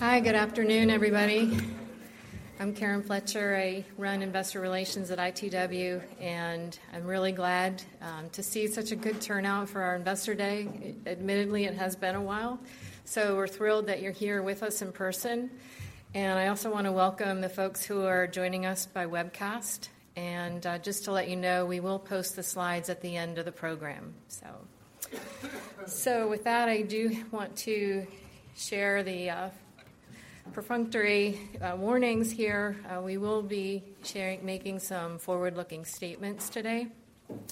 Hi, good afternoon, everybody. I'm Karen Fletcher. I run Investor Relations at ITW, and I'm really glad to see such a good turnout for our Investor Day. Admittedly, it has been a while, so we're thrilled that you're here with us in person. I also wanna welcome the folks who are joining us by webcast. Just to let you know, we will post the slides at the end of the program. With that, I do want to share the perfunctory warnings here. We will be making some forward-looking statements today,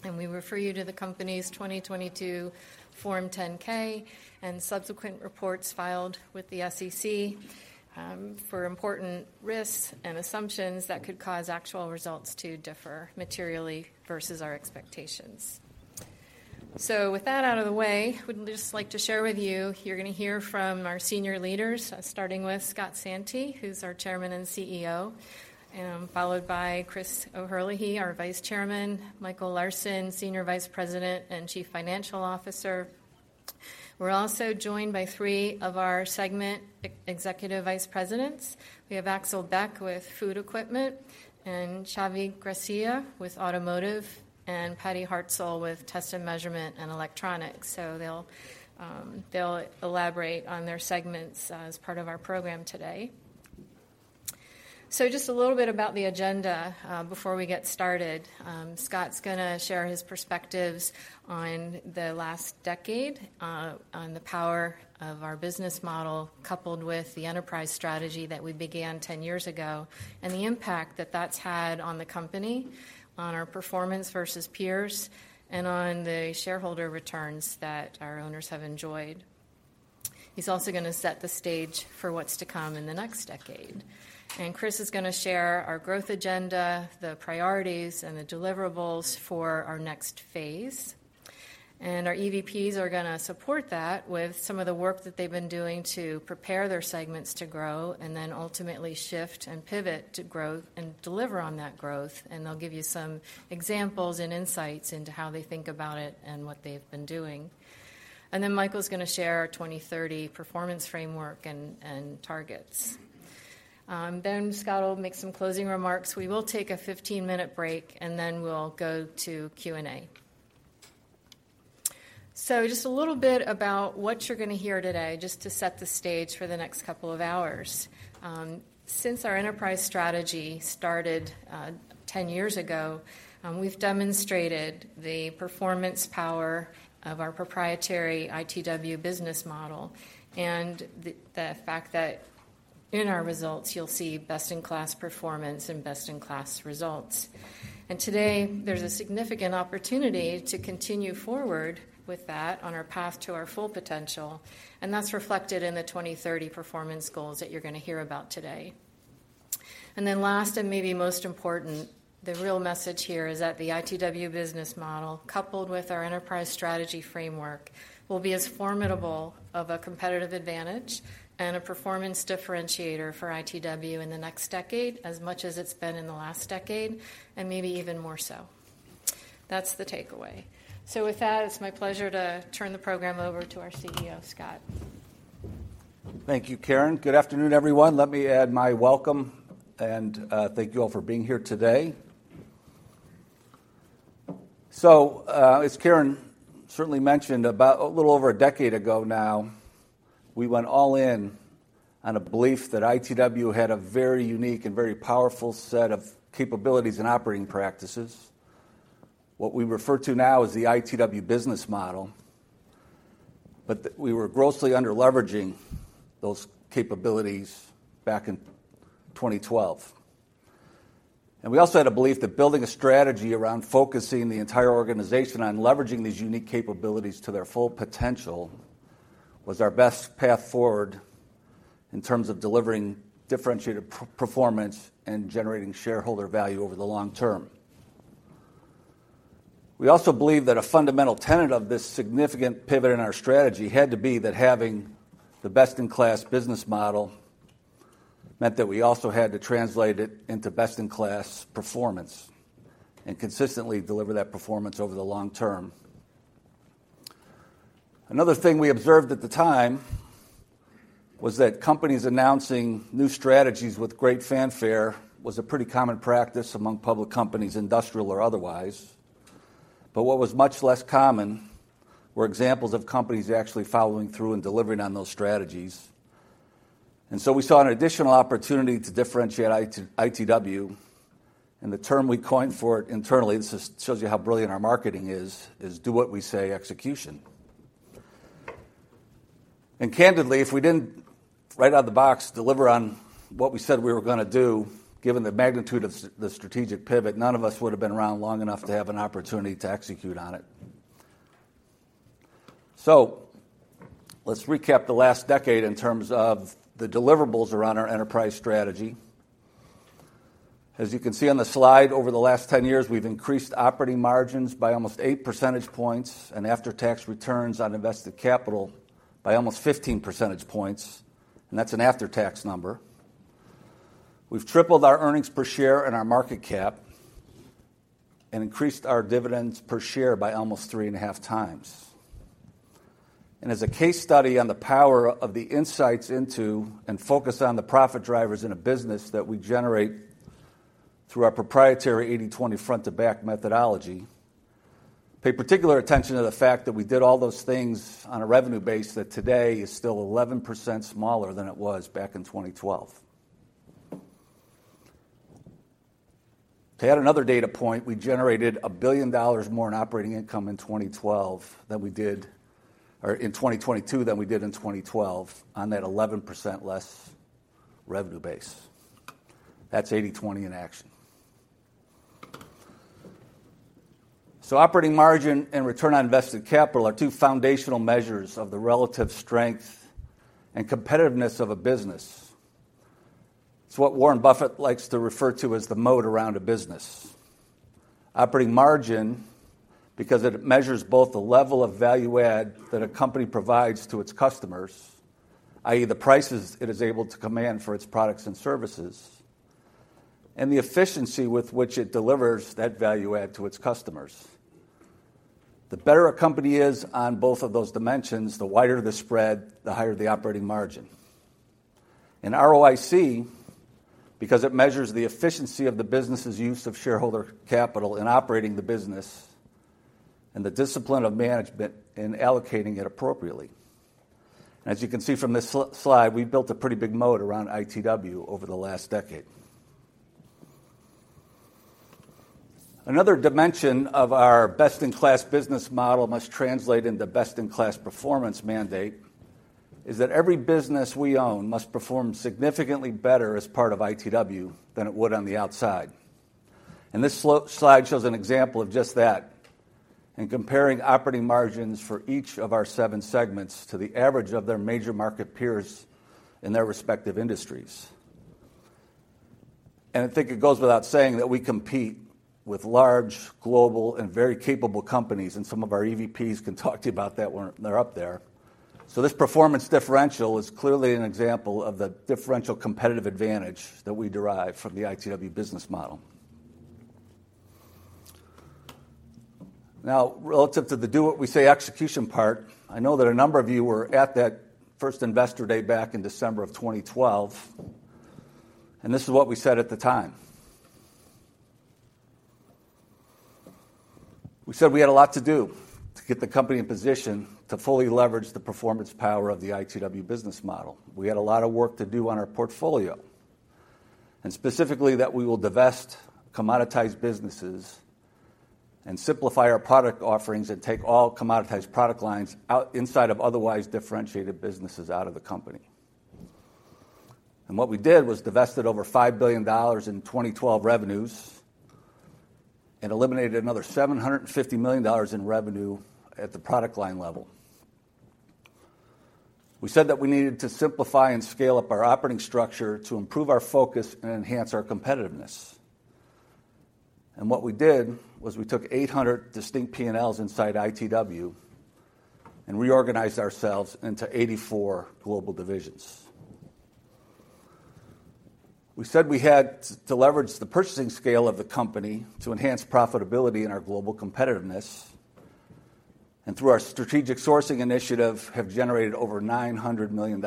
and we refer you to the company's 2022 Form 10-K and subsequent reports filed with the SEC for important risks and assumptions that could cause actual results to differ materially versus our expectations. With that out of the way, we'd just like to share with you're gonna hear from our senior leaders, starting with Scott Santi, who's our Chairman and CEO, and followed by Chris O'Herlihy, our Vice Chairman; Michael Larsen, Senior Vice President and Chief Financial Officer. We're also joined by three of our segment Executive Vice Presidents. We have Axel Beck with Food Equipment, and Xavi Gracia with Automotive, and Patty Hartzell with Test & Measurement and Electronics. They'll elaborate on their segments as part of our program today. Just a little bit about the agenda before we get started. Scott's gonna share his perspectives on the last decade, on the power of our Business Model, coupled with the Enterprise Strategy that we began 10 years ago, and the impact that that's had on the company, on our performance versus peers, and on the shareholder returns that our owners have enjoyed. He's also gonna set the stage for what's to come in the next decade. Chris is gonna share our growth agenda, the priorities, and the deliverables for our next phase. Our EVPs are gonna support that with some of the work that they've been doing to prepare their segments to grow and then ultimately shift and pivot to growth and deliver on that growth. They'll give you some examples and insights into how they think about it and what they've been doing. Michael's going to share our 2030 performance framework and targets. Scott will make some closing remarks. We will take a 15-minute break, and then we'll go to Q&A. Just a little bit about what you're going to hear today, just to set the stage for the next couple of hours. Since our Enterprise Strategy started 10 years ago, we've demonstrated the performance power of our proprietary ITW Business Model and the fact that in our results you'll see best-in-class performance and best-in-class results. Today there's a significant opportunity to continue forward with that on our path to our full potential, and that's reflected in the 2030 performance goals that you're going to hear about today. Then last and maybe most important, the real message here is that the ITW Business Model, coupled with our Enterprise Strategy Framework, will be as formidable of a competitive advantage and a performance differentiator for ITW in the next decade as much as it's been in the last decade, and maybe even more so. That's the takeaway. With that, it's my pleasure to turn the program over to our CEO, Scott. Thank you, Karen. Good afternoon, everyone. Let me add my welcome and thank you all for being here today. As Karen certainly mentioned, about a little over a decade ago now, we went all in on a belief that ITW had a very unique and very powerful set of capabilities and operating practices, what we refer to now as the ITW Business Model. We were grossly under-leveraging those capabilities back in 2012. We also had a belief that building a strategy around focusing the entire organization on leveraging these unique capabilities to their full potential was our best path forward in terms of delivering differentiated performance and generating shareholder value over the long term. We also believe that a fundamental tenet of this significant pivot in our strategy had to be that having the best-in-class Business Model meant that we also had to translate it into best-in-class Performance and consistently deliver that performance over the long term. Another thing we observed at the time was that companies announcing new strategies with great fanfare was a pretty common practice among public companies, industrial or otherwise. What was much less common were examples of companies actually following through and delivering on those strategies. We saw an additional opportunity to differentiate ITW, and the term we coined for it internally, this just shows you how brilliant our marketing is do what we say execution. Candidly, if we didn't right out of the box deliver on what we said we were gonna do, given the magnitude of the strategic pivot, none of us would have been around long enough to have an opportunity to execute on it. Let's recap the last decade in terms of the deliverables around our Enterprise Strategy. As you can see on the slide, over the last 10 years, we've increased operating margins by almost 8 percentage points and after-tax returns on invested capital by almost 15 percentage points, and that's an after-tax number. We've tripled our earnings per share and our market cap, and increased our dividends per share by almost 3.5x. As a case study on the power of the insights into and focus on the profit drivers in a business that we generate through our proprietary 80/20 Front-to-Back methodology, pay particular attention to the fact that we did all those things on a revenue base that today is still 11% smaller than it was back in 2012. To add another data point, we generated $1 billion more in operating income in 2022 than we did in 2012 on that 11% less revenue base. That's 80/20 in action. Operating margin and return on invested capital are two foundational measures of the relative strength and competitiveness of a business. It's what Warren Buffett likes to refer to as the moat around a business. Operating margin, because it measures both the level of value add that a company provides to its customers, i.e., the prices it is able to command for its products and services, and the efficiency with which it delivers that value add to its customers. The better a company is on both of those dimensions, the wider the spread, the higher the operating margin. In ROIC, because it measures the efficiency of the business's use of shareholder capital in operating the business and the discipline of management in allocating it appropriately. As you can see from this slide, we've built a pretty big moat around ITW over the last decade. Another dimension of our best in class Business Model must translate into best in class performance mandate is that every business we own must perform significantly better as part of ITW than it would on the outside. This slope-slide shows an example of just that in comparing operating margins for each of our seven segments to the average of their major market peers in their respective industries. I think it goes without saying that we compete with large, global, and very capable companies, and some of our EVPs can talk to you about that when they're up there. This performance differential is clearly an example of the differential competitive advantage that we derive from the ITW Business Model. Now, relative to the do what we say execution part, I know that a number of you were at that first Investor Day back in December of 2012, and this is what we said at the time. We said we had a lot to do to get the company in position to fully leverage the performance power of the ITW Business Model. We had a lot of work to do on our portfolio, specifically that we will divest commoditized businesses and simplify our product offerings and take all commoditized product lines inside of otherwise differentiated businesses out of the company. What we did was divested over $5 billion in 2012 revenues and eliminated another $750 million in revenue at the product line level. We said that we needed to simplify and scale up our operating structure to improve our focus and enhance our competitiveness. What we did was we took 800 distinct P&Ls inside ITW and reorganized ourselves into 84 global divisions. We said we had to leverage the purchasing scale of the company to enhance profitability and our global competitiveness, through our strategic sourcing initiative, have generated over $900 million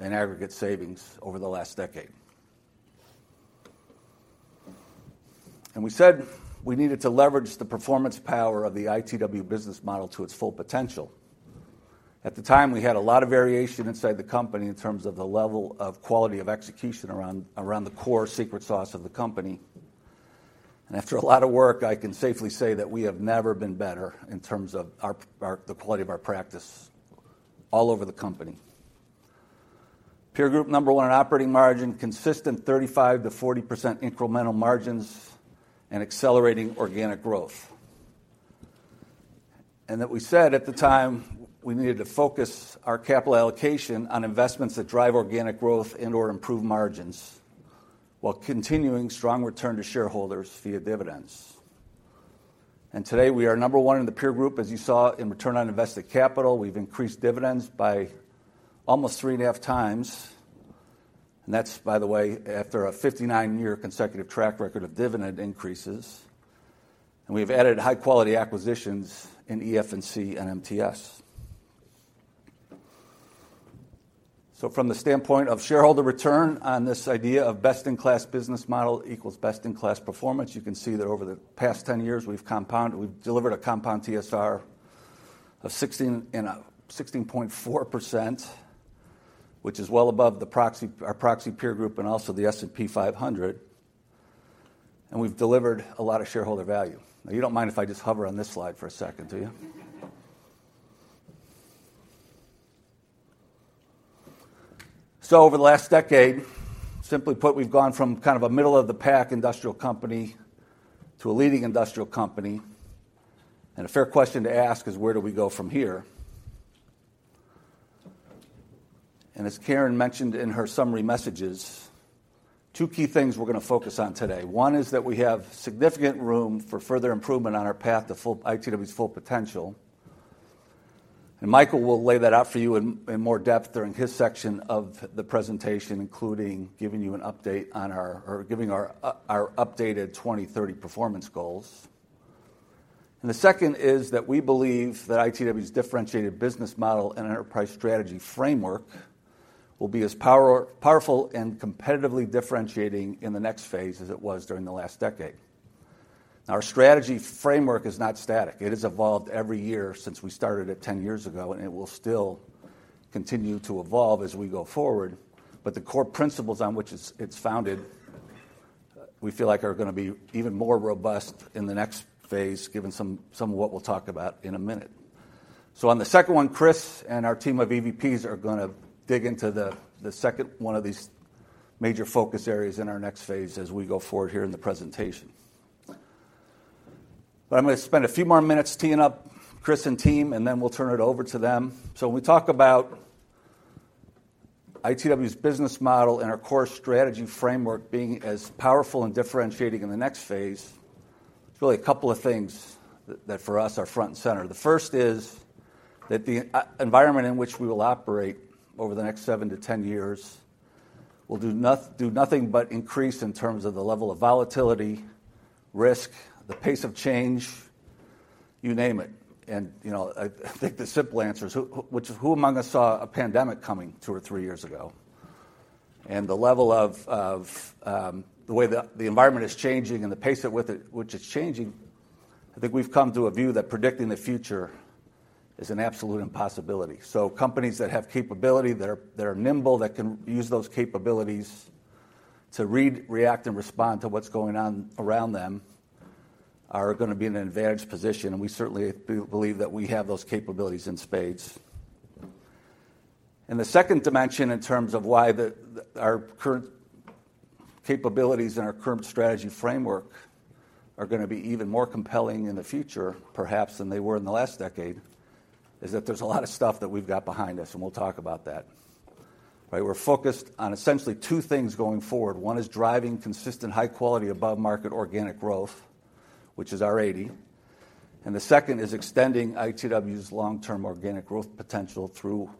in aggregate savings over the last decade. We said we needed to leverage the performance power of the ITW Business Model to its full potential. At the time, we had a lot of variation inside the company in terms of the level of quality of execution around the core secret sauce of the company. After a lot of work, I can safely say that we have never been better in terms of our, the quality of our practice all over the company. Peer group number one in operating margin, consistent 35%-40% incremental margins and accelerating organic growth. That we said at the time we needed to focus our capital allocation on investments that drive organic growth and or improve margins while continuing strong return to shareholders via dividends. Today, we are number one in the peer group, as you saw in return on invested capital. We've increased dividends by almost 3.5x. That's, by the way, after a 59-year consecutive track record of dividend increases. We've added high quality acquisitions in EF&C and MTS. From the standpoint of shareholder return on this idea of best in class Business Model equals best in class Performance, you can see that over the past 10 years. We've delivered a compound TSR of 16.4%, which is well above the proxy, our proxy peer group and also the S&P 500. We've delivered a lot of shareholder value. You don't mind if I just hover on this slide for a second, do you? Over the last decade, simply put, we've gone from kind of a middle of the pack industrial company to a leading industrial company. A fair question to ask is where do we go from here? As Karen mentioned in her summary messages, two key things we're gonna focus on today. One is that we have significant room for further improvement on our path to ITW's full potential. Michael will lay that out for you in more depth during his section of the presentation, including giving you an update on our updated 2030 performance goals. The second is that we believe that ITW's differentiated Business Model and Enterprise Strategy Framework will be as powerful and competitively differentiating in the next phase as it was during the last decade. Our strategy framework is not static. It has evolved every year since we started it 10 years ago, and it will still continue to evolve as we go forward. The core principles on which it's founded, we feel like are gonna be even more robust in the next phase, given some of what we'll talk about in a minute. On the second one, Chris and our team of EVPs are gonna dig into the second one of these major focus areas in our next phase as we go forward here in the presentation. I'm gonna spend a few more minutes teeing up Chris and team, and then we'll turn it over to them. When we talk about ITW's Business Model and our core Strategy Framework being as powerful and differentiating in the next phase, there's really a couple of things that for us are front and center. The first is that the environment in which we will operate over the next 7 years-10 years will do nothing but increase in terms of the level of volatility, risk, the pace of change, you name it. You know, I think the simple answer is which is who among us saw a pandemic coming two or three years ago? The level of the way the environment is changing and the pace at which it's changing, I think we've come to a view that predicting the future is an absolute impossibility. Companies that have capability, that are, that are nimble, that can use those capabilities to read, react, and respond to what's going on around them are gonna be in an advantaged position. We certainly believe that we have those capabilities in spades. The second dimension in terms of why our current capabilities and our current strategy framework are gonna be even more compelling in the future, perhaps than they were in the last decade, is that there's a lot of stuff that we've got behind us, and we'll talk about that, right? We're focused on essentially two things going forward. One is driving consistent, high-quality, above-market organic growth, which is our 80. The second is extending ITW's long-term organic growth potential through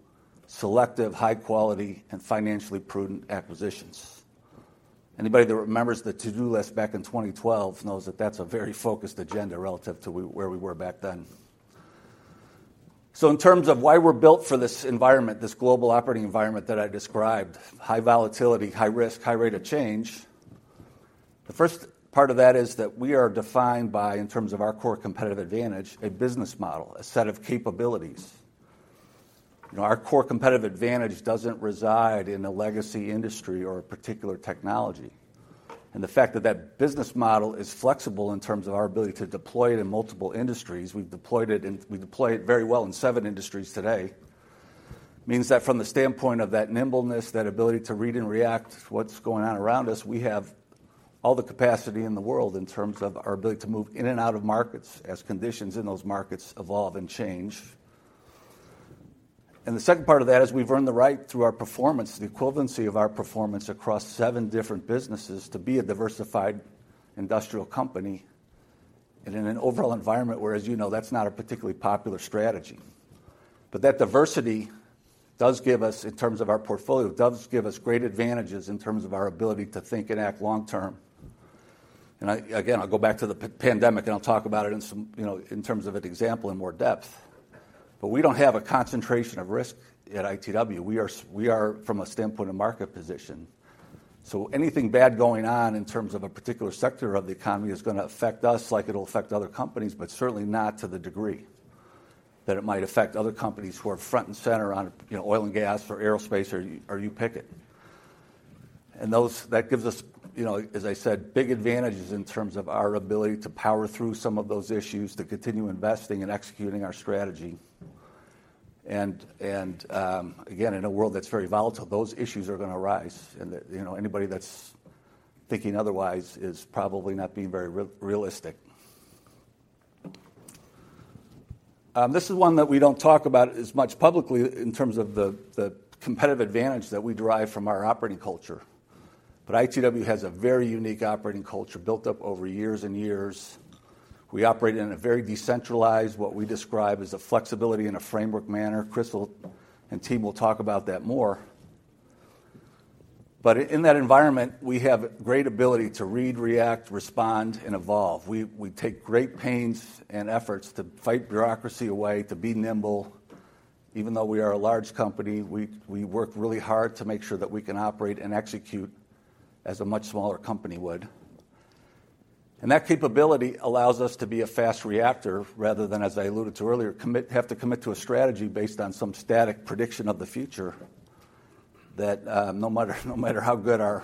selective, high-quality, and financially prudent acquisitions. Anybody that remembers the to-do list back in 2012 knows that that's a very focused agenda relative to where we were back then. In terms of why we're built for this environment, this global operating environment that I described, high volatility, high risk, high rate of change, the first part of that is that we are defined by, in terms of our core competitive advantage, a Business Model, a set of capabilities. You know, our core competitive advantage doesn't reside in a legacy industry or a particular technology. And the fact that that Business Model is flexible in terms of our ability to deploy it in multiple industries, we deploy it very well in seven industries today, means that from the standpoint of that nimbleness, that ability to read and react to what's going on around us, we have all the capacity in the world in terms of our ability to move in and out of markets as conditions in those markets evolve and change. The second part of that is we've earned the right through our performance, the equivalency of our performance across seven different businesses to be a diversified industrial company and in an overall environment where, as you know, that's not a particularly popular strategy. That diversity does give us, in terms of our portfolio, does give us great advantages in terms of our ability to think and act long term. I, again, I'll go back to the pandemic, and I'll talk about it in some, you know, in terms of an example in more depth, but we don't have a concentration of risk at ITW. We are from a standpoint of market position, so anything bad going on in terms of a particular sector of the economy is gonna affect us like it'll affect other companies, but certainly not to the degree that it might affect other companies who are front and center on, you know, oil and gas or aerospace or you pick it. That gives us, you know, as I said, big advantages in terms of our ability to power through some of those issues, to continue investing and executing our strategy. Again, in a world that's very volatile, those issues are gonna arise. You know, anybody that's thinking otherwise is probably not being very realistic. This is one that we don't talk about as much publicly in terms of the competitive advantage that we derive from our operating culture. ITW has a very unique operating culture built up over years-and-years. We operate in a very decentralized, what we describe as a flexibility in a framework manner. Chris and team will talk about that more. In that environment, we have great ability to read, react, respond, and evolve. We take great pains and efforts to fight bureaucracy away, to be nimble. Even though we are a large company, we work really hard to make sure that we can operate and execute as a much smaller company would. That capability allows us to be a fast reactor rather than, as I alluded to earlier, have to commit to a strategy based on some static prediction of the future that, no matter how good our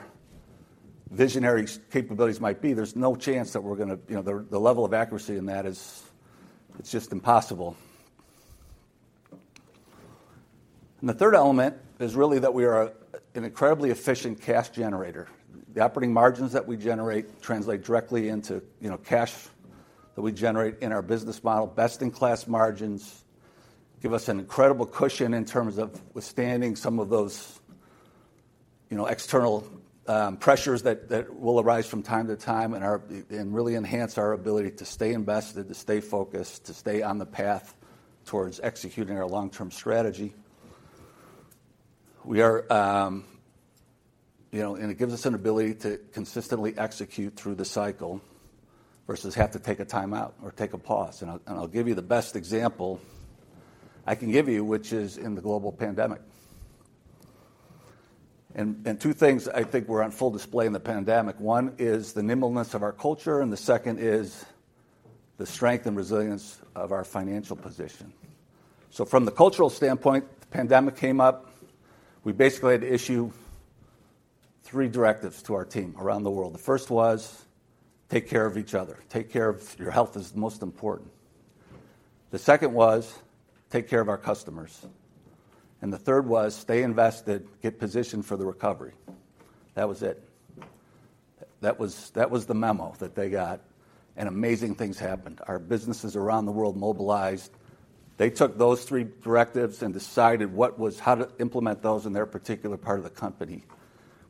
visionary capabilities might be, there's no chance that we're gonna, you know, the level of accuracy in that is, it's just impossible. The third element is really that we are an incredibly efficient cash generator. The operating margins that we generate translate directly into, you know, cash that we generate in our Business Model. Best-in-class margins give us an incredible cushion in terms of withstanding some of those, you know, external pressures that will arise from time to time and really enhance our ability to stay invested, to stay focused, to stay on the path towards executing our long-term strategy. We are, you know, it gives us an ability to consistently execute through the cycle versus have to take a time out or take a pause. I'll give you the best example I can give you, which is in the global pandemic. Two things I think were on full display in the pandemic. One is the nimbleness of our culture, and the second is the strength and resilience of our financial position. From the cultural standpoint, the pandemic came up. We basically had to issue three directives to our team around the world. The first was, take care of each other. Take care of your health is the most important. The second was, take care of our customers. The third was, stay invested, get positioned for the recovery. That was it. That was the memo that they got. Amazing things happened. Our businesses around the world mobilized. They took those three directives and decided how to implement those in their particular part of the company.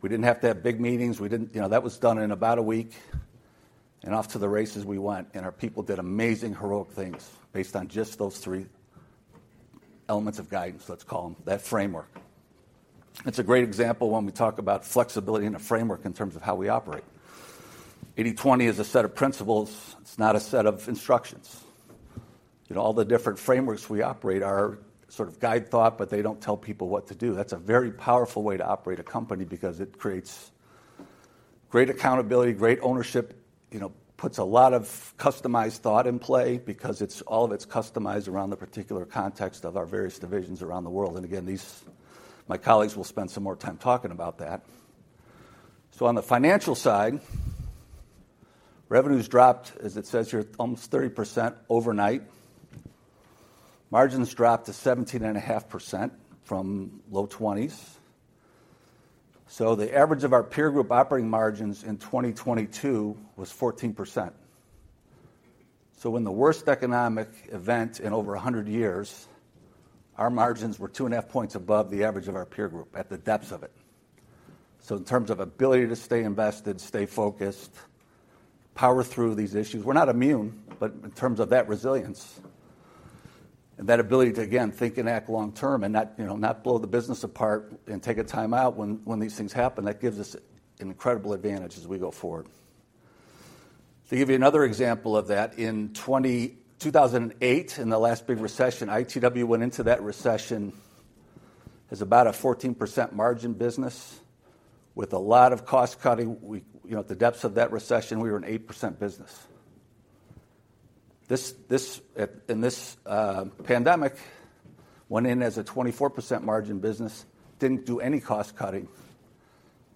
We didn't have to have big meetings. We didn't, you know, that was done in about a week. Off to the races we went. Our people did amazing, heroic things based on just those three elements of guidance, let's call them, that framework. It's a great example when we talk about flexibility in a framework in terms of how we operate. 80/20 is a set of principles. It's not a set of instructions. You know, all the different frameworks we operate are sort of guide thought. They don't tell people what to do. That's a very powerful way to operate a company because it creates great accountability, great ownership. You know, puts a lot of customized thought in play because all of it's customized around the particular context of our various divisions around the world. Again, my colleagues will spend some more time talking about that. On the financial side, revenues dropped, as it says here, almost 30% overnight. Margins dropped to 17.5% from low 20s. The average of our peer group operating margins in 2022 was 14%. When the worst economic event in over 100 years, our margins were 2.5 points above the average of our peer group at the depths of it. In terms of ability to stay invested, stay focused, power through these issues, we're not immune. In terms of that resilience and that ability to, again, think and act long term and not, you know, not blow the business apart and take a time out when these things happen, that gives us an incredible advantage as we go forward. To give you another example of that, in 2008, in the last big recession, ITW went into that recession as about a 14% margin business with a lot of cost cutting. We, you know, at the depths of that recession, we were an 8% business. This, in this pandemic, went in as a 24% margin business, didn't do any cost cutting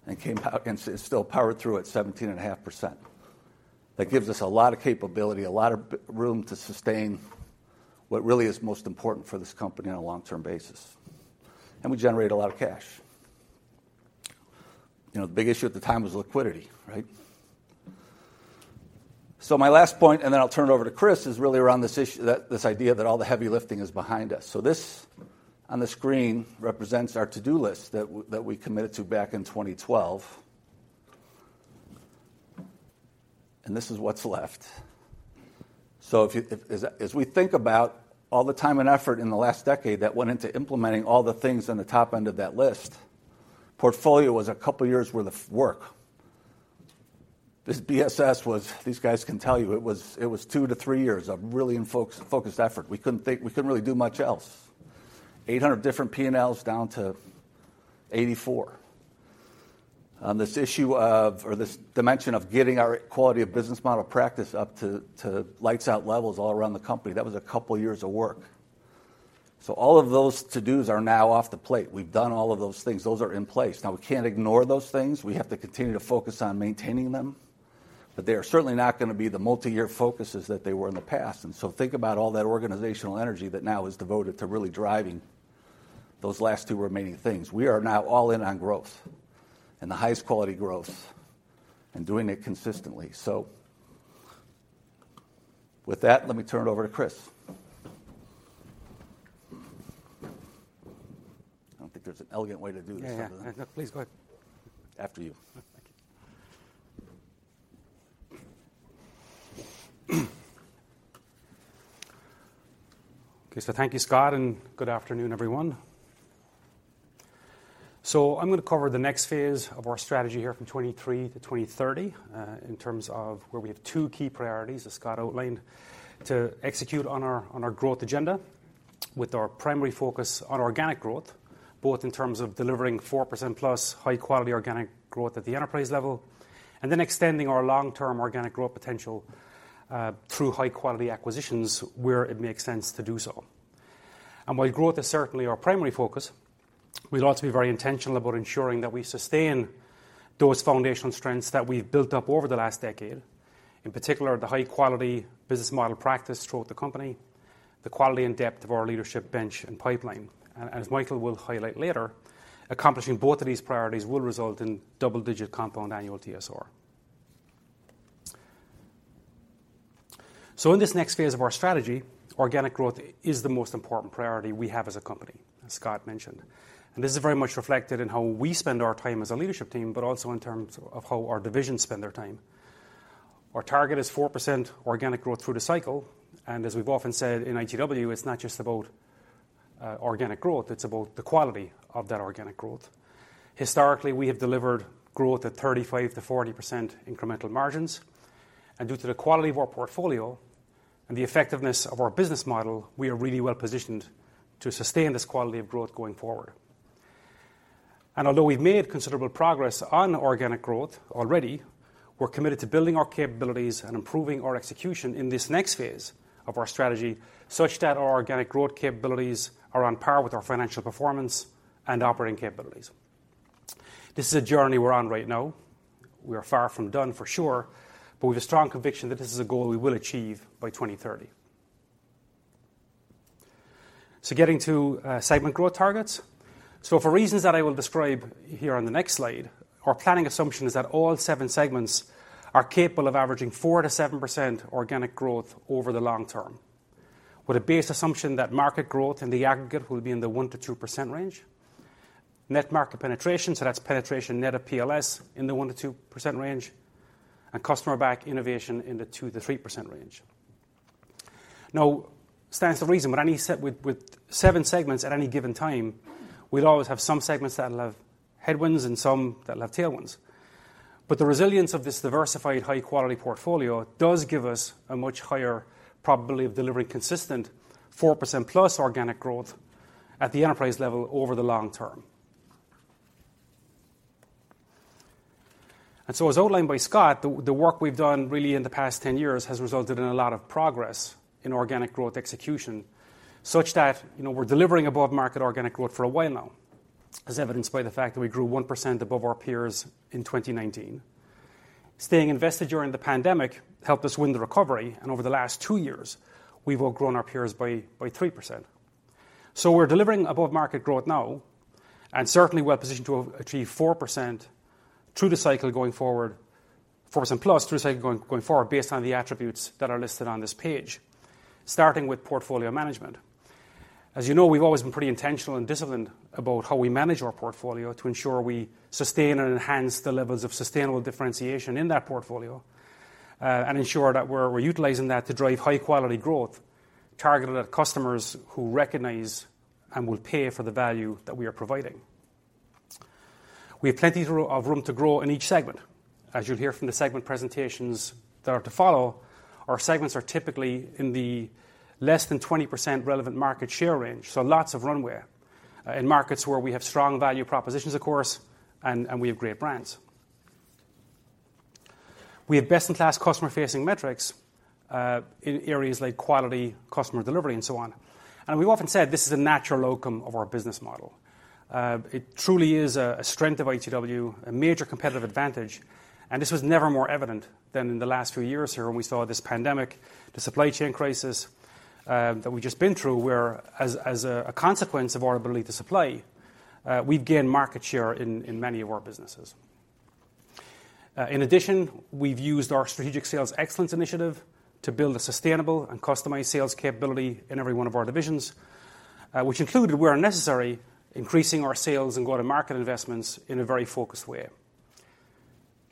and came out and still powered through at 17.5%. That gives us a lot of capability, a lot of room to sustain what really is most important for this company on a long-term basis. We generate a lot of cash. You know, the big issue at the time was liquidity, right? My last point, and then I'll turn it over to Chris, is really around this issue, that, this idea that all the heavy lifting is behind us. This on the screen represents our to-do list that we committed to back in 2012. This is what's left. If, as we think about all the time and effort in the last decade that went into implementing all the things in the top end of that list, portfolio was a couple of years worth of work. This BSS was, these guys can tell you, it was 2 years-3 years of really focused effort. We couldn't really do much else. 800 different P&Ls down to 84. On this issue of or this dimension of getting our quality of Business Model practice up to lights out levels all around the company, that was a couple years of work. All of those to-dos are now off the plate. We've done all of those things. Those are in place. We can't ignore those things. We have to continue to focus on maintaining them. They are certainly not gonna be the multi-year focuses that they were in the past. Think about all that organizational energy that now is devoted to really driving those last two remaining things. We are now all in on growth and the highest quality growth and doing it consistently. With that, let me turn it over to Chris. I don't think there's an elegant way to do this, is there? Yeah, yeah. Please go ahead. After you. Thank you. Okay. Thank you, Scott, and good afternoon, everyone. I'm gonna cover the next phase of our strategy here from 2023-2030, in terms of where we have two key priorities, as Scott outlined, to execute on our, on our growth agenda with our primary focus on organic growth, both in terms of delivering 4%+ high quality organic growth at the Enterprise level, and then extending our long-term organic growth potential through high quality acquisitions where it makes sense to do so. While growth is certainly our primary focus, we'd like to be very intentional about ensuring that we sustain those foundational strengths that we've built up over the last decade, in particular, the high quality Business Model practice throughout the company, the quality and depth of our leadership bench and pipeline. As Michael will highlight later, accomplishing both of these priorities will result in double-digit compound annual TSR. In this next phase of our strategy, organic growth is the most important priority we have as a company, as Scott mentioned. This is very much reflected in how we spend our time as a leadership team, but also in terms of how our divisions spend their time. Our target is 4% organic growth through the cycle, and as we've often said in ITW, it's not just about organic growth, it's about the quality of that organic growth. Historically, we have delivered growth at 35%-40% incremental margins. Due to the quality of our portfolio and the effectiveness of our Business Model, we are really well-positioned to sustain this quality of growth going forward. Although we've made considerable progress on organic growth already, we're committed to building our capabilities and improving our execution in this next phase of our strategy such that our organic growth capabilities are on par with our financial performance and operating capabilities. This is a journey we're on right now. We are far from done, for sure, but we have a strong conviction that this is a goal we will achieve by 2030. Getting to segment growth targets. For reasons that I will describe here on the next slide, our planning assumption is that all seven segments are capable of averaging 4%-7% organic growth over the long term. With a base assumption that market growth in the aggregate will be in the 1%-2% range. Net market penetration, so that's penetration net of PLS in the 1%-2% range, and Customer-Back Innovation in the 2%-3% range. Stands to reason with any with seven segments at any given time, we'd always have some segments that will have headwinds and some that will have tailwinds. The resilience of this diversified high-quality portfolio does give us a much higher probability of delivering consistent 4%+ organic growth at the Enterprise level over the long term. as outlined by Scott, the work we've done really in the past 10 years has resulted in a lot of progress in organic growth execution such that, you know, we're delivering above-market organic growth for a while now, as evidenced by the fact that we grew 1% above our peers in 2019. Staying invested during the pandemic helped us win the recovery, over the last two years, we've outgrown our peers by 3%. We're delivering above-market growth now, and certainly well-positioned to achieve 4% through the cycle going forward. 4%+ through cycle going forward based on the attributes that are listed on this page, starting with portfolio management. You know, we've always been pretty intentional and disciplined about how we manage our portfolio to ensure we sustain and enhance the levels of sustainable differentiation in that portfolio, and ensure that we're utilizing that to drive high-quality growth targeted at customers who recognize and will pay for the value that we are providing. We have plenty of room to grow in each segment. As you'll hear from the segment presentations that are to follow, our segments are typically in the less than 20% relevant market share range. Lots of runway, in markets where we have strong value propositions, of course, and we have great brands. We have best-in-class customer-facing metrics, in areas like quality, customer delivery, and so on. We've often said this is a natural outcome of our Business Model. It truly is a strength of ITW, a major competitive advantage, and this was never more evident than in the last two years here when we saw this pandemic, the supply chain crisis, that we've just been through, where as a consequence of our ability to supply, we've gained market share in many of our businesses. In addition, we've used our Strategic Sales Excellence Initiative to build a sustainable and customized sales capability in every one of our divisions, which included, where necessary, increasing our sales and go-to-market investments in a very focused way.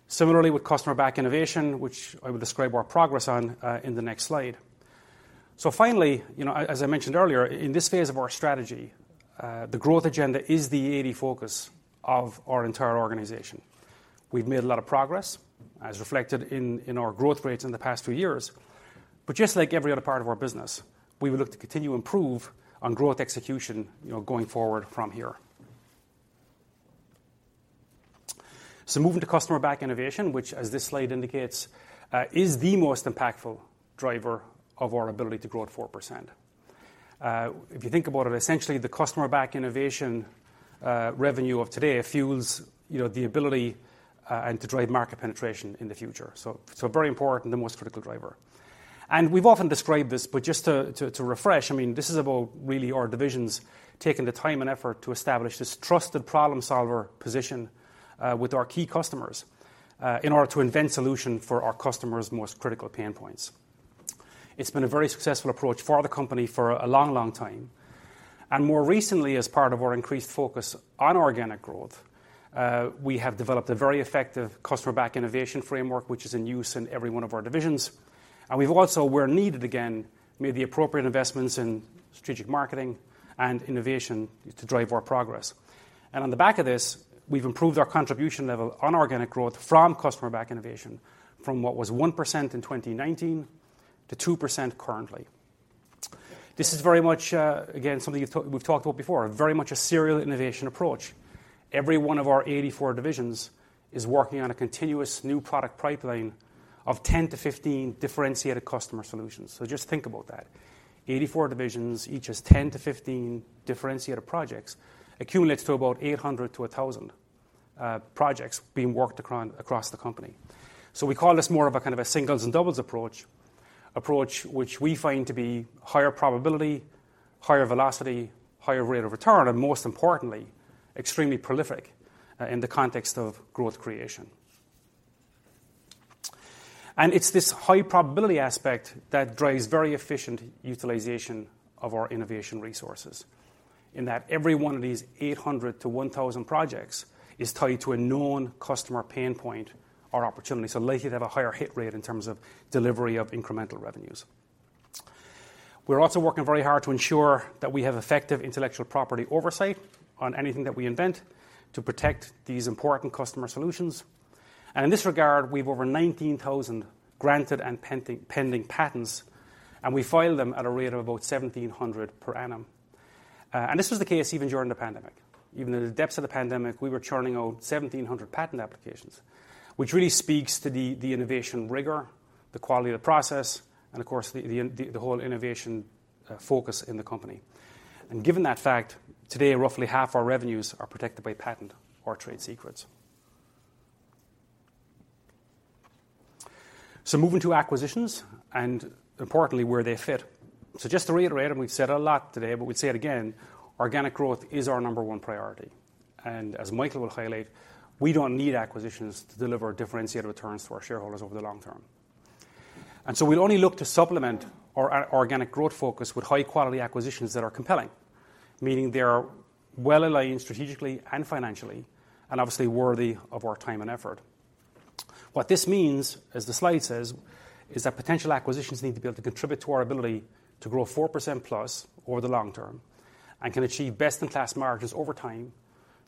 Similarly with Customer-Back Innovation, which I will describe our progress on, in the next slide. Finally, you know, as I mentioned earlier, in this phase of our strategy, the 80 focus of our entire organization. We've made a lot of progress, as reflected in our growth rates in the past two years. Just like every other part of our business, we will look to continue to improve on growth execution, you know, going forward from here. Moving to Customer-Back Innovation, which as this slide indicates, is the most impactful driver of our ability to grow at 4%. If you think about it, essentially the Customer-Back Innovation revenue of today fuels, you know, the ability and to drive market penetration in the future. Very important, the most critical driver. We've often described this, but just to refresh, I mean, this is about really our divisions taking the time and effort to establish this trusted problem solver position with our key customers in order to invent solution for our customers' most critical pain points. It's been a very successful approach for the company for a long, long time. More recently, as part of our increased focus on organic growth, we have developed a very effective Customer-Back Innovation framework, which is in use in every one of our divisions. We've also, where needed again, made the appropriate investments in strategic marketing and innovation to drive our progress. On the back of this, we've improved our contribution level on organic growth from Customer-Back Innovation from what was 1% in 2019 to 2% currently. This is very much, again, something we've talked about before. Very much a serial innovation approach. Every one of our 84 divisions is working on a continuous new product pipeline of 10-15 differentiated customer solutions. Just think about that. 84 divisions, each has 10-15 differentiated projects, accumulates to about 800 projects-1,000 projects being worked across the company. We call this more of a kind of a singles and doubles approach. Approach which we find to be higher probability, higher velocity, higher rate of return, and most importantly, extremely prolific in the context of growth creation. It's this high probability aspect that drives very efficient utilization of our innovation resources. In that every one of these 800 projects-1,000 projects is tied to a known customer pain point or opportunity, so likely to have a higher hit rate in terms of delivery of incremental revenues. We're also working very hard to ensure that we have effective intellectual property oversight on anything that we invent to protect these important customer solutions. In this regard, we've over 19,000 granted and pending patents, and we file them at a rate of about 1,700 per annum. This was the case even during the pandemic. Even in the depths of the pandemic, we were churning out 1,700 patent applications, which really speaks to the innovation rigor, the quality of the process, and of course, the whole innovation focus in the company. Given that fact, today, roughly half our revenues are protected by patent or trade secrets. Moving to acquisitions and importantly, where they fit. Just to reiterate, we've said it a lot today, but we'd say it again, organic growth is our number one priority. As Michael will highlight, we don't need acquisitions to deliver differentiated returns to our shareholders over the long term. We only look to supplement our organic growth focus with high-quality acquisitions that are compelling, meaning they're well-aligned strategically and financially, and obviously worthy of our time and effort. What this means, as the slide says, is that potential acquisitions need to be able to contribute to our ability to grow 4%+ over the long term and can achieve best-in-class margins over time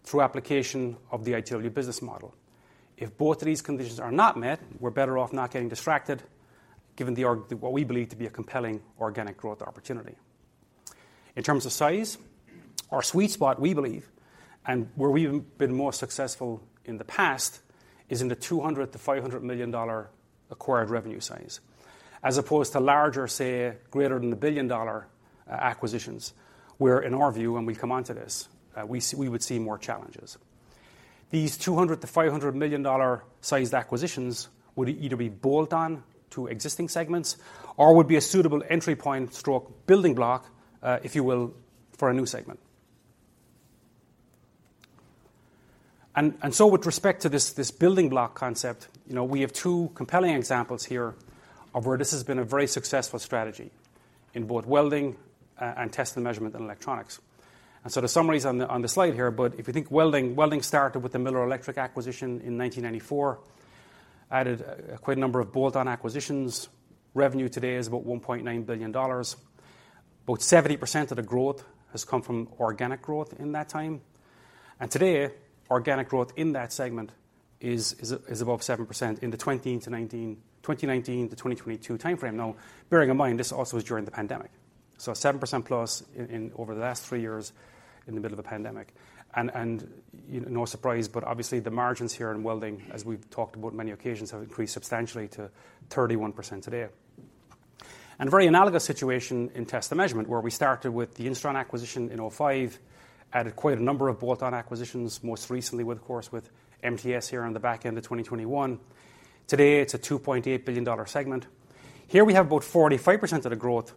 through application of the ITW Business Model. If both of these conditions are not met, we're better off not getting distracted given what we believe to be a compelling organic growth opportunity. In terms of size, our sweet spot, we believe, and where we've been most successful in the past, is in the $200 million-$500 million acquired revenue size. As opposed to larger, say, greater than a $1 billion acquisitions, where in our view, and we come onto this, we would see more challenges. These $200 million-$500 million-sized acquisitions would either be bolt-on to existing segments or would be a suitable entry point/building block, if you will, for a new segment. With respect to this building block concept, you know, we have two compelling examples here of where this has been a very successful strategy in both Welding and Test & Measurement and Electronics. The summaries on the slide here, but if you think Welding started with the Miller Electric acquisition in 1994, added quite a number of bolt-on acquisitions. Revenue today is about $1.9 billion. About 70% of the growth has come from organic growth in that time. Today, organic growth in that segment is above 7% in the 2019-2022 timeframe. Now, bearing in mind, this also is during the pandemic. 7%+ in over the last three years in the middle of a pandemic. No surprise, but obviously the margins here in Welding, as we've talked about on many occasions, have increased substantially to 31% today. A very analogous situation in Test & Measurement, where we started with the Instron acquisition in 2005, added quite a number of bolt-on acquisitions, most recently with, of course, with MTS here on the back end of 2021. Today, it's a $2.8 billion segment. Here we have about 45% of the growth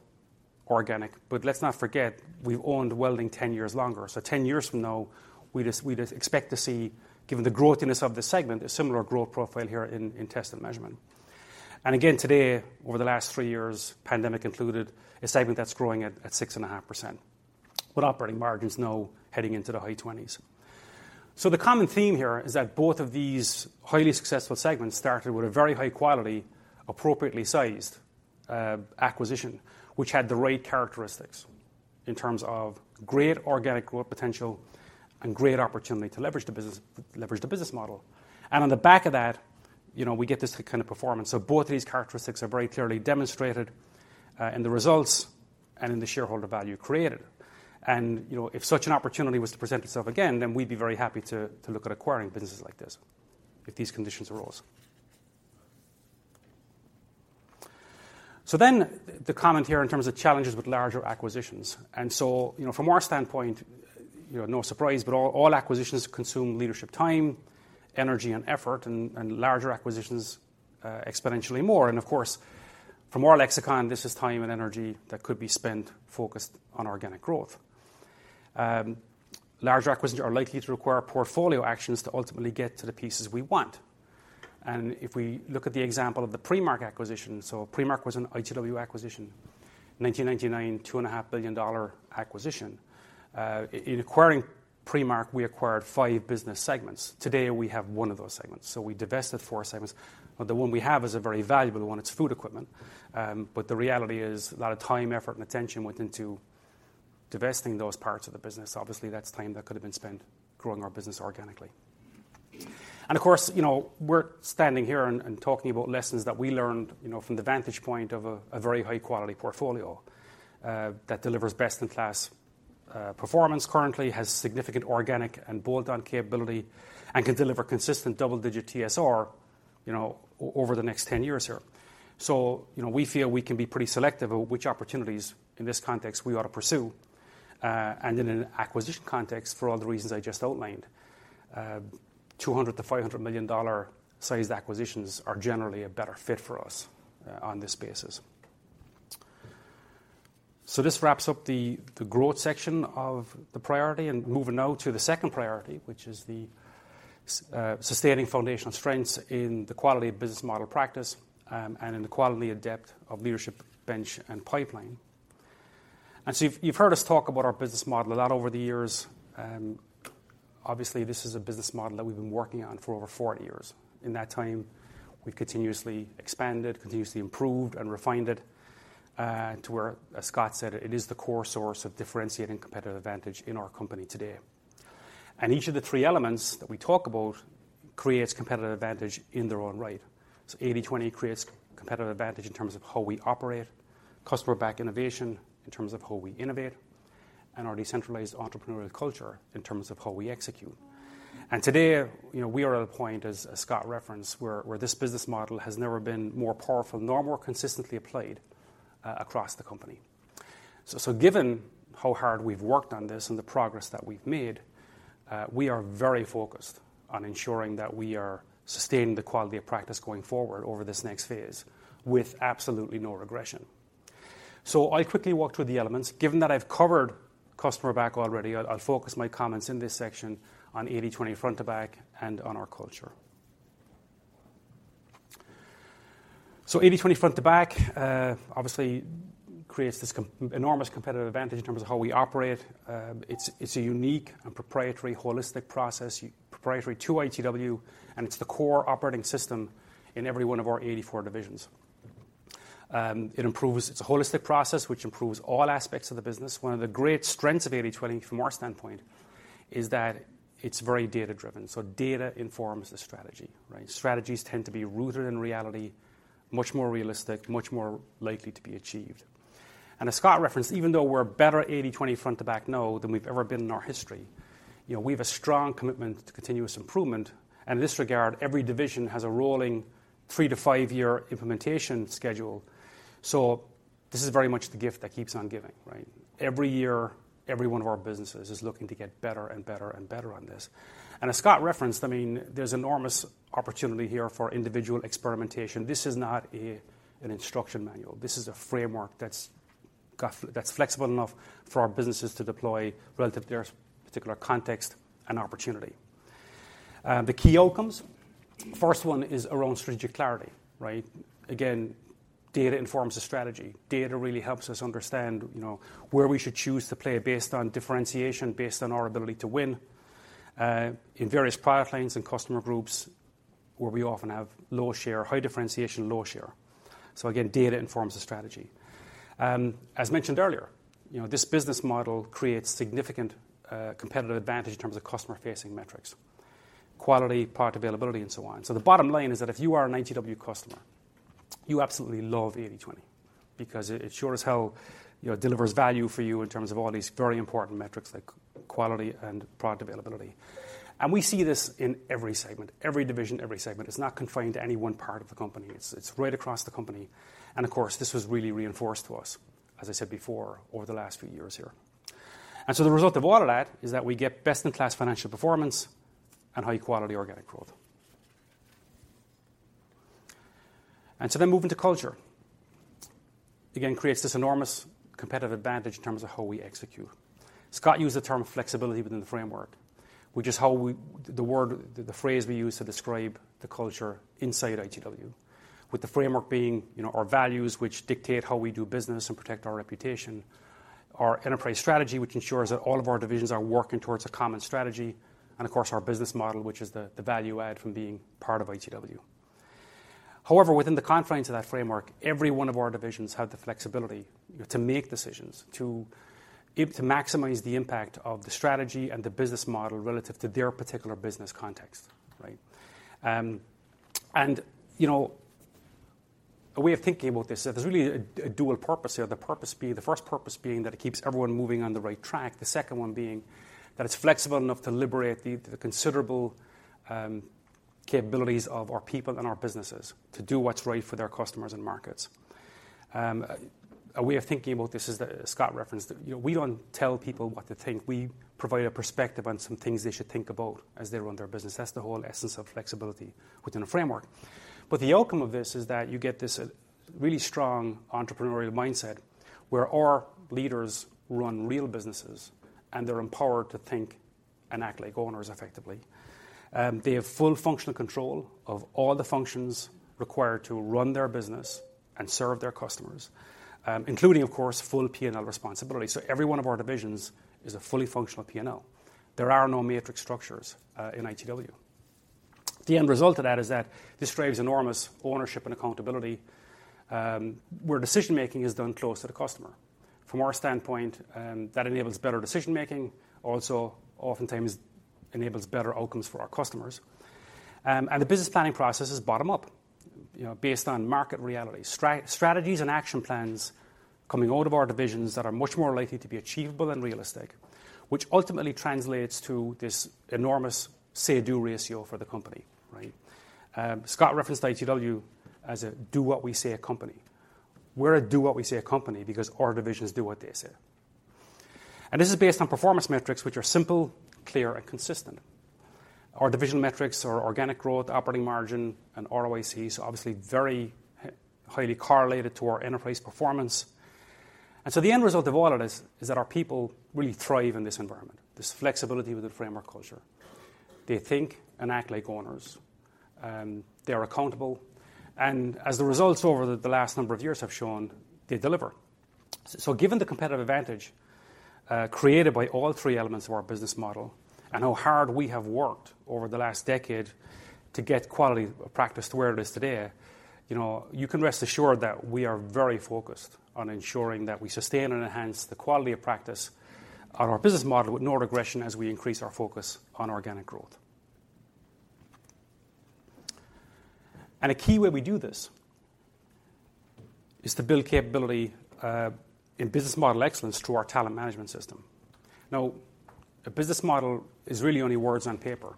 organic, but let's not forget, we've owned Welding 10 years longer. 10 years from now, we'd expect to see, given the growthiness of this segment, a similar growth profile here in Test & Measurement. Again, today, over the last three years, pandemic included, a segment that's growing at 6.5%, with operating margins now heading into the high 20s. The common theme here is that both of these highly successful segments started with a very high quality, appropriately sized acquisition, which had the right characteristics in terms of great organic growth potential and great opportunity to leverage the Business Model. On the back of that, you know, we get this kind of performance. Both of these characteristics are very clearly demonstrated in the results and in the shareholder value created. You know, if such an opportunity was to present itself again, then we'd be very happy to look at acquiring businesses like this, if these conditions arose. The comment here in terms of challenges with larger acquisitions. You know, from our standpoint, you know, no surprise, but all acquisitions consume leadership time, energy, and effort, and larger acquisitions exponentially more. Of course, from our lexicon, this is time and energy that could be spent focused on organic growth. Larger acquisitions are likely to require portfolio actions to ultimately get to the pieces we want. If we look at the example of the Premark acquisition. Premark was an ITW acquisition, 1999, $2.5 billion acquisition. In acquiring Premark, we acquired five business segments. Today, we have one of those segments. We divested four segments. The one we have is a very valuable one. It's Food Equipment. The reality is a lot of time, effort, and attention went into divesting those parts of the business. Obviously, that's time that could've been spent growing our business organically. Of course, you know, we're standing here and talking about lessons that we learned, you know, from the vantage point of a very high-quality portfolio that delivers best-in-class performance currently, has significant organic and bolt-on capability, and can deliver consistent double-digit TSR, you know, over the next 10 years here. You know, we feel we can be pretty selective of which opportunities in this context we ought to pursue and in an acquisition context for all the reasons I just outlined. $200 million-$500 million sized acquisitions are generally a better fit for us on this basis. This wraps up the growth section of the priority. Moving now to the second priority, which is sustaining foundational strengths in the quality of Business Model practice, and in the quality and depth of leadership bench and pipeline. You've heard us talk about our Business Model a lot over the years. Obviously, this is a Business Model that we've been working on for over 40 years. In that time, we've continuously expanded, continuously improved, and refined it, to where, as Scott said, it is the core source of differentiating competitive advantage in our company today. Each of the three elements that we talk about creates competitive advantage in their own right. 80/20 creates competitive advantage in terms of how we operate. Customer-Back Innovation in terms of how we innovate, and our decentralized entrepreneurial culture in terms of how we execute. Today, you know, we are at a point, as Scott referenced, where this Business Model has never been more powerful nor more consistently applied across the company. Given how hard we've worked on this and the progress that we've made, we are very focused on ensuring that we are sustaining the quality of practice going forward over this next phase with absolutely no regression. I'll quickly walk through the elements. Given that I've covered Customer-Back already, I'll focus my comments in this section on 80/20 Front-to-Back and on our culture. 80/20 Front-to-Back, obviously creates this enormous competitive advantage in terms of how we operate. it's a unique and proprietary holistic process, proprietary to ITW, and it's the core operating system in every one of our 84 divisions. It's a holistic process which improves all aspects of the business. One of the great strengths of 80/20 from our standpoint is that it's very data-driven. Data informs the strategy, right? Strategies tend to be rooted in reality, much more realistic, much more likely to be achieved. As Scott referenced, even though we're a better 80/20 Front-to-Back now than we've ever been in our history, you know, we have a strong commitment to continuous improvement. In this regard, every division has a rolling 3 to 5-year implementation schedule. This is very much the gift that keeps on giving, right? Every year, every one of our businesses is looking to get better and better on this. As Scott referenced, I mean, there's enormous opportunity here for individual experimentation. This is not an instruction manual. This is a framework that's flexible enough for our businesses to deploy relative to their particular context and opportunity. The key outcomes. First one is around strategic clarity, right? Again, data informs the strategy. Data really helps us understand, you know, where we should choose to play based on differentiation, based on our ability to win in various product lines and customer groups where we often have low share, high differentiation. Again, data informs the strategy. As mentioned earlier, you know, this Business Model creates significant competitive advantage in terms of customer-facing metrics, quality, part availability, and so on. The bottom line is that if you are an ITW customer, you absolutely love 80/20 because it sure as hell, you know, delivers value for you in terms of all these very important metrics like quality and product availability. We see this in every segment, every division, every segment. It's not confined to any one part of the company. It's right across the company. Of course, this was really reinforced to us, as I said before, over the last few years here. The result of all of that is that we get best-in-class financial performance and high-quality organic growth. Moving to culture. Again, creates this enormous competitive advantage in terms of how we execute. Scott used the term flexibility within the framework, which is how we the word, the phrase we use to describe the culture inside ITW. With the framework being, you know, our values, which dictate how we do business and protect our reputation. Our Enterprise Strategy, which ensures that all of our divisions are working towards a common strategy. Of course, our Business Model, which is the value add from being part of ITW. Within the confines of that framework, every one of our divisions have the flexibility, you know, to make decisions to maximize the impact of the strategy and the Business Model relative to their particular business context, right? You know, a way of thinking about this, there's really a dual purpose here. The first purpose being that it keeps everyone moving on the right track. The second one being that it's flexible enough to liberate the considerable capabilities of our people and our businesses to do what's right for their customers and markets. A way of thinking about this, as Scott referenced, you know, we don't tell people what to think. We provide a perspective on some things they should think about as they run their business. That's the whole essence of flexibility within a framework. The outcome of this is that you get this really strong entrepreneurial mindset where our leaders run real businesses, and they're empowered to think and act like owners effectively. They have full functional control of all the functions required to run their business and serve their customers, including, of course, full P&L responsibility. Every one of our divisions is a fully functional P&L. There are no matrix structures in ITW. The end result of that is that this drives enormous ownership and accountability, where decision-making is done close to the customer. From our standpoint, that enables better decision-making, also oftentimes enables better outcomes for our customers. The business planning process is bottom-up, you know, based on market reality. Strategies and action plans coming out of our divisions that are much more likely to be achievable and realistic, which ultimately translates to this enormous say-do ratio for the company, right? Scott referenced ITW as a do-what-we-say company. We're a do-what-we-say company because our divisions do what they say. This is based on performance metrics which are simple, clear and consistent. Our divisional metrics are organic growth, operating margin, and ROIC is obviously very highly correlated to our Enterprise performance. The end result of all of this is that our people really thrive in this environment, this flexibility with the framework culture. They think and act like owners. They are accountable. As the results over the last number of years have shown they deliver. Given the competitive advantage created by all three elements of our Business Model and how hard we have worked over the last decade to get quality practice to where it is today, you know, you can rest assured that we are very focused on ensuring that we sustain and enhance the quality of practice on our Business Model with no regression as we increase our focus on organic growth. A key way we do this is to build capability in Business Model excellence through our talent management system. A Business Model is really only words on paper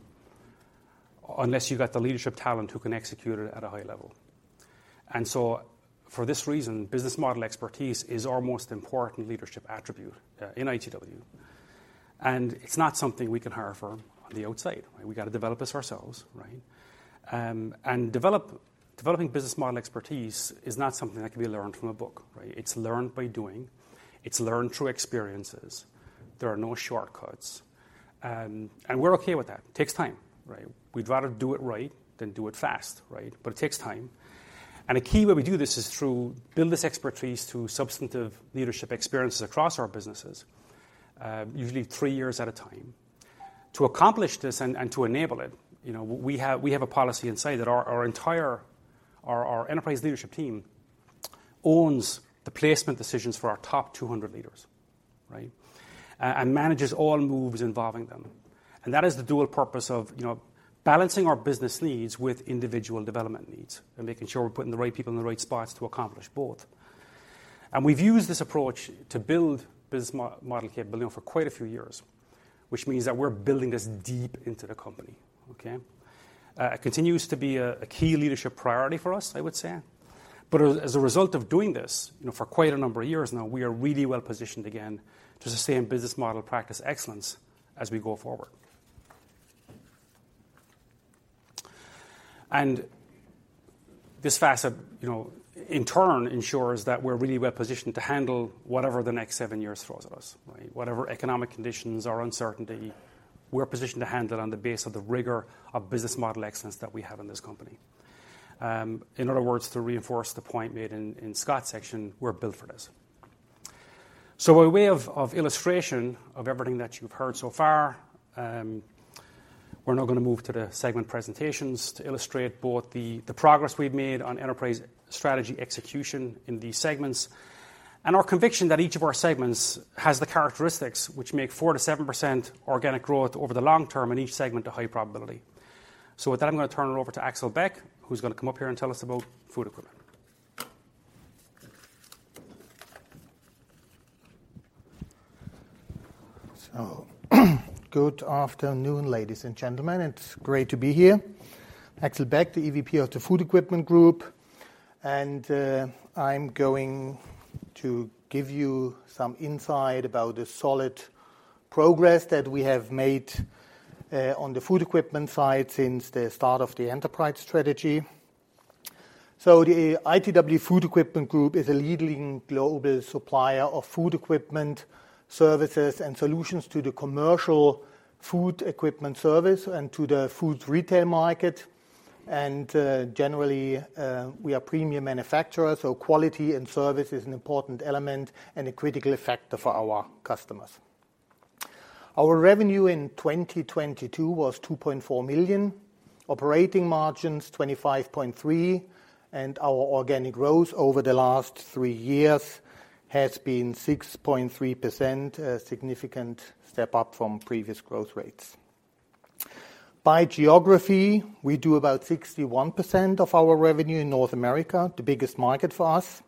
unless you've got the leadership talent who can execute it at a high level. For this reason, Business Model expertise is our most important leadership attribute in ITW. It's not something we can hire from the outside. We got to develop this ourselves, right? And developing Business Model expertise is not something that can be learned from a book, right? It's learned by doing, it's learned through experiences. There are no shortcuts. And we're okay with that. It takes time, right? We'd rather do it right than do it fast, right? It takes time. A key way we do this is through build this expertise through substantive leadership experiences across our businesses, usually three years at a time. To accomplish this and to enable it, you know, we have a policy inside that our Enterprise leadership team owns the placement decisions for our top 200 leaders, right? manages all moves involving them. That is the dual purpose of, you know, balancing our business needs with individual development needs and making sure we're putting the right people in the right spots to accomplish both. We've used this approach to build Business Model capability for quite a few years, which means that we're building this deep into the company. Okay? It continues to be a key leadership priority for us, I would say. As a result of doing this, you know, for quite a number of years now, we are really well positioned again to sustain Business Model practice excellence as we go forward. This facet, you know, in turn ensures that we're really well positioned to handle whatever the next seven years throws at us, right? Whatever economic conditions or uncertainty, we're positioned to handle it on the base of the rigor of Business Model excellence that we have in this company. In other words, to reinforce the point made in Scott's section, we're built for this. By way of illustration of everything that you've heard so far, we're now gonna move to the segment presentations to illustrate both the progress we've made on Enterprise Strategy execution in these segments, and our conviction that each of our segments has the characteristics which make 4%-7% organic growth over the long term in each segment a high probability. With that, I'm gonna turn it over to Axel Beck, who's gonna come up here and tell us about Food Equipment. Good afternoon, ladies and gentlemen. It's great to be here. Axel Beck, the EVP of the Food Equipment Group. I'm going to give you some insight about the solid progress that we have made on the food equipment side since the start of the Enterprise Strategy. The ITW Food Equipment Group is a leading global supplier of food equipment services and solutions to the commercial food equipment service and to the food retail market. Generally, we are premium manufacturer, so quality and service is an important element and a critical factor for our customers. Our revenue in 2022 was $2.4 million, operating margins 25.3%, and our organic growth over the last three years has been 6.3%, a significant step up from previous growth rates. By geography, we do about 61% of our revenue in North America, the biggest market for us.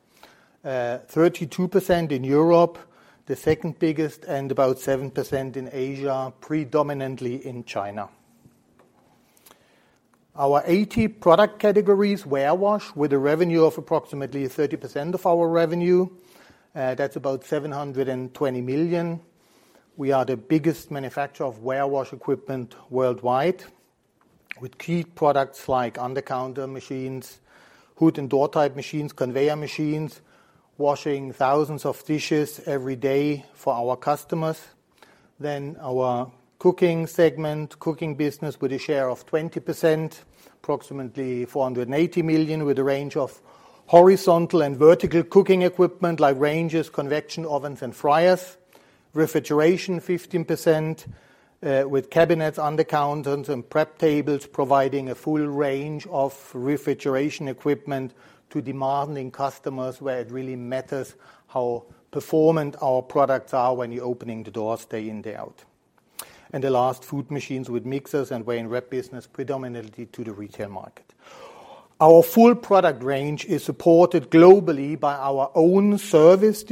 32% in Europe, the second biggest, and about 7% in Asia, predominantly in China. Our 80 product categories, warewash, with a revenue of approximately 30% of our revenue, that's about $720 million. We are the biggest manufacturer of warewash equipment worldwide with key products like undercounter machines, hood and door-type machines, conveyor machines, washing thousands of dishes every day for our customers. Our Cooking segment, cooking business with a share of 20%, approximately $480 million with a range of horizontal and vertical cooking equipment like ranges, convection ovens, and fryers. Refrigeration 15% with cabinets, undercounters, and prep tables, providing a full range of refrigeration equipment to demanding customers where it really matters how performant our products are when you're opening the doors day in, day out. The last, food machines with mixers and weigh and wrap business predominantly to the retail market. Our full product range is supported globally by our own service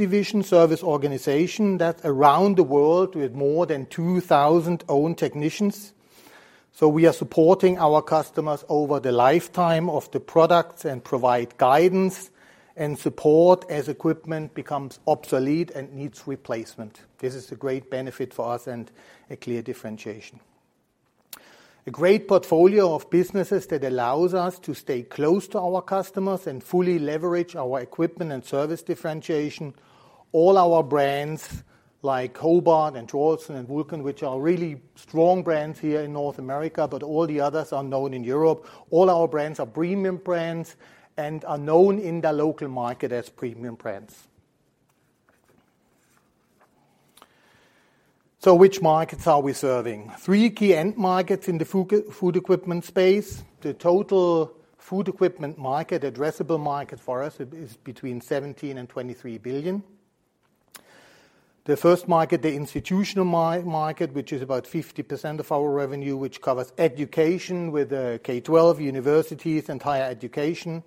organization that around the world with more than 2,000 own technicians. So we are supporting our customers over the lifetime of the products and provide guidance and support as equipment becomes obsolete and needs replacement. This is a great benefit for us and a clear differentiation. A great portfolio of businesses that allows us to stay close to our customers and fully leverage our equipment and service differentiation. All our brands like Hobart and Traulsen and Vulcan, which are really strong brands here in North America, but all the others are known in Europe. All our brands are premium brands and are known in their local market as premium brands. Which markets are we serving? Three key end markets in the Food Equipment space. The total Food Equipment market, addressable market for us is between $17 billion and $23 billion. The first market, the institutional market, which is about 50% of our revenue, which covers education with K-12 universities and higher education.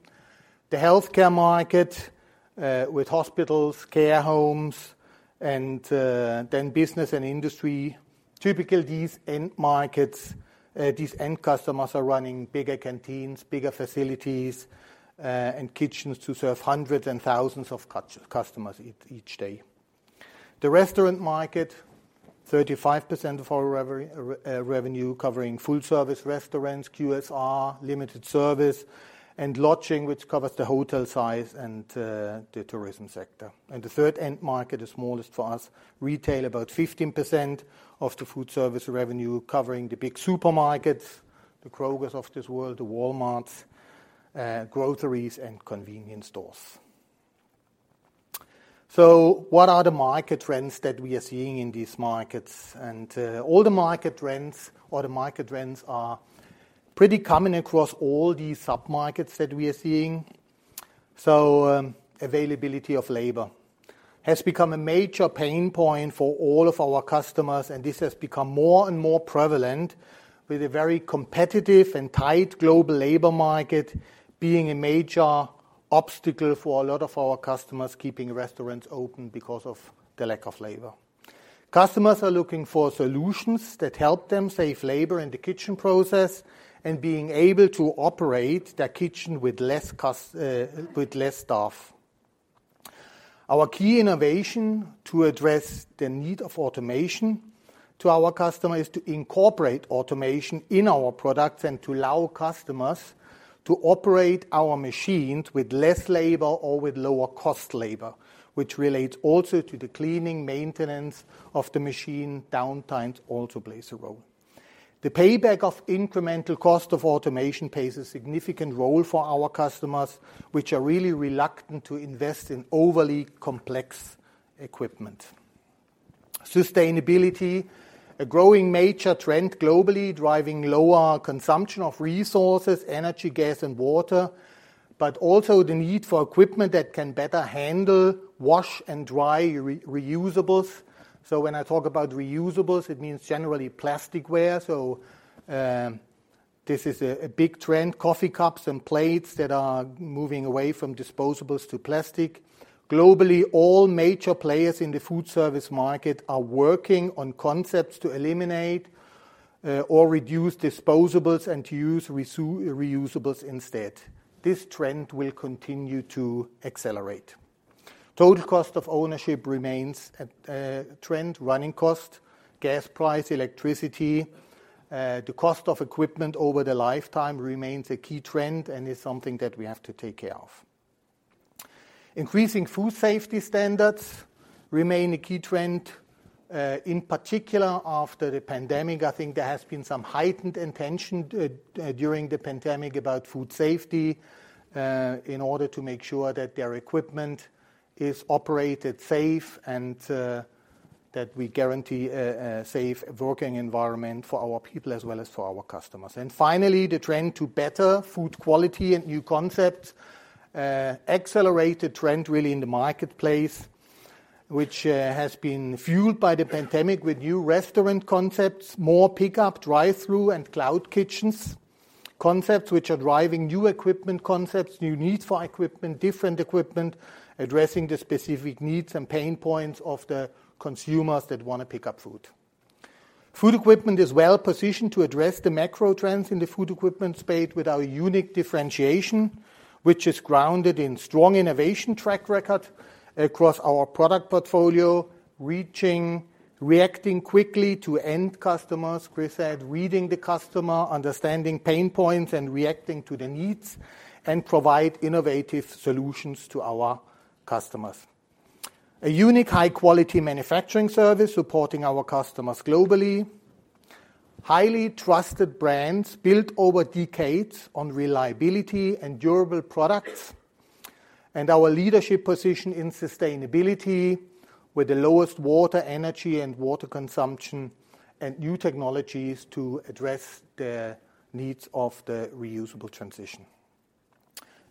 The healthcare market, with hospitals, care homes, and then business and industry. Typically, these end markets, these end customers are running bigger canteens, bigger facilities, and kitchens to serve hundreds and thousands of customers each day. The restaurant market, 35% of our revenue covering food service restaurants, QSR, limited service and lodging, which covers the hotel size and the tourism sector. The third end market is smallest for us, retail, about 15% of the food service revenue, covering the big supermarkets, the Krogers of this world, the Walmarts, groceries and convenience stores. What are the market trends that we are seeing in these markets? All the market trends or the market trends are pretty common across all these sub-markets that we are seeing. Availability of labor has become a major pain point for all of our customers, and this has become more and more prevalent with a very competitive and tight global labor market being a major obstacle for a lot of our customers, keeping restaurants open because of the lack of labor. Customers are looking for solutions that help them save labor in the kitchen process and being able to operate their kitchen with less staff. Our key innovation to address the need of automation to our customer is to incorporate automation in our products and to allow customers to operate our machines with less labor or with lower cost labor, which relates also to the cleaning, maintenance of the machine, downtime also plays a role. The payback of incremental cost of automation plays a significant role for our customers, which are really reluctant to invest in overly complex equipment. Sustainability, a growing major trend globally, driving lower consumption of resources, energy, gas and water, but also the need for equipment that can better handle, wash and dry reusables. When I talk about reusables, it means generally plastic ware. This is a big trend. Coffee cups and plates that are moving away from disposables to plastic. Globally, all major players in the food service market are working on concepts to eliminate or reduce disposables and to use reusables instead. This trend will continue to accelerate. Total cost of ownership remains a trend. Running cost, gas price, electricity, the cost of equipment over the lifetime remains a key trend and is something that we have to take care of. Increasing food safety standards remain a key trend. In particular after the pandemic, I think there has been some heightened intention during the pandemic about food safety, in order to make sure that their equipment is operated safe and that we guarantee a safe working environment for our people as well as for our customers. Finally, the trend to better food quality and new concepts, accelerated trend really in the marketplace, which has been fueled by the pandemic with new restaurant concepts, more pickup, drive-through and cloud kitchens. Concepts which are driving new equipment concepts, new needs for equipment, different equipment, addressing the specific needs and pain points of the consumers that wanna pick up food. Food Equipment is well positioned to address the macro trends in the Food Equipment space with our unique differentiation, which is grounded in strong innovation track record across our product portfolio, reacting quickly to end customers. Chris said, reading the customer, understanding pain points and reacting to the needs and provide innovative solutions to our customers. A unique high quality manufacturing service supporting our customers globally. Highly trusted brands built over decades on reliability and durable products. Our leadership position in sustainability with the lowest water, energy and water consumption and new technologies to address the needs of the reusable transition.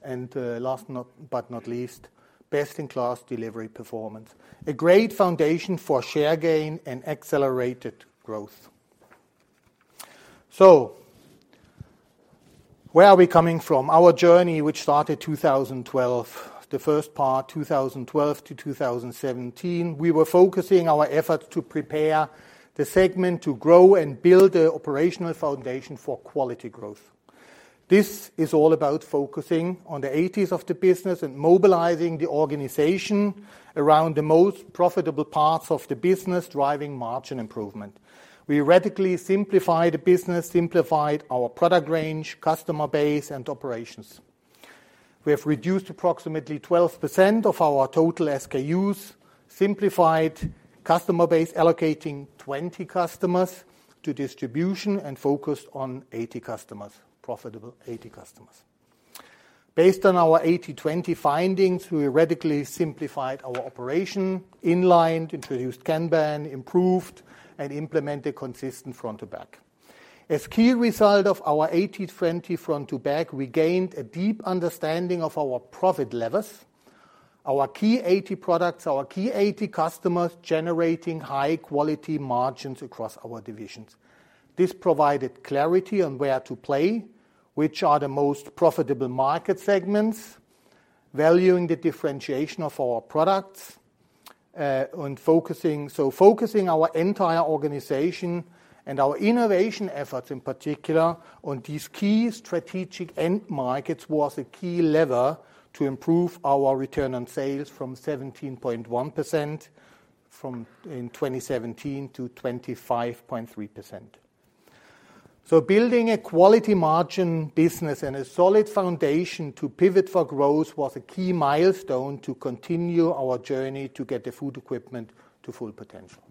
Last not, but not least, best in class delivery performance. A great foundation for share gain and accelerated growth. Where are we coming from? Our journey, which started 2012, the first part, 2012-2017, we were focusing our efforts to prepare the segment to grow and build the operational foundation for quality growth. This is all about focusing on the 80/20 of the business and mobilizing the organization around the most profitable parts of the business, driving margin improvement. We radically simplified the business, simplified our product range, customer base, and operations. We have reduced approximately 12% of our total SKUs, simplified customer base, allocating 20 customers to distribution, and focused on 80 customers, profitable 80 customers. Based on our 80/20 findings, we radically simplified our operation, inlined, introduced Kanban, improved, and implemented consistent 80/20 Front-to-Back. As key result of our 80/20 Front-to-Back, we gained a deep understanding of our profit levers, our key 80 products, our key 80 customers generating high quality margins across our divisions. This provided clarity on where to play, which are the most profitable market segments, valuing the differentiation of our products, focusing our entire organization and our innovation efforts in particular on these key strategic end markets was a key lever to improve our return on sales from 17.1% from in 2017 to 25.3%. Building a quality margin business and a solid foundation to pivot for growth was a key milestone to continue our journey to get the Food Equipment to full potential.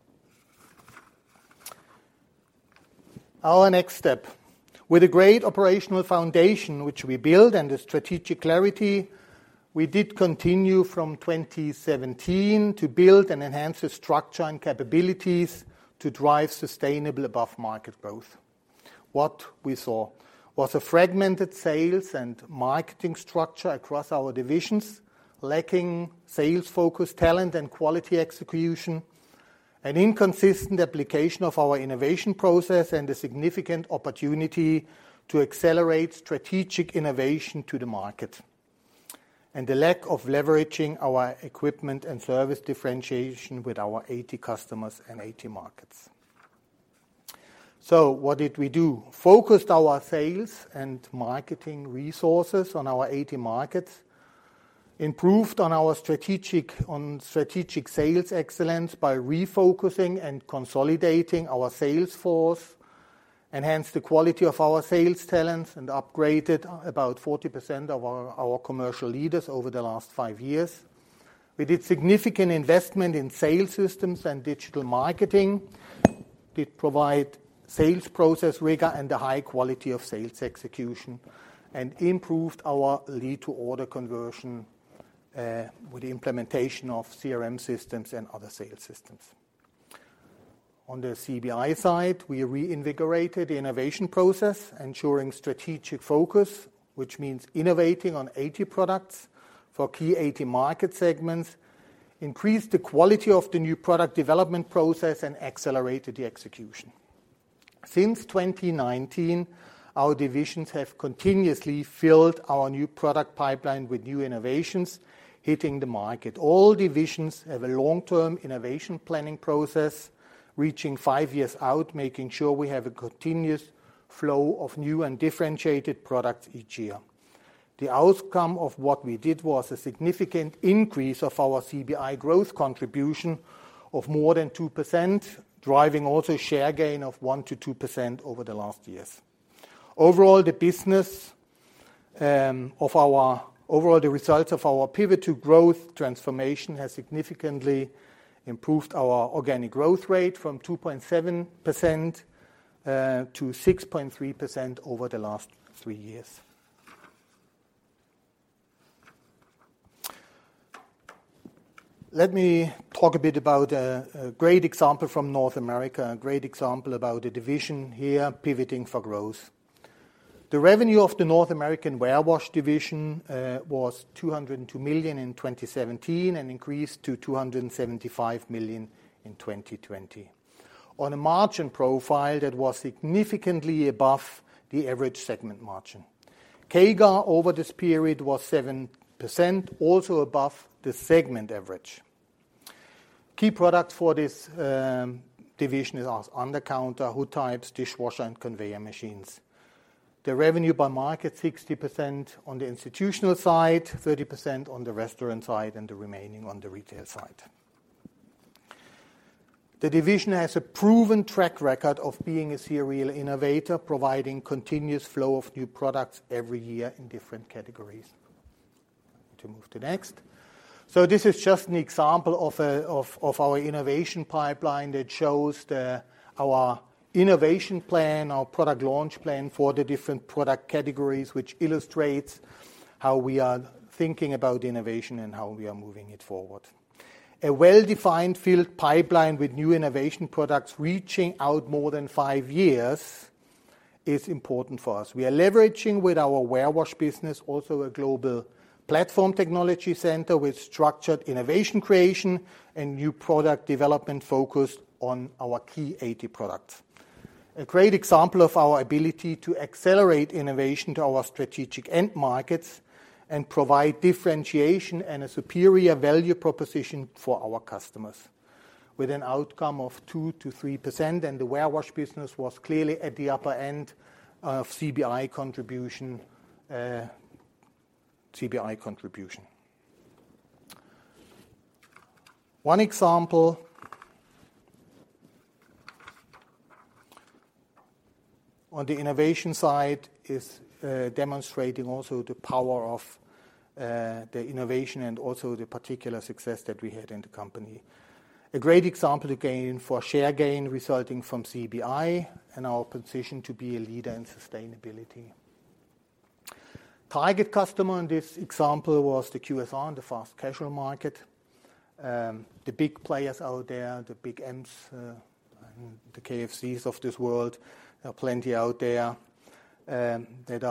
Our next step. With a great operational foundation which we built and a strategic clarity, we did continue from 2017 to build and enhance the structure and capabilities to drive sustainable above-market growth. What we saw was a fragmented sales and marketing structure across our divisions, lacking sales-focused talent and quality execution, an inconsistent application of our innovation process, and a significant opportunity to accelerate strategic innovation to the market, and the lack of leveraging our equipment and service differentiation with our 80 customers and 80 markets. What did we do? Focused our sales and marketing resources on our 80 markets, improved on our Strategic Sales Excellence by refocusing and consolidating our sales force, enhanced the quality of our sales talents, and upgraded about 40% of our commercial leaders over the last five years. We did significant investment in sales systems and digital marketing. Did provide sales process rigor and a high quality of sales execution, and improved our lead-to-order conversion with the implementation of CRM systems and other sales systems. On the CBI side, we reinvigorated the innovation process, ensuring strategic focus, which means innovating on 80 products for key 80 market segments, increased the quality of the new product development process, and accelerated the execution. Since 2019, our divisions have continuously filled our new product pipeline with new innovations hitting the market. All divisions have a long-term innovation planning process reaching five years out, making sure we have a continuous flow of new and differentiated products each year. The outcome of what we did was a significant increase of our CBI growth contribution of more than 2%, driving also share gain of 1%-2% over the last years. Overall, the results of our pivot to growth transformation has significantly improved our organic growth rate from 2.7%-6.3% over the last three years. Let me talk a bit about a great example from North America, a great example about a division here pivoting for growth. The revenue of the North American warewash division was $202 million in 2017 and increased to $275 million in 2020 on a margin profile that was significantly above the average segment margin. CAGR over this period was 7%, also above the segment average. Key products for this division is as undercounter, hood types, dishwasher, and conveyor machines. The revenue by market, 60% on the institutional side, 30% on the restaurant side, and the remaining on the retail side. The division has a proven track record of being a serial innovator, providing continuous flow of new products every year in different categories. To move to next. This is just an example of our innovation pipeline that shows our innovation plan, our product launch plan for the different product categories, which illustrates how we are thinking about innovation and how we are moving it forward. A well-defined filled pipeline with new innovation products reaching out more than five years is important for us. We are leveraging with our warewash business also a Global Platform Technology Center with structured innovation creation and new product development focused on our key 80 products. A great example of our ability to accelerate innovation to our strategic end markets and provide differentiation and a superior value proposition for our customers with an outcome of 2%-3%, and the warewash business was clearly at the upper end of CBI contribution. One example on the innovation side is demonstrating also the power of the innovation and also the particular success that we had in the company. A great example, again, for share gain resulting from CBI and our position to be a leader in sustainability. Target customer in this example was the QSR and the fast-casual market. The big players out there, the big Ms and the KFCs of this world. There are plenty out there that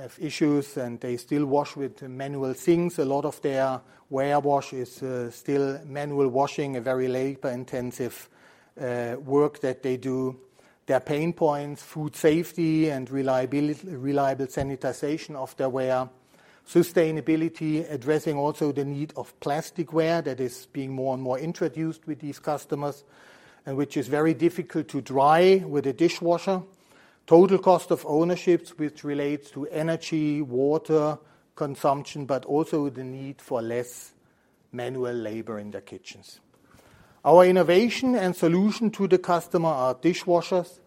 have issues, and they still wash with manual sinks. A lot of their warewash is still manual washing, a very labor-intensive work that they do. Their pain points: food safety and reliable sanitization of their ware. Sustainability, addressing also the need of plastic ware that is being more and more introduced with these customers, and which is very difficult to dry with a dishwasher. Total cost of ownership, which relates to energy, water consumption, but also the need for less manual labor in the kitchens. Our innovation and solution to the customer are dishwashers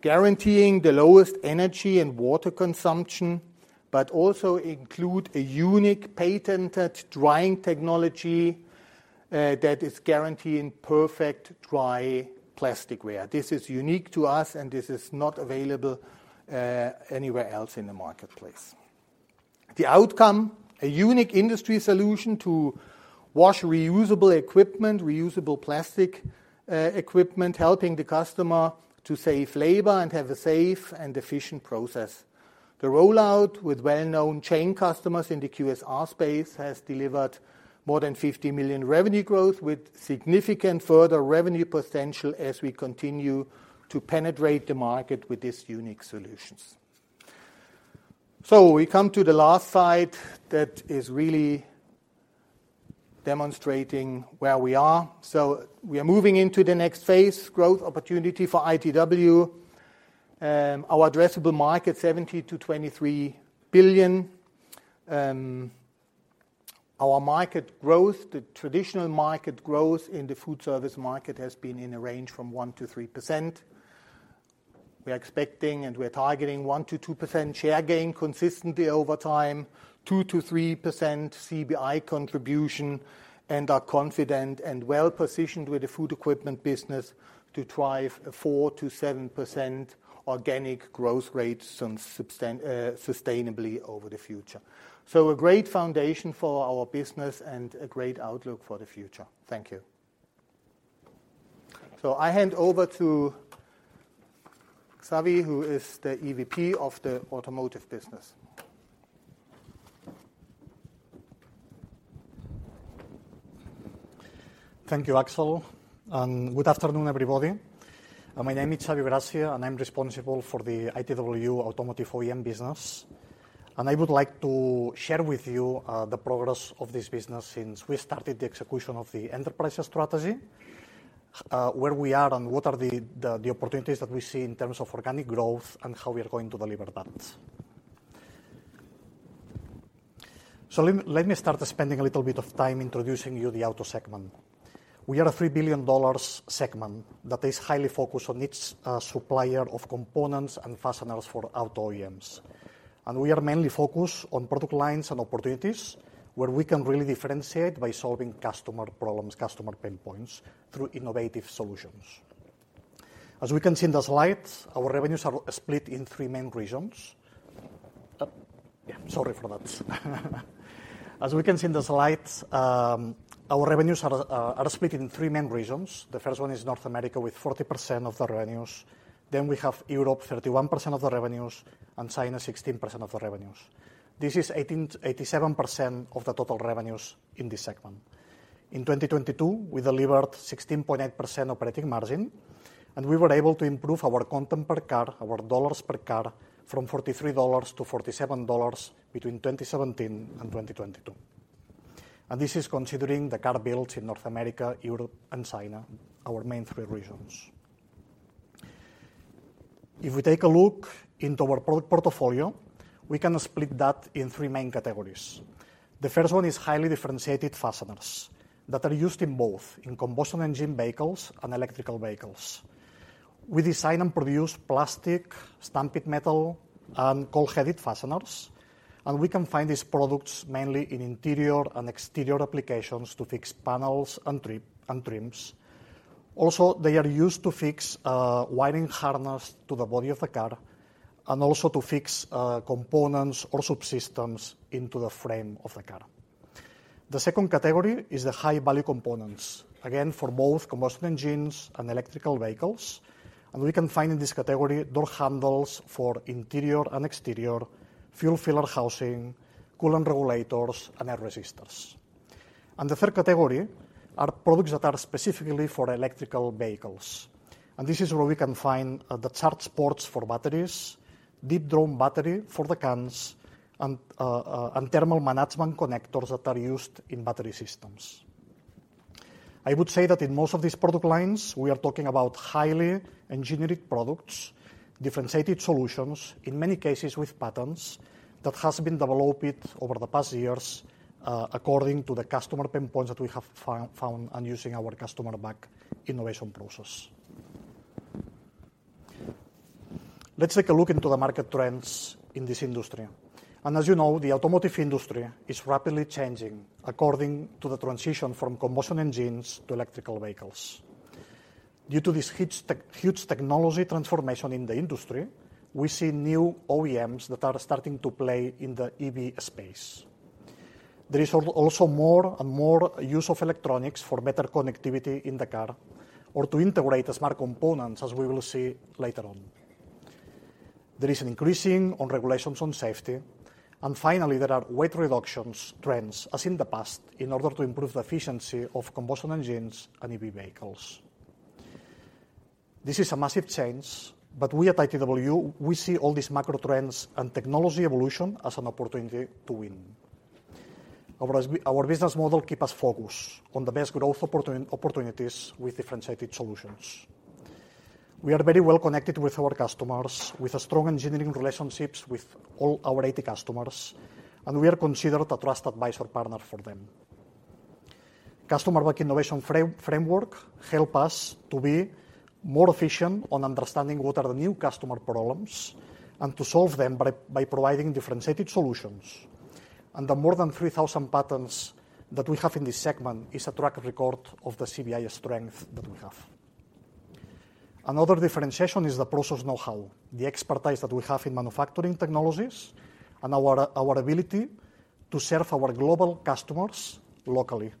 guaranteeing the lowest energy and water consumption, but also include a unique patented drying technology that is guaranteeing perfect dry plastic ware. This is unique to us, and this is not available anywhere else in the marketplace. The outcome, a unique industry solution to wash reusable equipment, reusable plastic, equipment, helping the customer to save labor and have a safe and efficient process. The rollout with well-known chain customers in the QSR space has delivered more than $50 million revenue growth with significant further revenue potential as we continue to penetrate the market with these unique solutions. We come to the last slide that is really demonstrating where we are. We are moving into the next phase, growth opportunity for ITW. Our addressable market, $70 billion-$23 billion. Our market growth, the traditional market growth in the food service market has been in a range from 1%-3%. We are expecting, and we are targeting 1%-2% share gain consistently over time, 2%-3% CBI contribution, and are confident and well-positioned with the Food Equipment business to drive a 4%-7% organic growth rate sustainably over the future. A great foundation for our business and a great outlook for the future. Thank you. I hand over to Xavi, who is the EVP of the Automotive OEM business. Thank you, Axel. Good afternoon, everybody. My name is Xavi Gracia. I'm responsible for the ITW Automotive OEM business. I would like to share with you the progress of this business since we started the execution of the Enterprise Strategy, where we are and what are the opportunities that we see in terms of organic growth and how we are going to deliver that. Let me start by spending a little bit of time introducing you the Auto segment. We are a $3 billion segment that is highly focused on each supplier of components and fasteners for Auto OEMs. We are mainly focused on product lines and opportunities where we can really differentiate by solving customer problems, customer pain points through innovative solutions. As we can see in the slides, our revenues are split in three main regions. Yeah, sorry for that. As we can see in the slides, our revenues are split in three main regions. The first one is North America with 40% of the revenues. Then we have Europe, 31% of the revenues, and China, 16% of the revenues. This is 87% of the total revenues in this segment. In 2022, we delivered 16.8% operating margin, and we were able to improve our content per car, our dollars per car from $43-$47 between 2017 and 2022. This is considering the car builds in North America, Europe, and China, our main three regions. If we take a look into our product portfolio, we can split that in three main categories. The first one is highly differentiated fasteners that are used in both, in combustion engine vehicles and electrical vehicles. We design and produce plastic, stamped metal, and cold-headed fasteners, and we can find these products mainly in interior and exterior applications to fix panels and trims. They are used to fix wiring harness to the body of the car and also to fix components or subsystems into the frame of the car. The second category is the high-value components, again, for both combustion engines and electrical vehicles. We can find in this category door handles for interior and exterior, fuel filler housing, coolant regulators, and air resistors. The third category are products that are specifically for electrical vehicles. This is where we can find the charge ports for batteries, deep drawn battery for the cans and thermal management connectors that are used in battery systems. I would say that in most of these product lines, we are talking about highly engineered products, differentiated solutions, in many cases with patents that has been developed over the past years, according to the customer pain points that we have found and using our Customer-Back Innovation process. Let's take a look into the market trends in this industry. As you know, the Automotive industry is rapidly changing according to the transition from combustion engines to electric vehicles. Due to this huge technology transformation in the industry, we see new OEMs that are starting to play in the EV space. There is also more and more use of electronics for better connectivity in the car or to integrate smart components, as we will see later on. There is an increasing on regulations on safety. Finally, there are weight reductions trends, as in the past, in order to improve the efficiency of combustion engines and EV vehicles. This is a massive change, but we at ITW, we see all these macro trends and technology evolution as an opportunity to win. Our Business Model keep us focused on the best growth opportunities with differentiated solutions. We are very well connected with our customers, with a strong engineering relationships with all our 80 customers, and we are considered a trusted advisor partner for them. Customer-Back Innovation framework help us to be more efficient on understanding what are the new customer problems and to solve them by providing differentiated solutions. The more than 3,000 patterns that we have in this segment is a track record of the CBI strength that we have. Another differentiation is the process know-how, the expertise that we have in manufacturing technologies and our ability to serve our global customers locally,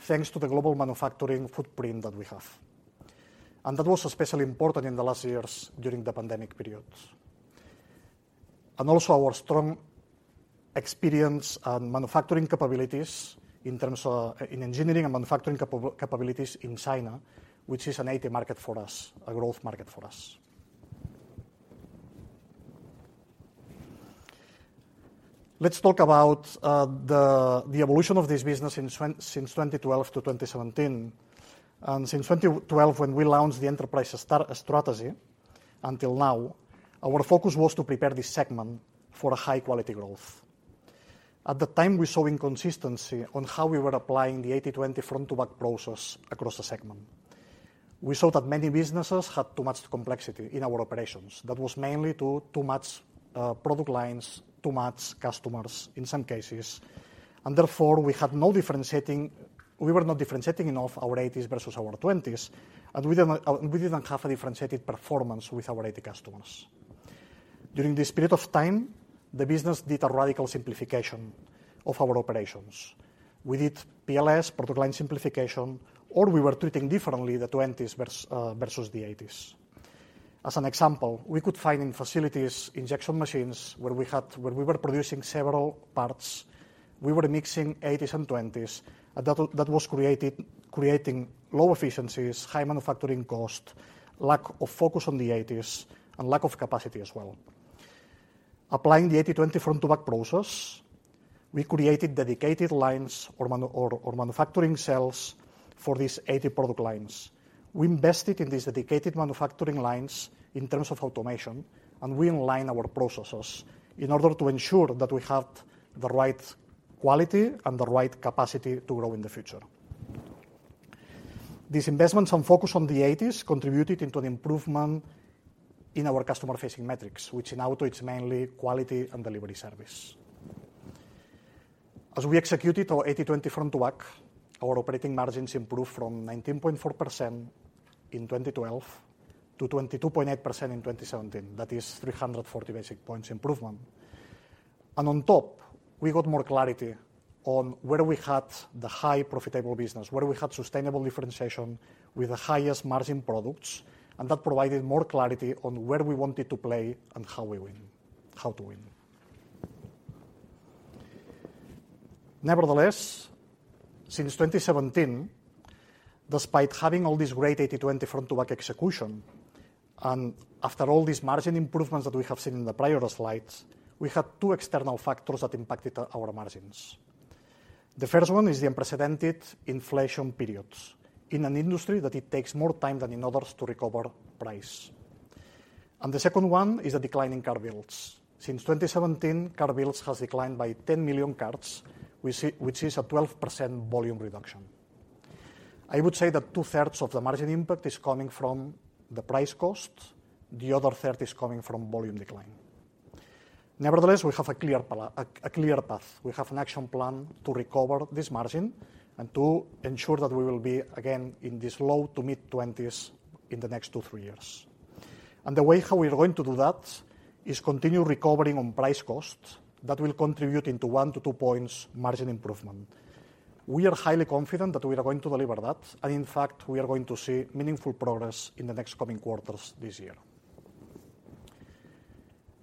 thanks to the global manufacturing footprint that we have. That was especially important in the last years during the pandemic periods. Also our strong experience and manufacturing capabilities in terms of engineering and manufacturing capabilities in China, which is an 80/20 market for us, a growth market for us. Let's talk about the evolution of this business since 2012-2017. Since 2012 when we launched the Enterprise Strategy until now, our focus was to prepare this segment for a high quality growth. At the time, we saw inconsistency on how we were applying the 80/20 Front-to-Back process across the segment. We saw that many businesses had too much complexity in our operations. That was mainly to too much product lines, too much customers in some cases. Therefore, we were not differentiating enough our 80s versus our 20s, and we didn't have a differentiated performance with our 80 customers. During this period of time, the business did a radical simplification of our operations. We did PLS, Product Line Simplification, or we were treating differently the 20s versus the 80s. As an example, we could find in facilities, injection machines, where we were producing several parts. We were mixing 80s and 20s. That was created, creating low efficiencies, high manufacturing cost, lack of focus on the 80s, and lack of capacity as well. Applying the 80/20 Front-to-Back process, we created dedicated lines or manufacturing cells for these 80 product lines. We invested in these dedicated manufacturing lines in terms of automation. We align our processes in order to ensure that we have the right quality and the right capacity to grow in the future. These investments and focus on the 80s contributed into an improvement in our customer-facing metrics, which in auto, it's mainly quality and delivery service. As we executed our 80/20 Front-to-Back, our operating margins improved from 19.4% in 2012 to 22.8% in 2017. That is 340 basis points improvement. On top, we got more clarity on where we had the high profitable business, where we had sustainable differentiation with the highest margin products, and that provided more clarity on where we wanted to play and how we win, how to win. Nevertheless, since 2017, despite having all this great 80/20 Front-to-Back execution, and after all these margin improvements that we have seen in the prior slides, we had two external factors that impacted our margins. The first one is the unprecedented inflation periods in an industry that it takes more time than in others to recover price. The second one is a decline in car builds. Since 2017, car builds has declined by 10 million cars, which is a 12% volume reduction. I would say that 2/3 of the margin impact is coming from the price cost, the other 1/3 is coming from volume decline. Nevertheless, we have a clear path. We have an action plan to recover this margin and to ensure that we will be again in this low to mid-20s in the next 2, 3 years. The way how we are going to do that is continue recovering on price cost. That will contribute into 1 point-2 points margin improvement. We are highly confident that we are going to deliver that, and in fact, we are going to see meaningful progress in the next coming quarters this year.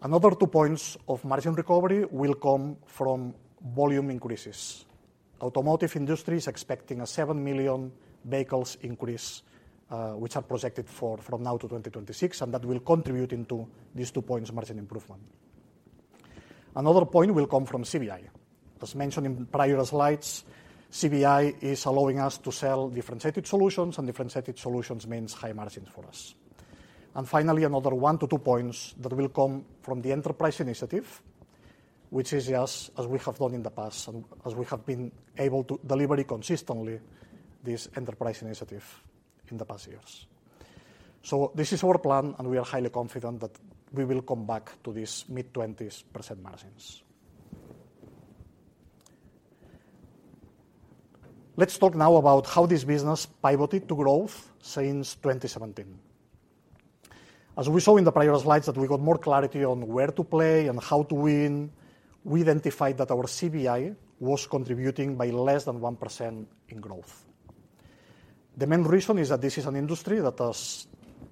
Another two points of margin recovery will come from volume increases. Automotive industry is expecting a 7 million vehicles increase, which are projected for, from now to 2026, that will contribute into these two points margin improvement. Another point will come from CBI. As mentioned in prior slides, CBI is allowing us to sell differentiated solutions, differentiated solutions means high margins for us. Finally, another 1 point-2 points that will come from the Enterprise Initiatives, which is just as we have done in the past and as we have been able to deliver it consistently, this Enterprise Initiatives in the past years. This is our plan, and we are highly confident that we will come back to these mid-20s % margins. Let's talk now about how this business pivoted to growth since 2017. As we saw in the prior slides that we got more clarity on where to play and how to win, we identified that our CBI was contributing by less than 1% in growth. The main reason is that this is an industry that has,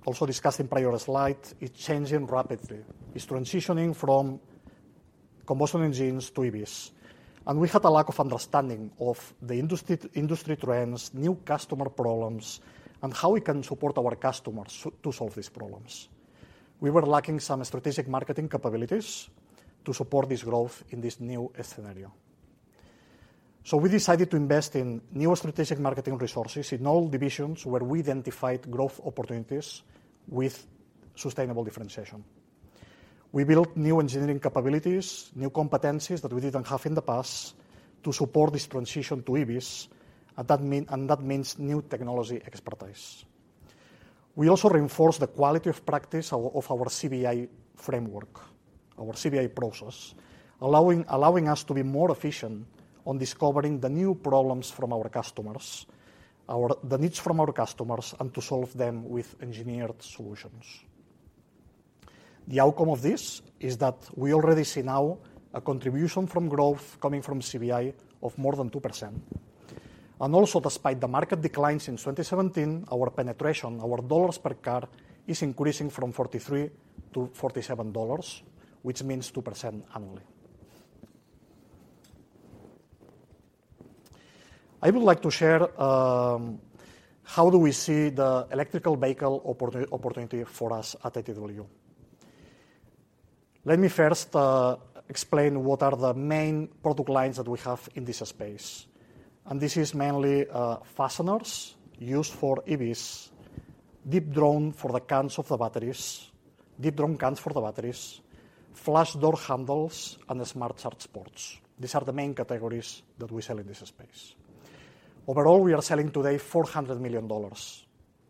also discussed in prior slide, is changing rapidly. It's transitioning from combustion engines to EVs, and we had a lack of understanding of the industry trends, new customer problems, and how we can support our customers to solve these problems. We were lacking some strategic marketing capabilities to support this growth in this new scenario. We decided to invest in new strategic marketing resources in all divisions where we identified growth opportunities with sustainable differentiation. We built new engineering capabilities, new competencies that we didn't have in the past to support this transition to EV, and that means new technology expertise. We also reinforced the quality of practice of our CBI framework, our CBI process, allowing us to be more efficient on discovering the new problems from our customers, the needs from our customers, and to solve them with engineered solutions. The outcome of this is that we already see now a contribution from growth coming from CBI of more than 2%. Also, despite the market declines in 2017, our penetration, our dollars per car is increasing from $43-$47, which means 2% annually. I would like to share how do we see the Electrical Vehicle opportunity for us at ITW. Let me first explain what are the main product lines that we have in this space. This is mainly fasteners used for EVs, deep-drawn for the cans of the batteries, deep-drawn cans for the batteries, flush door handles, and the smart charge ports. These are the main categories that we sell in this space. Overall, we are selling today $400 million.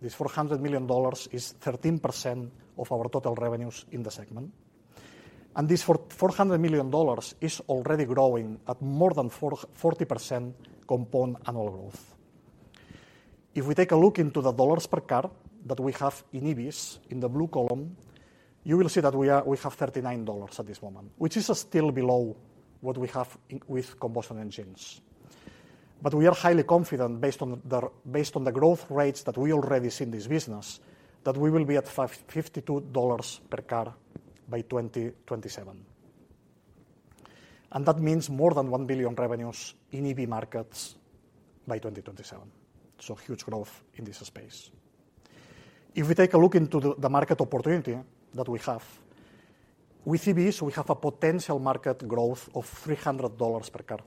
This $400 million is 13% of our total revenues in the segment. This $400 million is already growing at more than 40% compound annual growth. If we take a look into the dollars per car that we have in EVs in the blue column, you will see that we have $39 at this moment, which is still below what we have with combustion engines. We are highly confident based on the growth rates that we already see in this business, that we will be at $52 per car by 2027. That means more than $1 billion revenues in EV markets by 2027. Huge growth in this space. If we take a look into the market opportunity that we have, with EVs, we have a potential market growth of $300/car.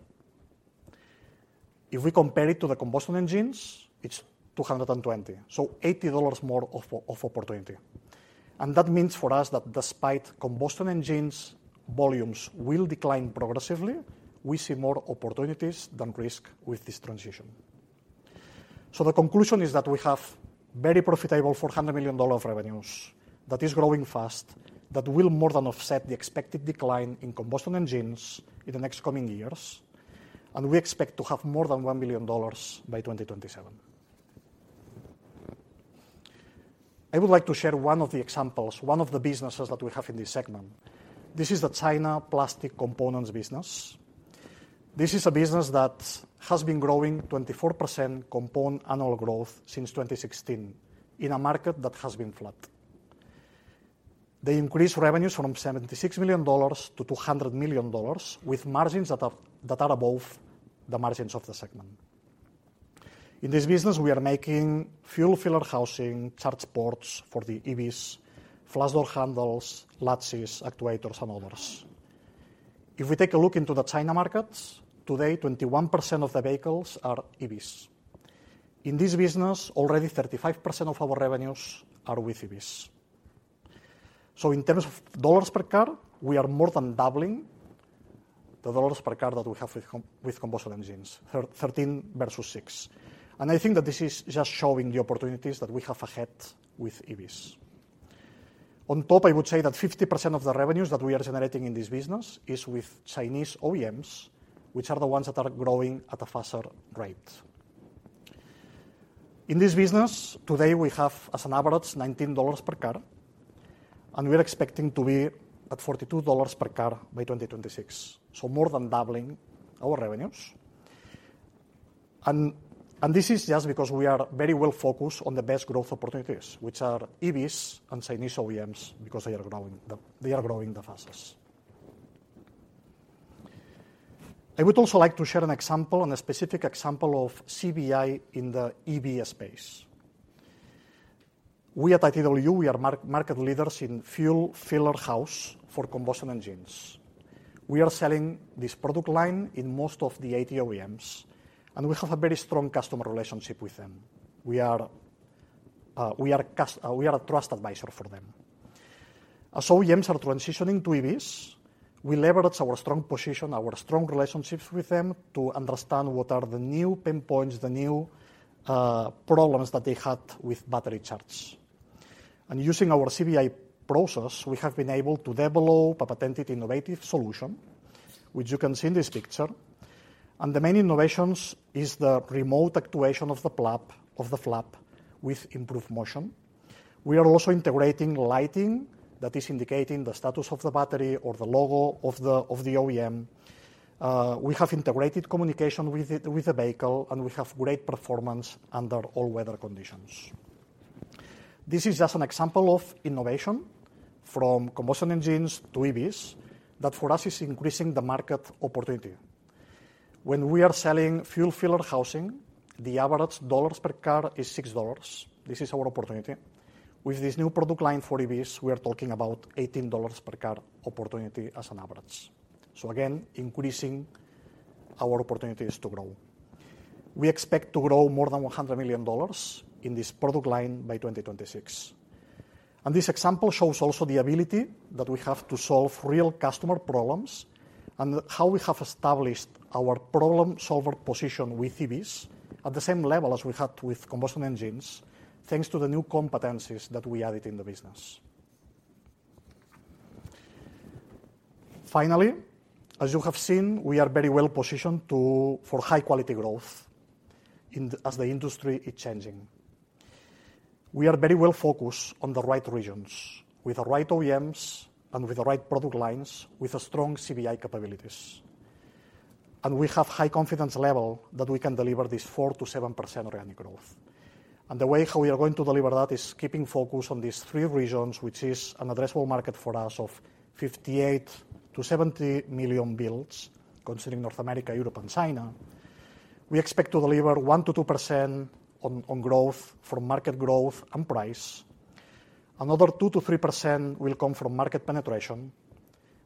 If we compare it to the combustion engines, it's $220, so $80 more of opportunity. That means for us that despite combustion engines, volumes will decline progressively. We see more opportunities than risk with this transition. The conclusion is that we have very profitable $400 million of revenues that is growing fast, that will more than offset the expected decline in combustion engines in the next coming years, and we expect to have more than $1 billion by 2027. I would like to share one of the examples, one of the businesses that we have in this segment. This is the China Plastic Components business. This is a business that has been growing 24% compound annual growth since 2016 in a market that has been flat. They increased revenues from $76 million-$200 million with margins that are above the margins of the segment. In this business, we are making fuel filler housing, charge ports for the EVs, flush door handles, latches, actuators, and others. If we take a look into the China markets, today, 21% of the vehicles are EVs. In this business, already 35% of our revenues are with EVs. In terms of $ per car, we are more than doubling the dollars per car that we have with combustion engines, 13 versus 6. I think that this is just showing the opportunities that we have ahead with EVs. On top, I would say that 50% of the revenues that we are generating in this business is with Chinese OEMs, which are the ones that are growing at a faster rate. In this business, today we have as an average $19 per car, and we are expecting to be at $42/car by 2026. More than doubling our revenues. This is just because we are very well focused on the best growth opportunities, which are EVs and Chinese OEMs because they are growing the fastest. I would also like to share an example on a specific example of CBI in the EV space. We at ITW, we are market leaders in fuel filler housing for combustion engines. We are selling this product line in most of the Automotive OEMs, and we have a very strong customer relationship with them. We are a trust advisor for them. As OEMs are transitioning to EVs, we leverage our strong position, our strong relationships with them to understand what are the new pain points, the new problems that they had with battery charge. Using our CBI process, we have been able to develop a patented innovative solution, which you can see in this picture. The main innovations is the remote actuation of the flap with improved motion. We are also integrating lighting that is indicating the status of the battery or the logo of the OEM. We have integrated communication with the vehicle, and we have great performance under all weather conditions. This is just an example of innovation from combustion engines to EVs that for us is increasing the market opportunity. When we are selling fuel filler housing, the average dollars per car is $6. This is our opportunity. With this new product line for EVs, we are talking about $18/car opportunity as an average. Again, increasing our opportunities to grow. We expect to grow more than $100 million in this product line by 2026. This example shows also the ability that we have to solve real customer problems and how we have established our problem-solver position with EVs at the same level as we had with combustion engines, thanks to the new competencies that we added in the business. Finally, as you have seen, we are very well positioned for high quality growth as the industry is changing. We are very well focused on the right regions with the right OEMs and with the right product lines, with a strong CBI capabilities. We have high confidence level that we can deliver this 4%-7% organic growth. The way how we are going to deliver that is keeping focus on these three regions, which is an addressable market for us of 58 million-70 million builds, considering North America, Europe, and China. We expect to deliver 1%-2% on growth from market growth and price. Another 2%-3% will come from market penetration.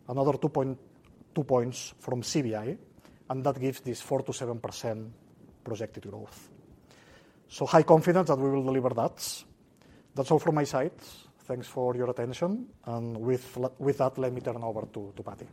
Another two points from CBI, and that gives this 4%-7% projected growth. High confidence that we will deliver that. That's all from my side. Thanks for your attention. With that, let me turn over to Patty.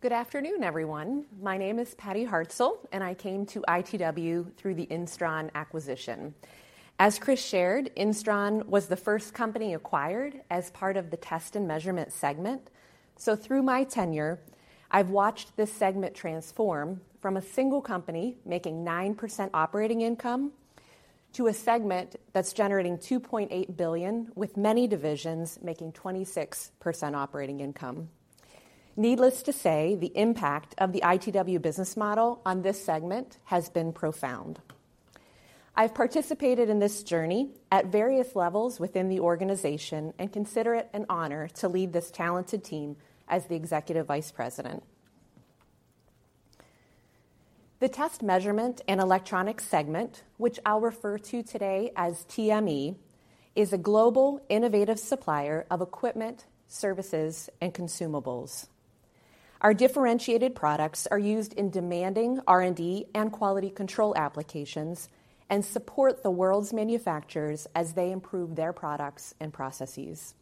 Good afternoon, everyone. My name is Patty Hartzell. I came to ITW through the Instron acquisition. As Chris shared, Instron was the first company acquired as part of the Test & Measurement segment. Through my tenure, I've watched this segment transform from a single company making 9% operating income to a segment that's generating $2.8 billion with many divisions making 26% operating income. Needless to say, the impact of the ITW Business Model on this segment has been profound. I've participated in this journey at various levels within the organization and consider it an honor to lead this talented team as the Executive Vice President. The Test & Measurement and Electronics segment, which I'll refer to today as TME, is a global innovative supplier of equipment, services, and consumables. Our differentiated products are used in demanding R&D and quality control applications and support the world's manufacturers as they improve their products and processes.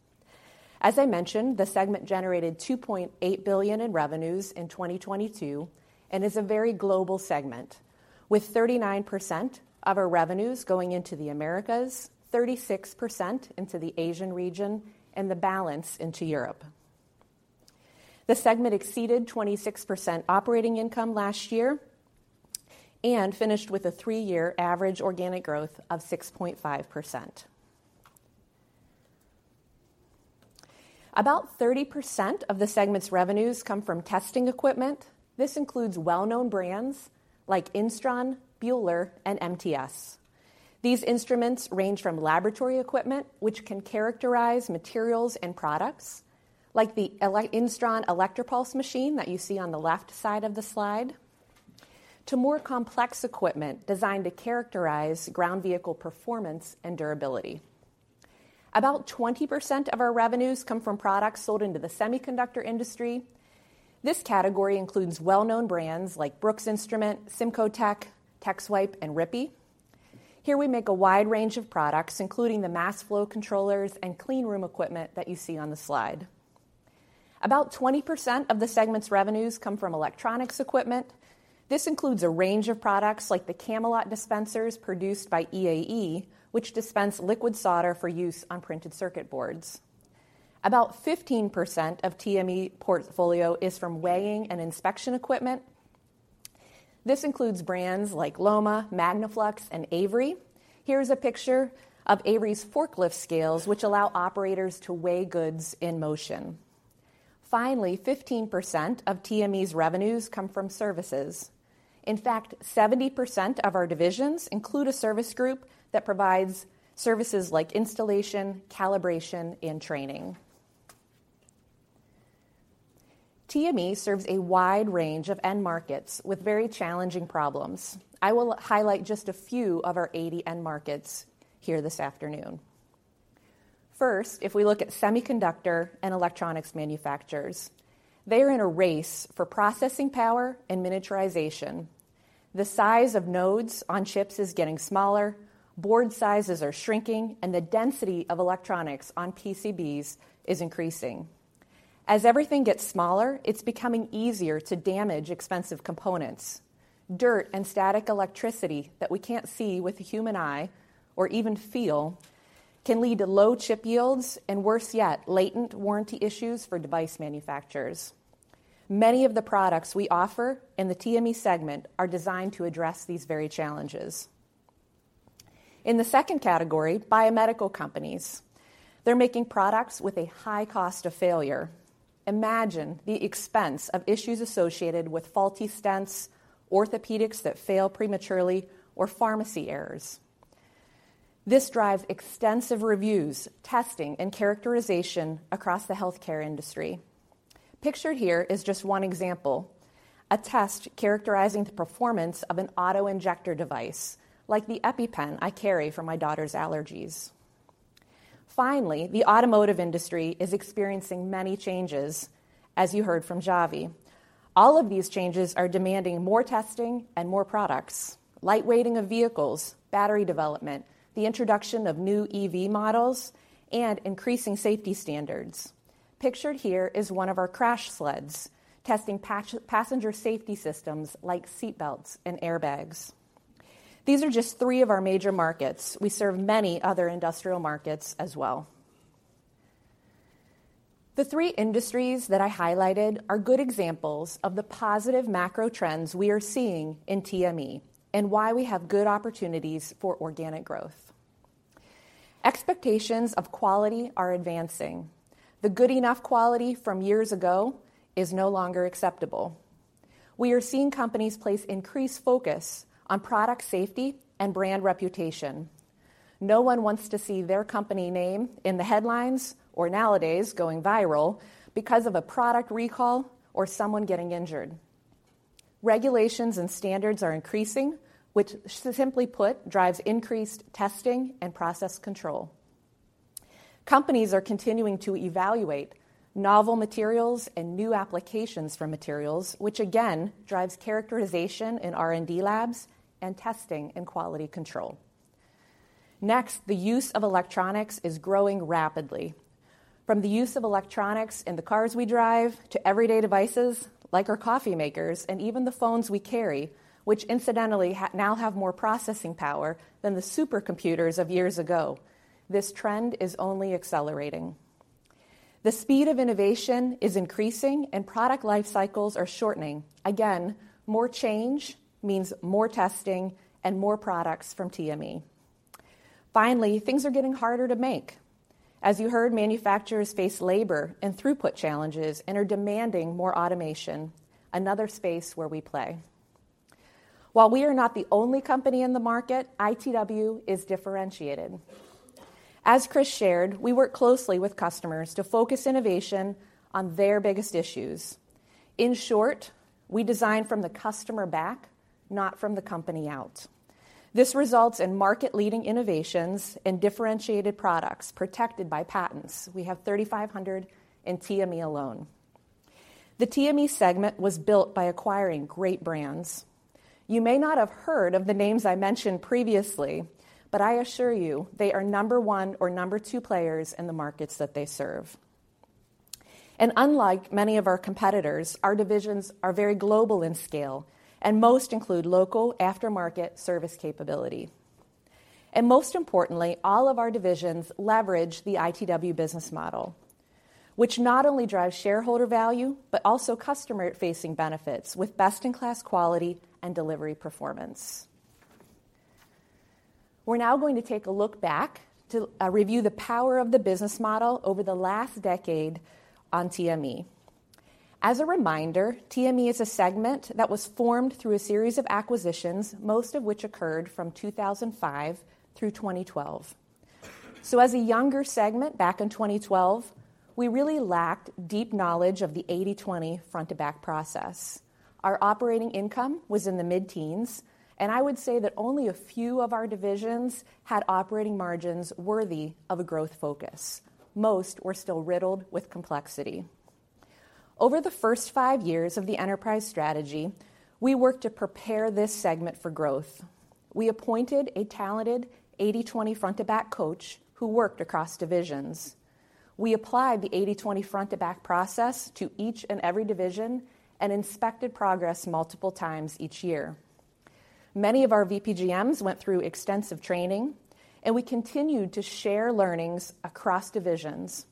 As I mentioned, the segment generated $2.8 billion in revenues in 2022 and is a very global segment, with 39% of our revenues going into the Americas, 36% into the Asian region, and the balance into Europe. The segment exceeded 26% operating income last year and finished with a three-year average organic growth of 6.5%. About 30% of the segment's revenues come from testing equipment. This includes well-known brands like Instron, Buehler, and MTS. These instruments range from laboratory equipment, which can characterize materials and products like the Instron ElectroPuls machine that you see on the left side of the slide, to more complex equipment designed to characterize ground vehicle performance and durability. About 20% of our revenues come from products sold into the semiconductor industry. This category includes well-known brands like Brooks Instrument, Simco-Ion, Texwipe, and Rippey. Here we make a wide range of products, including the mass flow controllers and clean room equipment that you see on the slide. About 20% of the segment's revenues come from electronics equipment. This includes a range of products like the Camalot Dispensers produced by EAE, which dispense liquid solder for use on printed circuit boards. About 15% of TME portfolio is from weighing and inspection equipment. This includes brands like LOMA, Magnaflux, and Avery. Here's a picture of Avery's forklift scales, which allow operators to weigh goods in motion. Finally, 15% of TME's revenues come from services. In fact, 70% of our divisions include a service group that provides services like installation, calibration, and training. TME serves a wide range of end markets with very challenging problems. I will highlight just a few of our 80 end markets here this afternoon. First, if we look at semiconductor and electronics manufacturers, they are in a race for processing power and miniaturization. The size of nodes on chips is getting smaller, board sizes are shrinking, and the density of electronics on PCBs is increasing. As everything gets smaller, it's becoming easier to damage expensive components. Dirt and static electricity that we can't see with the human eye or even feel can lead to low chip yields and worse yet, latent warranty issues for device manufacturers. Many of the products we offer in the TME segment are designed to address these very challenges. In the second category, biomedical companies, they're making products with a high cost of failure. Imagine the expense of issues associated with faulty stents, orthopedics that fail prematurely or pharmacy errors. This drives extensive reviews, testing, and characterization across the healthcare industry. Pictured here is just one example, a test characterizing the performance of an auto-injector device like the EpiPen I carry for my daughter's allergies. Finally, the automotive industry is experiencing many changes, as you heard from Xavi. All of these changes are demanding more testing and more products. Light weighting of vehicles, battery development, the introduction of new EV models, and increasing safety standards. Pictured here is one of our crash sleds testing pass-passenger safety systems like seat belts and airbags. These are just three of our major markets. We serve many other industrial markets as well. The three industries that I highlighted are good examples of the positive macro trends we are seeing in TME and why we have good opportunities for organic growth. Expectations of quality are advancing. The good enough quality from years ago is no longer acceptable. We are seeing companies place increased focus on product safety and brand reputation. No one wants to see their company name in the headlines or nowadays going viral because of a product recall or someone getting injured. Regulations and standards are increasing, which simply put, drives increased testing and process control. Companies are continuing to evaluate novel materials and new applications for materials, which again drives characterization in R&D labs and testing and quality control. The use of electronics is growing rapidly. From the use of electronics in the cars we drive to everyday devices like our coffee makers and even the phones we carry, which incidentally now have more processing power than the supercomputers of years ago, this trend is only accelerating. The speed of innovation is increasing and product life cycles are shortening. Again, more change means more testing and more products from TME. Finally, things are getting harder to make. As you heard, manufacturers face labor and throughput challenges and are demanding more automation, another space where we play. While we are not the only company in the market, ITW is differentiated. As Chris shared, we work closely with customers to focus innovation on their biggest issues. In short, we design from the customer back, not from the company out. This results in market-leading innovations and differentiated products protected by patents. We have 3,500 in TME alone. The TME segment was built by acquiring great brands. You may not have heard of the names I mentioned previously, but I assure you, they are number one or number two players in the markets that they serve. Unlike many of our competitors, our divisions are very global in scale, and most include local aftermarket service capability. Most importantly, all of our divisions leverage the ITW Business Model, which not only drives shareholder value, but also customer-facing benefits with best-in-class quality and delivery performance. We're now going to take a look back to review the power of the Business Model over the last decade on TME. As a reminder, TME is a segment that was formed through a series of acquisitions, most of which occurred from 2005 through 2012. As a younger segment back in 2012, we really lacked deep knowledge of the 80/20 Front-to-Back process. Our operating income was in the mid-teens, I would say that only a few of our divisions had operating margins worthy of a growth focus. Most were still riddled with complexity. Over the first five years of the Enterprise Strategy, we worked to prepare this segment for growth. We appointed a talented 80/20 Front-to-Back coach who worked across divisions. We applied the 80/20 Front-to-Back process to each and every division and inspected progress multiple times each year. Many of our VPGM went through extensive training, we continued to share learnings across divisions.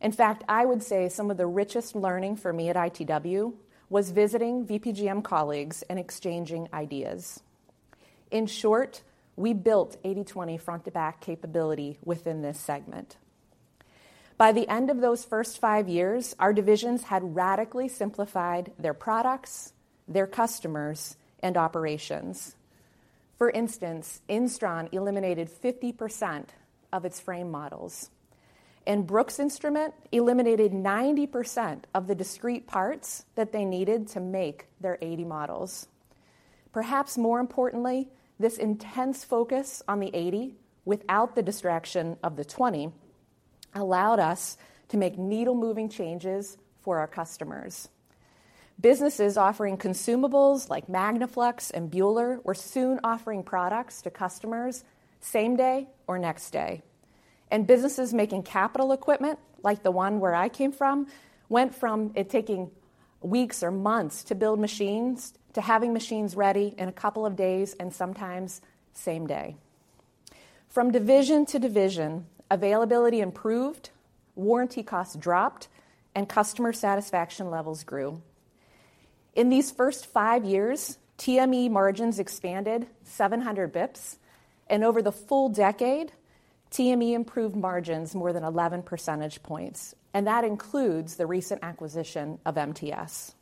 In fact, I would say some of the richest learning for me at ITW was visiting VPGM colleagues and exchanging ideas. In short, we built 80/20 Front-to-Back capability within this segment. By the end of those first five years, our divisions had radically simplified their products, their customers, and operations. For instance, Instron eliminated 50% of its frame models, and Brooks Instrument eliminated 90% of the discrete parts that they needed to make their 80 models. Perhaps more importantly, this intense focus on the 80, without the distraction of the 20, allowed us to make needle moving changes for our customers. Businesses offering consumables like Magnaflux and Buehler were soon offering products to customers same day or next day. Businesses making capital equipment, like the one where I came from, went from it taking weeks or months to build machines to having machines ready in a couple of days and sometimes same day. From division to division, availability improved, warranty costs dropped, and customer satisfaction levels grew. In these first five years, TME margins expanded 700 basis points, and over the full decade, TME improved margins more than 11 percentage points, and that includes the recent acquisition of MTS.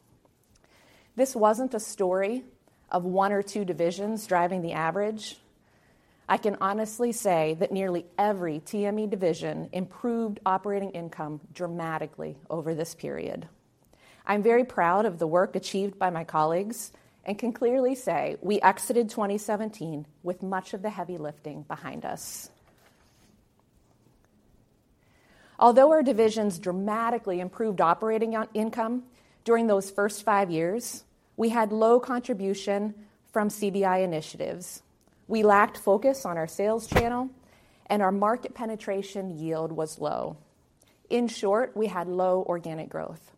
This wasn't a story of one or two divisions driving the average. I can honestly say that nearly every TME division improved operating income dramatically over this period. I'm very proud of the work achieved by my colleagues and can clearly say we exited 2017 with much of the heavy lifting behind us. Although our divisions dramatically improved operating income during those first five years, we had low contribution from CBI Initiatives. We lacked focus on our sales channel, and our market penetration yield was low. In short, we had low organic growth.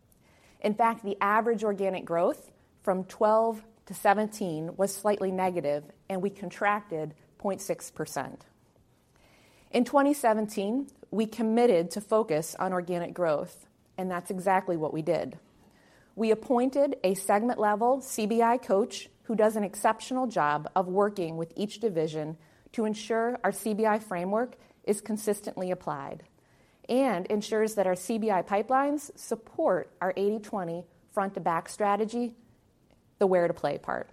In fact, the average organic growth from 2012-2017 was slightly negative, and we contracted 0.6%. In 2017, we committed to focus on organic growth, that's exactly what we did. We appointed a segment-level CBI coach who does an exceptional job of working with each division to ensure our CBI framework is consistently applied and ensures that our CBI pipelines support our 80/20 Front-to-Back strategy, the where to play part.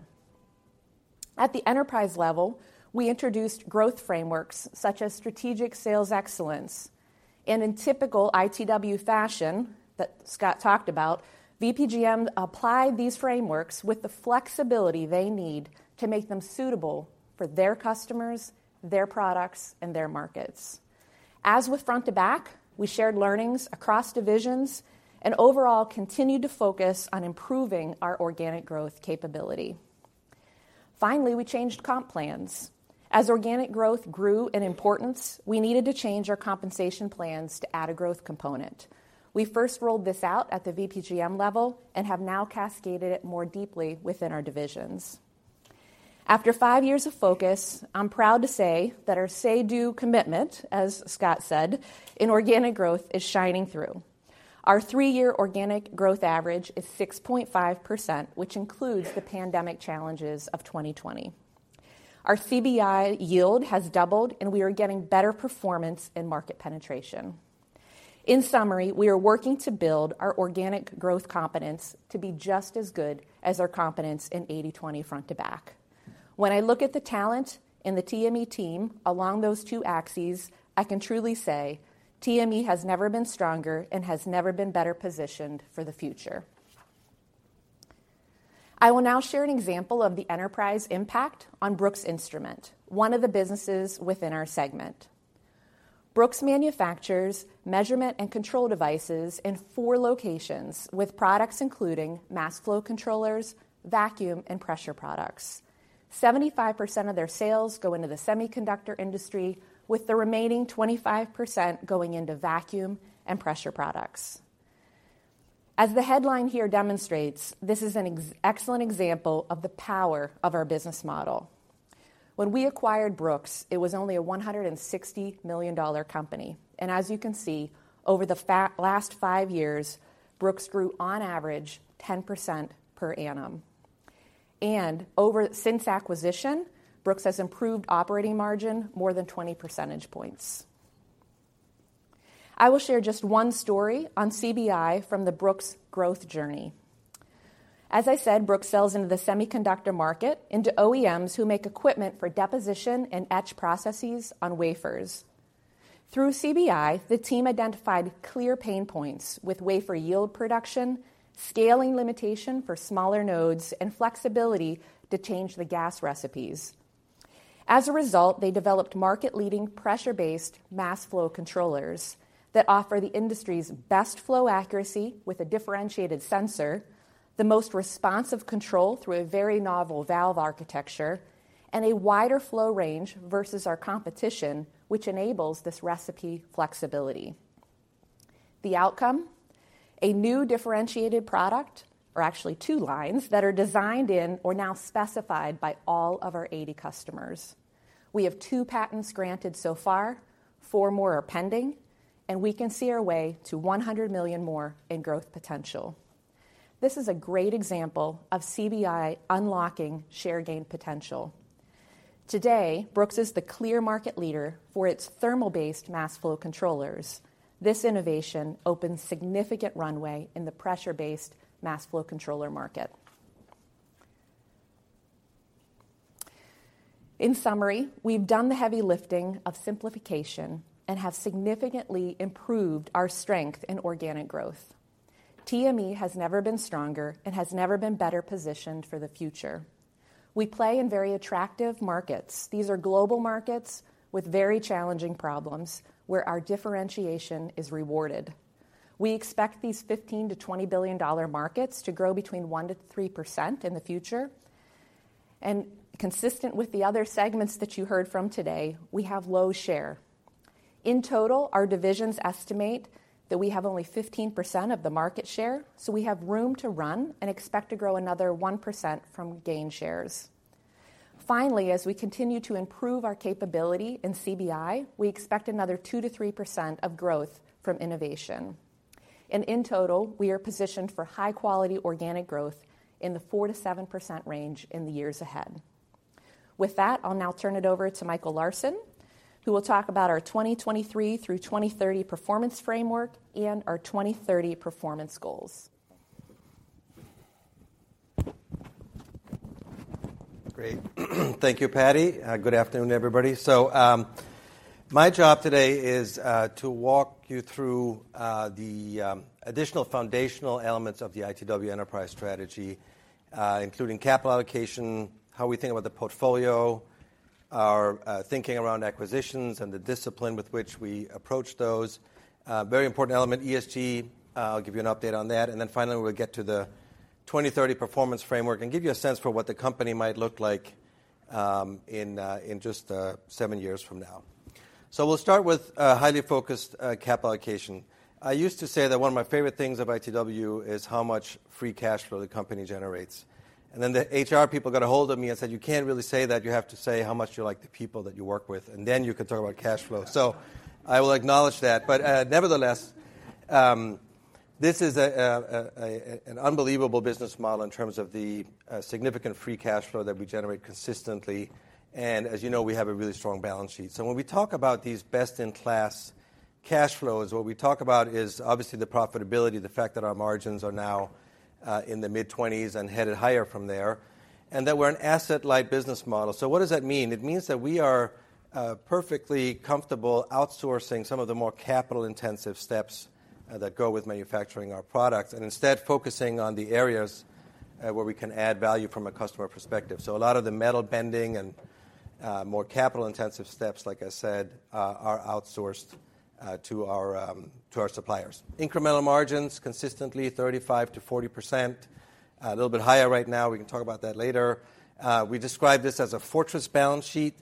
At the Enterprise level, we introduced growth frameworks such as Strategic Sales Excellence. In typical ITW fashion that Scott talked about, VPGM applied these frameworks with the flexibility they need to make them suitable for their customers, their products, and their markets. As with Front-to-Back, we shared learnings across divisions and overall continued to focus on improving our organic growth capability. Finally, we changed comp plans. As organic growth grew in importance, we needed to change our compensation plans to add a growth component. We first rolled this out at the VPGM level and have now cascaded it more deeply within our divisions. After five years of focus, I'm proud to say that our say do commitment, as Scott said, in organic growth is shining through. Our three-year organic growth average is 6.5%, which includes the pandemic challenges of 2020. Our CBI yield has doubled, and we are getting better performance in market penetration. In summary, we are working to build our organic growth competence to be just as good as our competence in 80/20 Front-to-Back. When I look at the talent in the TME team along those two axes, I can truly say TME has never been stronger and has never been better positioned for the future. I will now share an example of the Enterprise impact on Brooks Instrument, one of the businesses within our segment. Brooks manufactures measurement and control devices in four locations with products including mass flow controllers, vacuum and pressure products. 75% of their sales go into the semiconductor industry, with the remaining 25% going into vacuum and pressure products. As the headline here demonstrates, this is an excellent example of the power of our Business Model. When we acquired Brooks, it was only a $160 million company. As you can see, over the last five years, Brooks grew on average 10% per annum. Since acquisition, Brooks has improved operating margin more than 20 percentage points. I will share just one story on CBI from the Brooks growth journey. As I said Brooks sells into the semiconductor market into OEMs who make equipment for deposition and etch processes on wafers. Through CBI, the team identified clear pain points with wafer yield production, scaling limitation for smaller nodes, and flexibility to change the gas recipes. As a result, they developed market-leading pressure-based mass flow controllers that offer the industry's best flow accuracy with a differentiated sensor, the most responsive control through a very novel valve architecture, and a wider flow range versus our competition, which enables this recipe flexibility. The outcome, a new differentiated product, or actually two lines that are designed in or now specified by all of our 80 customers. We have two patents granted so far, four more are pending, and we can see our way to $100 million more in growth potential. This is a great example of CBI unlocking share gain potential. Today, Brooks is the clear market leader for its thermal-based mass flow controllers. This innovation opens significant runway in the pressure-based mass flow controller market. In summary, we've done the heavy lifting of simplification and have significantly improved our strength in organic growth. TME has never been stronger and has never been better positioned for the future. We play in very attractive markets. These are global markets with very challenging problems where our differentiation is rewarded. We expect these $15 billion-$20 billion markets to grow between 1%-3% in the future. Consistent with the other segments that you heard from today, we have low share. In total, our divisions estimate that we have only 15% of the market share, so we have room to run and expect to grow another 1% from gain shares. Finally, as we continue to improve our capability in CBI, we expect another 2%-3% of growth from innovation. In total, we are positioned for high-quality organic growth in the 4%-7% range in the years ahead. With that, I'll now turn it over to Michael Larson, who will talk about our 2023 through 2030 performance framework and our 2030 performance goals. Great. Thank you, Patty. Good afternoon, everybody. My job today is to walk you through the additional foundational elements of the ITW Enterprise Strategy, including capital allocation, how we think about the portfolio, our thinking around acquisitions and the discipline with which we approach those. Very important element, ESG, I'll give you an update on that. Finally, we'll get to the 2030 performance framework and give you a sense for what the company might look like in just seven years from now. We'll start with highly focused capital allocation. I used to say that one of my favorite things of ITW is how much free cash flow the company generates. The HR people got a hold of me and said, "You can't really say that. You have to say how much you like the people that you work with, and then you can talk about cash flow." I will acknowledge that. Nevertheless, this is an unbelievable Business Model in terms of the significant free cash flow that we generate consistently. As you know, we have a really strong balance sheet. When we talk about these best-in-class cash flows, what we talk about is obviously the profitability, the fact that our margins are now in the mid-twenties and headed higher from there, and that we're an asset-light Business Model. What does that mean? It means that we are perfectly comfortable outsourcing some of the more capital-intensive steps that go with manufacturing our products, and instead focusing on the areas where we can add value from a customer perspective. A lot of the metal bending and more capital-intensive steps, like I said, are outsourced to our suppliers. Incremental margins, consistently 35%-40%. A little bit higher right now. We can talk about that later. We describe this as a fortress balance sheet.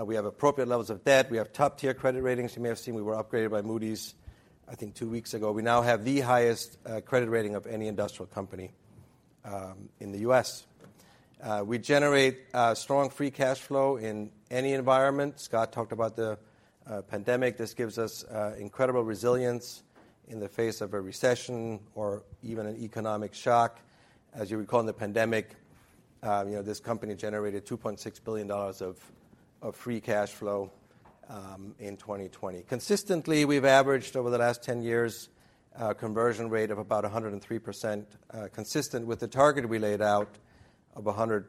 We have appropriate levels of debt. We have top-tier credit ratings. You may have seen we were upgraded by Moody's, I think two weeks ago. We now have the highest credit rating of any industrial company in the U.S. We generate strong free cash flow in any environment. Scott talked about the pandemic. This gives us incredible resilience in the face of a recession or even an economic shock. As you recall, in the pandemic, you know, this company generated $2.6 billion of free cash flow in 2020. Consistently, we've averaged over the last 10 years a conversion rate of about 103%, consistent with the target we laid out of 100%+.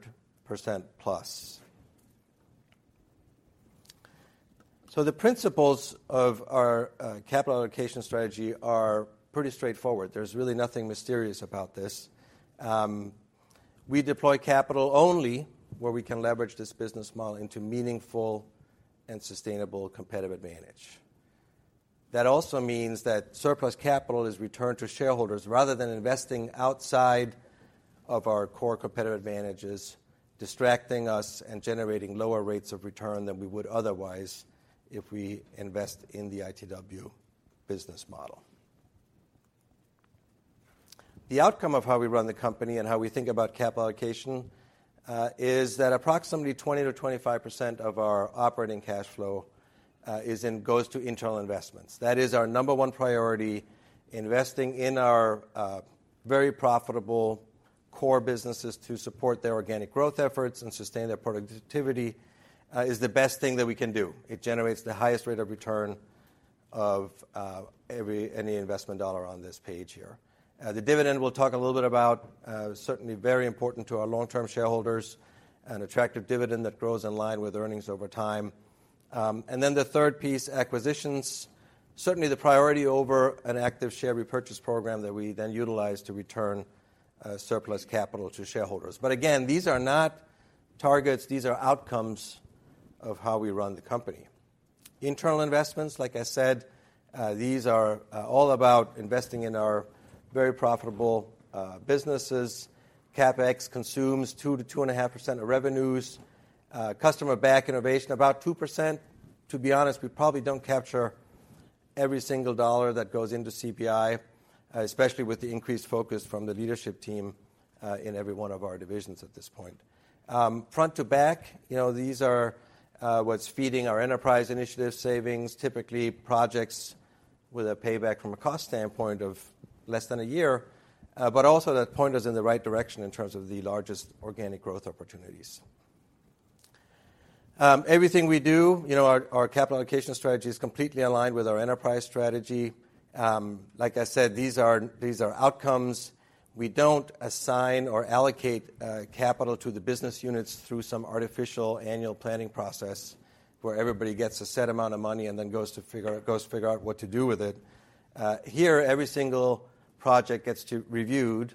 The principles of our capital allocation strategy are pretty straightforward. There's really nothing mysterious about this. We deploy capital only where we can leverage this Business Model into meaningful and sustainable competitive advantage. That also means that surplus capital is returned to shareholders rather than investing outside of our core competitive advantages, distracting us and generating lower rates of return than we would otherwise if we invest in the ITW Business Model. The outcome of how we run the company and how we think about capital allocation is that approximately 20%-25% of our operating cash flow goes to internal investments. That is our number one priority. Investing in our very profitable core businesses to support their organic growth efforts and sustain their productivity is the best thing that we can do. It generates the highest rate of return of any investment dollar on this page here. The dividend, we'll talk a little bit about. Certainly very important to our long-term shareholders, an attractive dividend that grows in line with earnings over time. And then the third piece, acquisitions, certainly the priority over an active share repurchase program that we then utilize to return surplus capital to shareholders. Again, these are not targets, these are outcomes of how we run the company. Internal investments, like I said, these are all about investing in our very profitable businesses. CapEx consumes 2%-2.5% of revenues. Customer-Back Innovation, about 2%. To be honest, we probably don't capture every single dollar that goes into CBI, especially with the increased focus from the leadership team, in every one of our divisions at this point. Front-to-Back, you know, these are what's feeding our Enterprise Initiatives savings. Typically, projects with a payback from a cost standpoint of less than a year, but also that point us in the right direction in terms of the largest organic growth opportunities. Everything we do, you know, our capital allocation strategy is completely aligned with our Enterprise Strategy. Like I said, these are, these are outcomes. We don't assign or allocate capital to the business units through some artificial annual planning process where everybody gets a set amount of money and then goes to figure out what to do with it. Here, every single project gets reviewed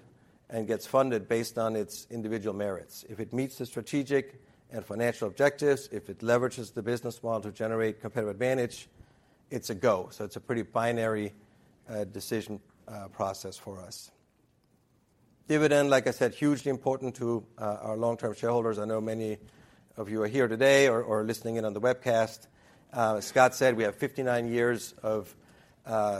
and gets funded based on its individual merits. If it meets the strategic and financial objectives, if it leverages the Business Model to generate competitive advantage, it's a go. It's a pretty binary decision process for us. Dividend, like I said, hugely important to our long-term shareholders. I know many of you are here today or listening in on the webcast. As Scott said, we have 59 years of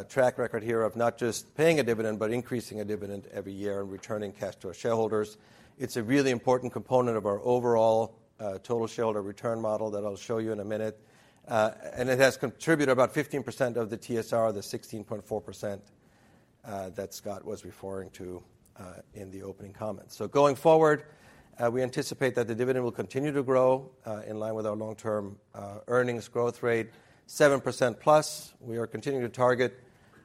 track record here of not just paying a dividend, but increasing a dividend every year and returning cash to our shareholders. It's a really important component of our overall total shareholder return model that I'll show you in a minute. It has contributed about 15% of the TSR, the 16.4%, that Scott was referring to in the opening comments. Going forward, we anticipate that the dividend will continue to grow in line with our long-term earnings growth rate, 7%+. We are continuing to target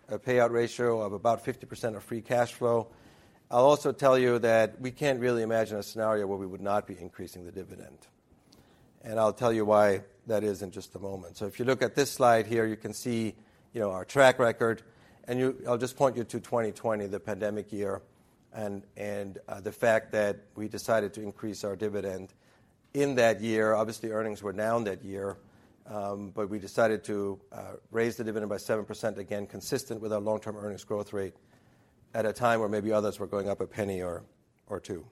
a payout ratio of about 50% of free cash flow. I'll also tell you that we can't really imagine a scenario where we would not be increasing the dividend. I'll tell you why that is in just a moment. If you look at this slide here, you can see, you know, our track record, I'll just point you to 2020, the pandemic year, and the fact that we decided to increase our dividend in that year. Obviously, earnings were down that year, but we decided to raise the dividend by 7%, again, consistent with our long-term earnings growth rate at a time where maybe others were going up a penny or two.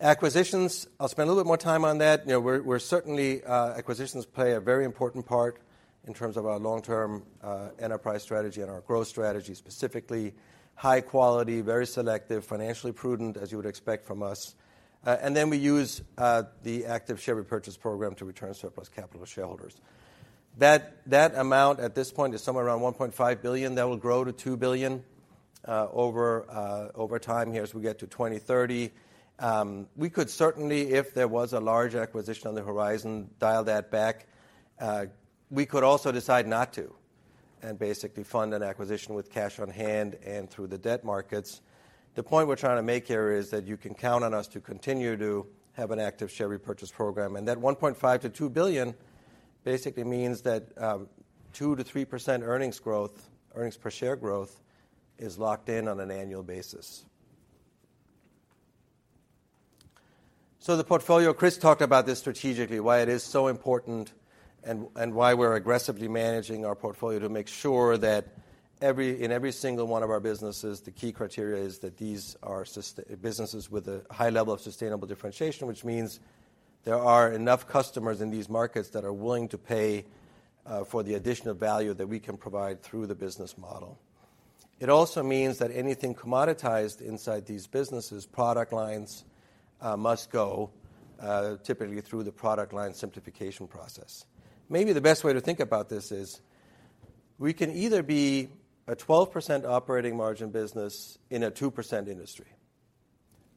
Acquisitions, I'll spend a little more time on that. You know, we're certainly, acquisitions play a very important part in terms of our long-term Enterprise Strategy and our growth strategy, specifically high quality, very selective, financially prudent, as you would expect from us. Then we use the active share repurchase program to return surplus capital to shareholders. That amount at this point is somewhere around $1.5 billion. That will grow to $2 billion over time here as we get to 2030. We could certainly, if there was a large acquisition on the horizon, dial that back. We could also decide not to and basically fund an acquisition with cash on hand and through the debt markets. The point we're trying to make here is that you can count on us to continue to have an active share repurchase program. That $1.5 billion-$2 billion basically means that 2%-3% earnings growth, earnings per share growth is locked in on an annual basis. The portfolio, Chris talked about this strategically, why it is so important and why we're aggressively managing our portfolio to make sure that in every single one of our businesses, the key criteria is that these are businesses with a high level of sustainable differentiation, which means there are enough customers in these markets that are willing to pay for the additional value that we can provide through the Business Model. It also means that anything commoditized inside these businesses, product lines, must go typically through the product line simplification process. Maybe the best way to think about this is we can either be a 12% operating margin business in a 2% industry,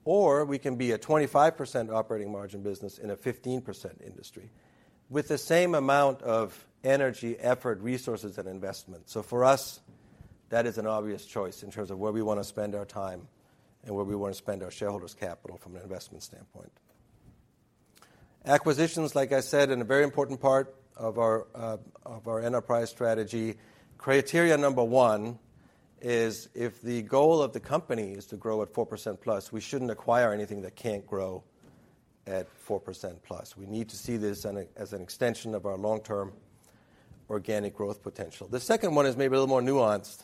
or we can be a 25% operating margin business in a 15% industry with the same amount of energy, effort, resources, and investment. For us, that is an obvious choice in terms of where we wanna spend our time and where we wanna spend our shareholders' capital from an investment standpoint. Acquisitions, like I said, and a very important part of our Enterprise Strategy. Criteria number one is if the goal of the company is to grow at 4%+, we shouldn't acquire anything that can't grow at 4%+. We need to see this as an extension of our long-term organic growth potential. The second one is maybe a little more nuanced,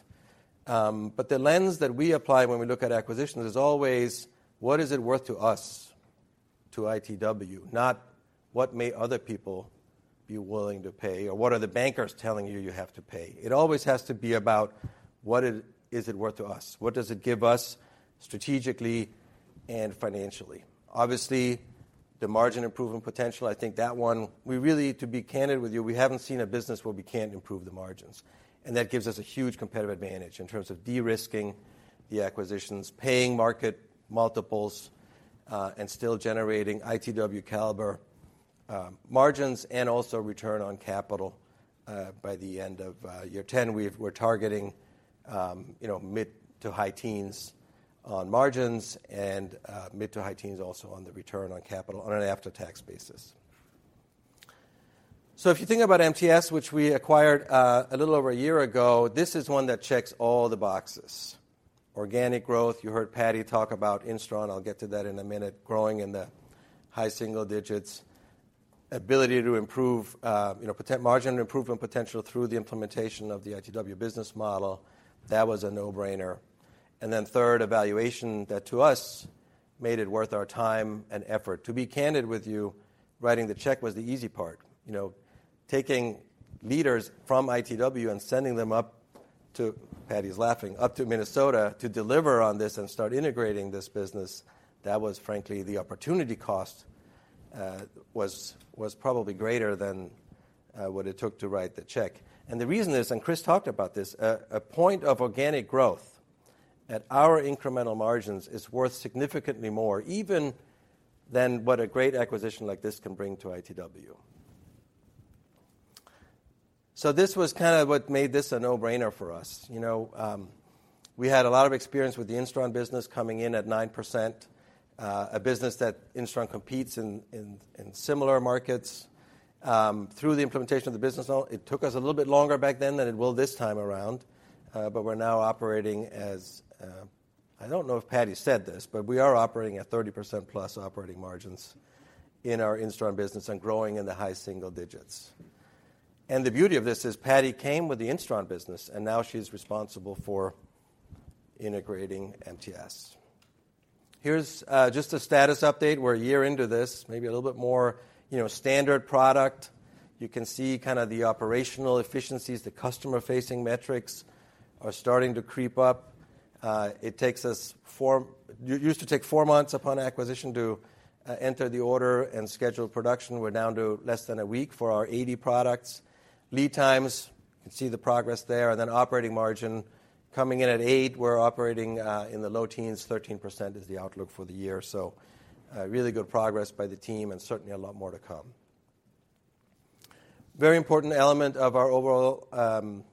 but the lens that we apply when we look at acquisitions is always what is it worth to us, to ITW? Not what may other people be willing to pay or what are the bankers telling you you have to pay. It always has to be about what is it worth to us? What does it give us strategically and financially? Obviously, the margin improvement potential, I think that one, we really, to be candid with you, we haven't seen a business where we can't improve the margins. That gives us a huge competitive advantage in terms of de-risking the acquisitions, paying market multiples, and still generating ITW caliber margins and also return on capital by the end of year 10. We're targeting, you know, mid to high teens on margins and mid to high teens also on the return on capital on an after-tax basis. If you think about MTS, which we acquired, a little over a year ago, this is one that checks all the boxes. Organic growth, you heard Patty talk about Instron, I'll get to that in a minute, growing in the high-single digits. Ability to improve, you know, margin improvement potential through the implementation of the ITW Business Model, that was a no-brainer. Third, a valuation that to us made it worth our time and effort. To be candid with you, writing the check was the easy part. You know, taking leaders from ITW and sending them up to, Patty's laughing, up to Minnesota to deliver on this and start integrating this business, that was frankly the opportunity cost was probably greater than what it took to write the check. The reason is, and Chris talked about this, a point of organic growth at our incremental margins is worth significantly more, even than what a great acquisition like this can bring to ITW. This was kind of what made this a no-brainer for us. You know, we had a lot of experience with the Instron business coming in at 9%, a business that Instron competes in similar markets. Through the implementation of the Business Model, it took us a little bit longer back then than it will this time around, but we're now operating as, I don't know if Patty said this, but we are operating at 30%+ operating margins in our Instron business and growing in the high single digits. The beauty of this is Patty came with the Instron business, and now she's responsible for integrating MTS. Here's just a status update. We're a year into this, maybe a little bit more, you know, standard product. You can see kind of the operational efficiencies. The customer-facing metrics are starting to creep up. It used to take 4 months upon acquisition to enter the order and schedule production. We're down to less than a week for our 80/20 products. Lead times, you can see the progress there. Operating margin coming in at 8%. We're operating in the low teens. 13% is the outlook for the year. Really good progress by the team and certainly a lot more to come. Very important element of our overall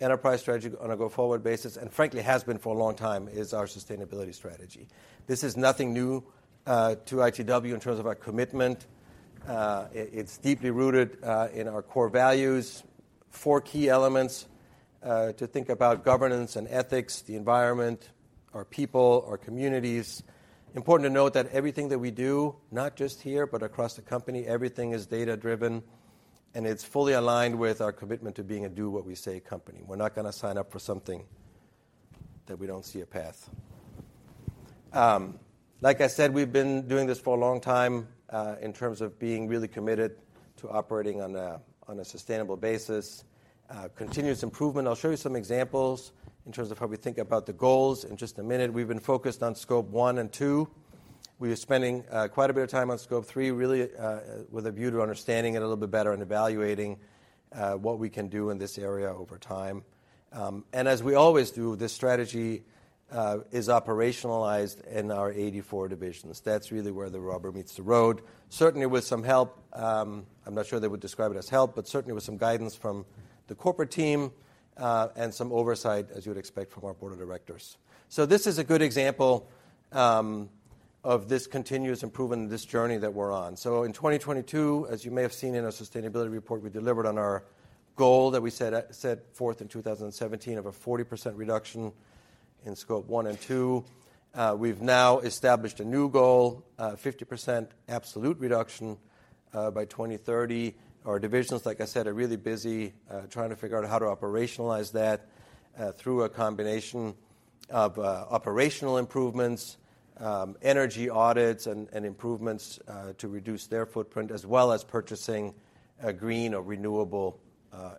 Enterprise Strategy on a go-forward basis, and frankly has been for a long time, is our sustainability strategy. This is nothing new to ITW in terms of our commitment. It's deeply rooted in our core values. Four key elements to think about, governance and ethics, the environment, our people, our communities. Important to note that everything that we do, not just here, but across the company, everything is data-driven, and it's fully aligned with our commitment to being a do what we say company. We're not gonna sign up for something that we don't see a path. Like I said, we've been doing this for a long time, in terms of being really committed to operating on a sustainable basis. Continuous improvement. I'll show you some examples in terms of how we think about the goals in just a minute. We've been focused on Scope 1 and 2. We are spending quite a bit of time on Scope 3, really, with a view to understanding it a little bit better and evaluating what we can do in this area over time. As we always do, this strategy is operationalized in our 84 divisions. That's really where the rubber meets the road. Certainly with some help, I'm not sure they would describe it as help, certainly with some guidance from the corporate team, and some oversight, as you would expect from our board of directors. This is a good example of this continuous improvement and this journey that we're on. In 2022, as you may have seen in our sustainability report, we delivered on our goal that we set forth in 2017 of a 40% reduction in Scope 1 and 2. We've now established a new goal, 50% absolute reduction by 2030. Our divisions, like I said, are really busy trying to figure out how to operationalize that through a combination of operational improvements, energy audits, and improvements to reduce their footprint, as well as purchasing green or renewable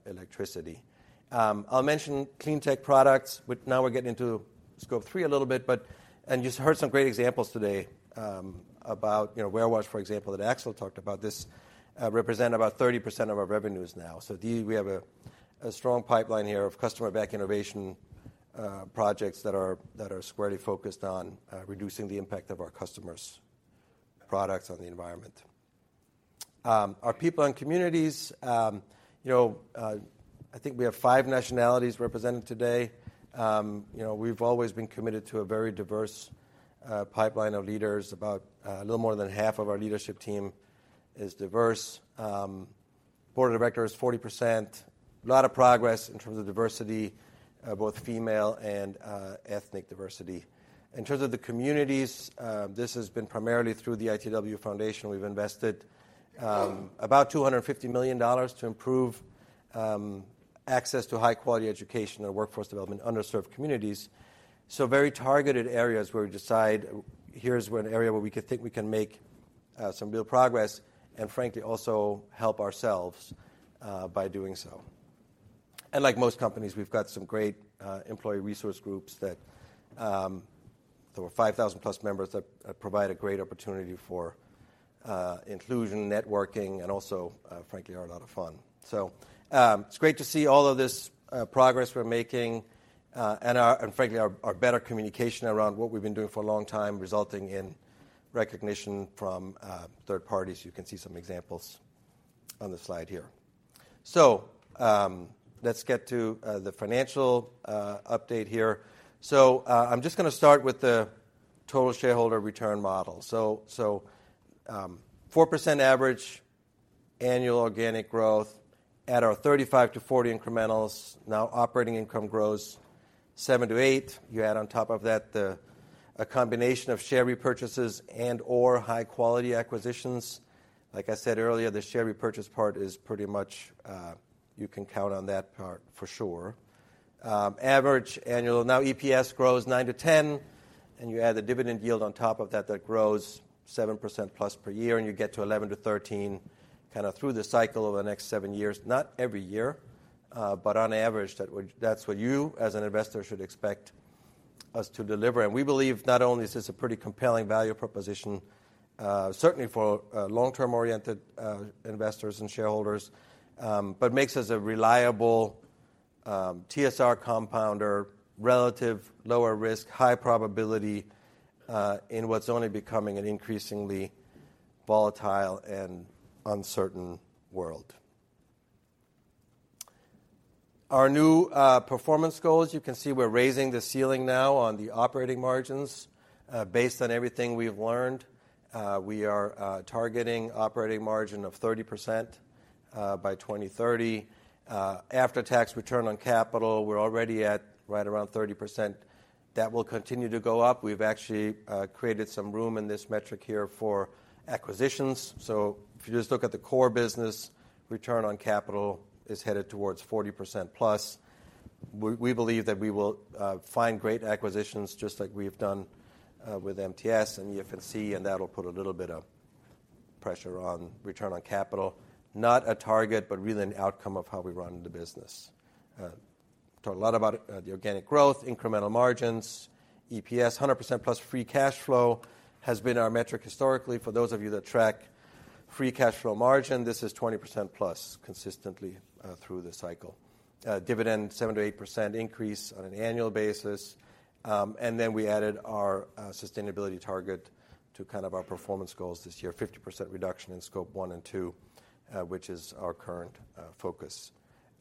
electricity. I'll mention Clean-Tech Products. Now we're getting into Scope 3 a little bit. You heard some great examples today, about, you know, warewash, for example, that Axel talked about. This represent about 30% of our revenues now. We have a strong pipeline here of Customer-Back Innovation projects that are squarely focused on reducing the impact of our customers' products on the environment. Our people and communities, you know, I think we have five nationalities represented today. You know, we've always been committed to a very diverse pipeline of leaders. About a little more than half of our leadership team is diverse. Board of directors, 40%. A lot of progress in terms of diversity, both female and ethnic diversity. In terms of the communities, this has been primarily through the ITW Foundation. We've invested about $250 million to improve access to high-quality education and workforce development in underserved communities. Very targeted areas where we decide, an area where we could think we can make some real progress, and frankly, also help ourselves by doing so. Like most companies, we've got some great employee resource groups that there were 5,000+ members that provide a great opportunity for inclusion, networking, and also, frankly, are a lot of fun. It's great to see all of this progress we're making, and frankly, our better communication around what we've been doing for a long time, resulting in recognition from third parties. You can see some examples on the slide here. Let's get to the financial update here. I'm just gonna start with the total shareholder return model. 4% average annual organic growth at our 35%-40% incrementals. Now operating income grows 7%-8%. You add on top of that a combination of share repurchases and/or high-quality acquisitions. Like I said earlier, the share repurchase part is pretty much, you can count on that part for sure. Average annual now EPS grows 9-10%, and you add the dividend yield on top of that grows 7%+ per year, and you get to 11%-13% kinda through the cycle over the next seven years. Not every year, but on average, that's what you as an investor should expect us to deliver. We believe not only is this a pretty compelling value proposition, certainly for long-term oriented investors and shareholders, but makes us a reliable TSR compounder, relative lower risk, high probability in what's only becoming an increasingly volatile and uncertain world. Our new performance goals. You can see we're raising the ceiling now on the operating margins, based on everything we've learned. We are targeting operating margin of 30% by 2030. After-tax return on capital, we're already at right around 30%. That will continue to go up. We've actually created some room in this metric here for acquisitions. If you just look at the core business, return on capital is headed towards 40%+. We believe that we will find great acquisitions just like we've done with MTS and EF&C, and that'll put a little bit of pressure on return on capital. Not a target, but really an outcome of how we run the business. Talked a lot about the organic growth, incremental margins, EPS. 100%+ free cash flow has been our metric historically. For those of you that track free cash flow margin, this is 20%+ consistently through the cycle. Dividend, 7%-8% increase on an annual basis. Then we added our sustainability target to kind of our performance goals this year, 50% reduction in Scope 1 and 2, which is our current focus.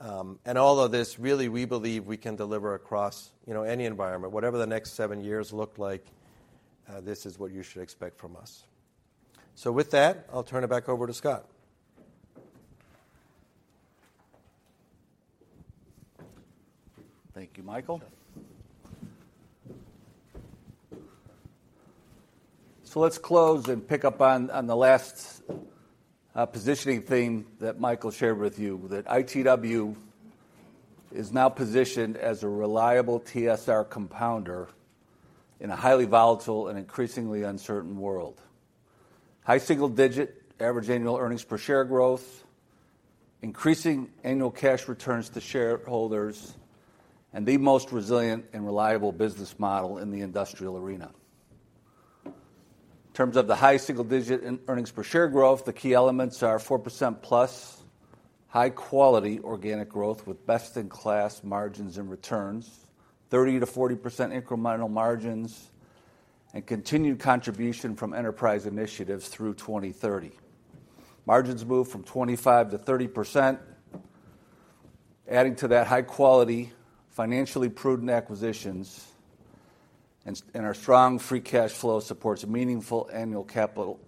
All of this, really, we believe we can deliver across, you know, any environment. Whatever the next seven years look like, this is what you should expect from us. With that, I'll turn it back over to Scott. Thank you, Michael. Sure. Let's close and pick up on the last positioning theme that Michael shared with you, that ITW is now positioned as a reliable TSR compounder in a highly volatile and increasingly uncertain world. High single-digit average annual earnings per share growth, increasing annual cash returns to shareholders, and the most resilient and reliable Business Model in the industrial arena. In terms of the high single digit in earnings per share growth, the key elements are 4%+ high quality organic growth with best-in-class margins and returns, 30%-40% incremental margins, and continued contribution from Enterprise Initiatives through 2030. Margins move from 25%-30%, adding to that high quality, financially prudent acquisitions, and our strong free cash flow supports meaningful annual capital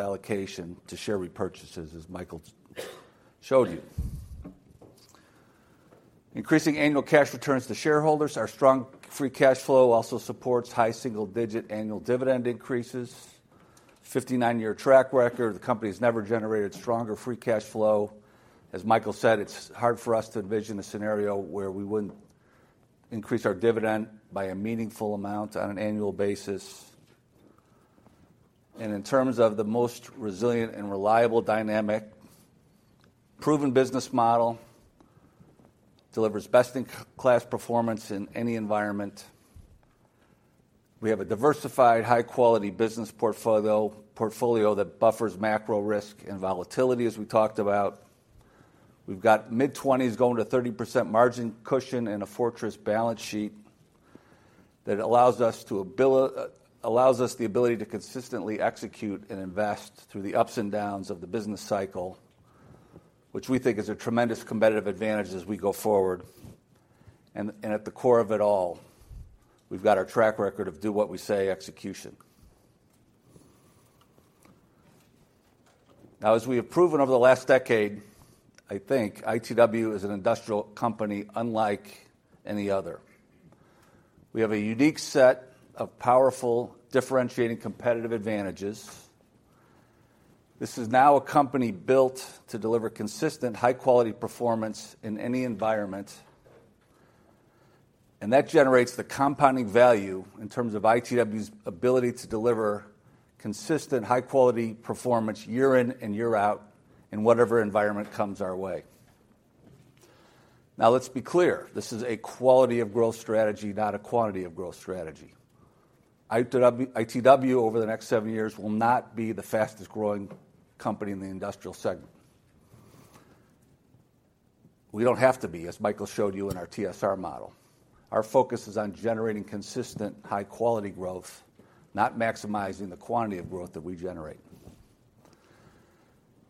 allocation to share repurchases, as Michael showed you. Increasing annual cash returns to shareholders. Our strong free cash flow also supports high single-digit annual dividend increases. 59-year track record. The company's never generated stronger free cash flow. As Michael said, it's hard for us to envision a scenario where we wouldn't increase our dividend by a meaningful amount on an annual basis. In terms of the most resilient and reliable dynamic, proven Business Model delivers best-in-class performance in any environment. We have a diversified, high-quality business portfolio that buffers macro risk and volatility, as we talked about. We've got mid-20s going to 30% margin cushion and a fortress balance sheet that allows us the ability to consistently execute and invest through the ups and downs of the business cycle, which we think is a tremendous competitive advantage as we go forward. At the core of it all, we've got our track record of do what we say execution. As we have proven over the last decade, I think ITW is an industrial company unlike any other. We have a unique set of powerful, differentiating competitive advantages. This is now a company built to deliver consistent, high-quality performance in any environment, and that generates the compounding value in terms of ITW's ability to deliver consistent, high-quality performance year in and year out in whatever environment comes our way. Let's be clear. This is a quality of growth strategy, not a quantity of growth strategy. ITW over the next seven years will not be the fastest growing company in the Industrial segment. We don't have to be, as Michael showed you in our TSR model. Our focus is on generating consistent, high-quality growth, not maximizing the quantity of growth that we generate.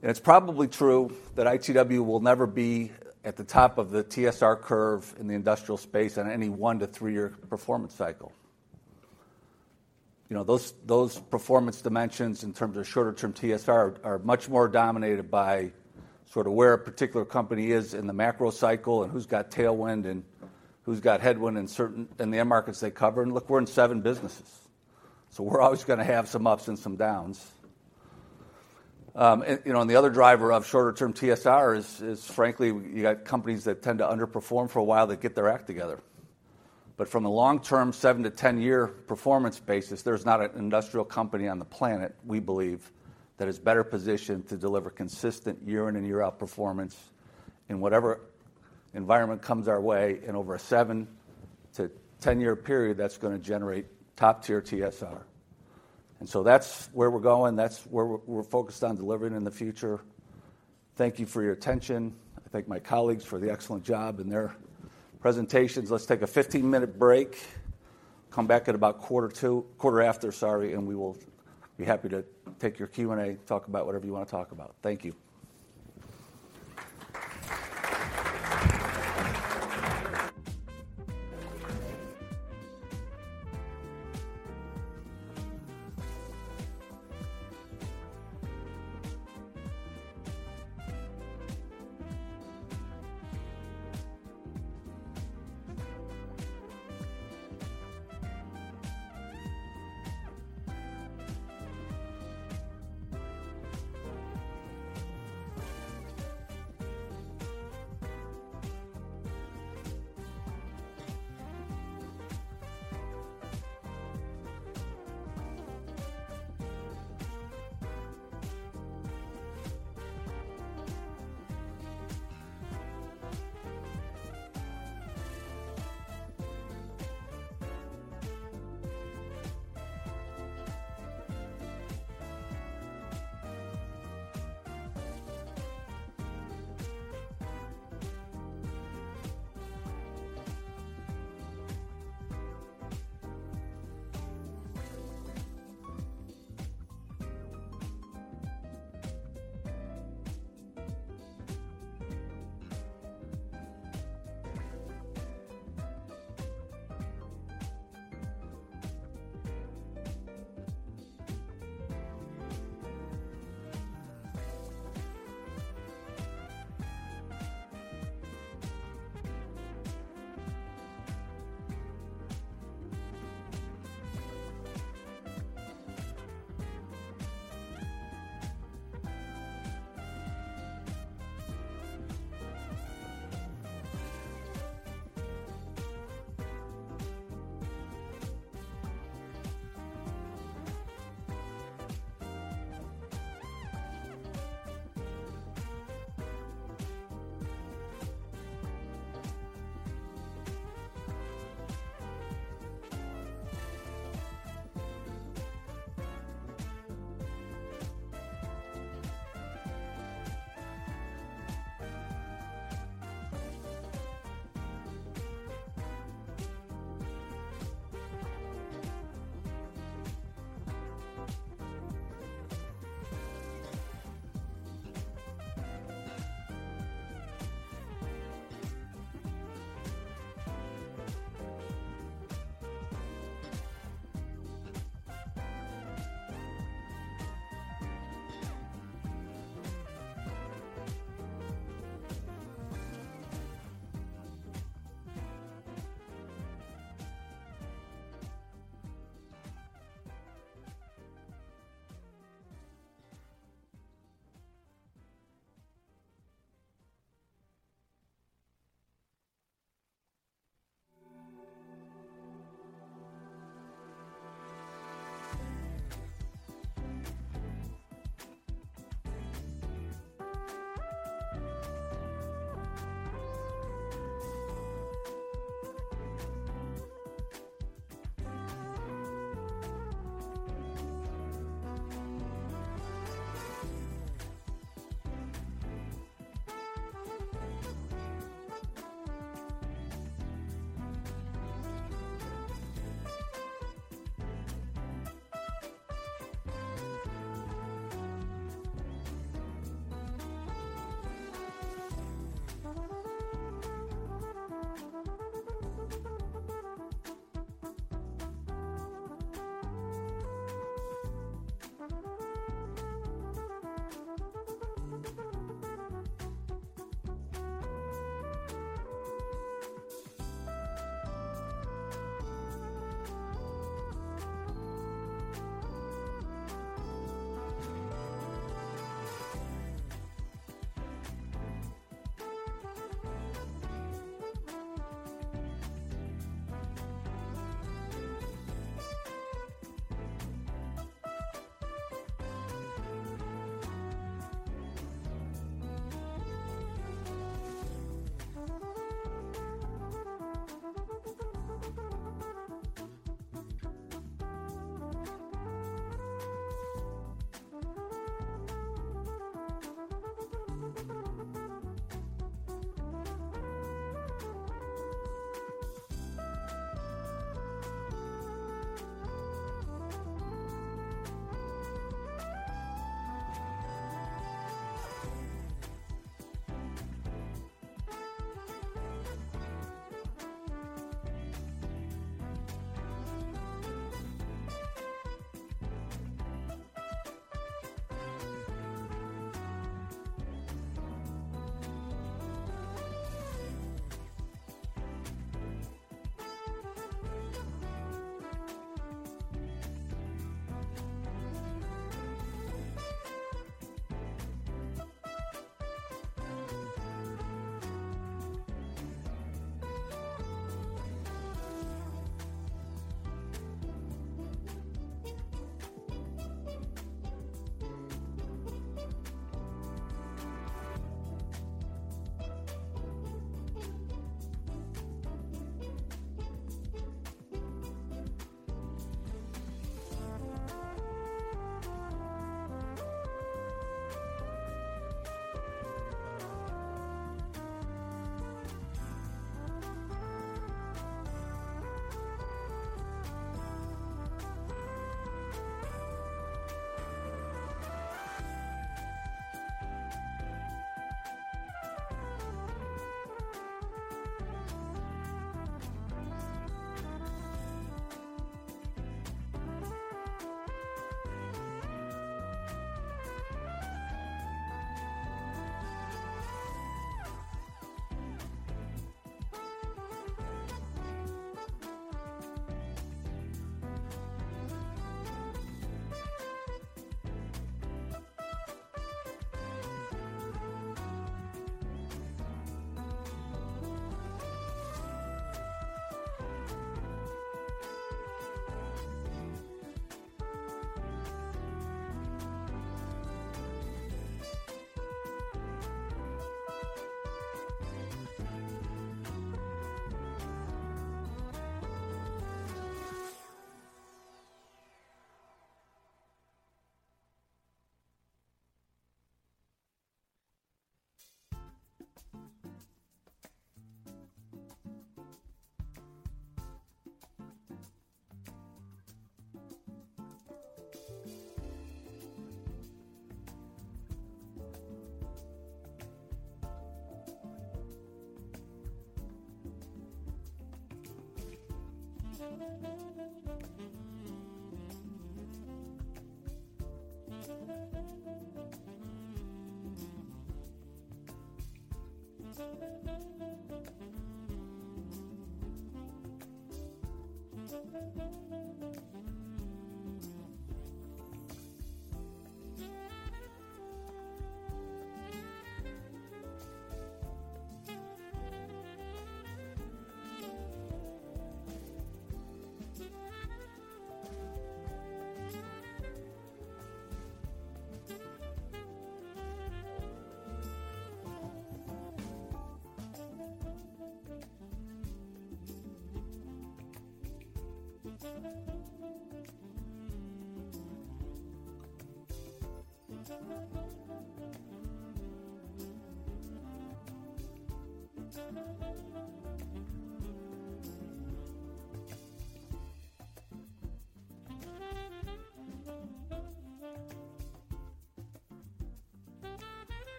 It's probably true that ITW will never be at the top of the TSR curve in the industrial space on any one to three-year performance cycle. You know, those performance dimensions in terms of shorter term TSR are much more dominated by sort of where a particular company is in the macro cycle and who's got tailwind and who's got headwind in the end markets they cover. You know, and the other driver of shorter term TSR is frankly, you got companies that tend to underperform for a while, that get their act together. From a long-term 7 year-10 year performance basis, there's not an industrial company on the planet, we believe, that is better positioned to deliver consistent year in and year out performance in whatever environment comes our way in over a year7-10 year period that's gonna generate top-tier TSR. That's where we're going. That's where we're focused on delivering in the future. Thank you for your attention. I thank my colleagues for the excellent job in their presentations. Let's take a 15-minute break. Come back at about quarter after, sorry, and we will be happy to take your Q&A, talk about whatever you wanna talk about. Thank you.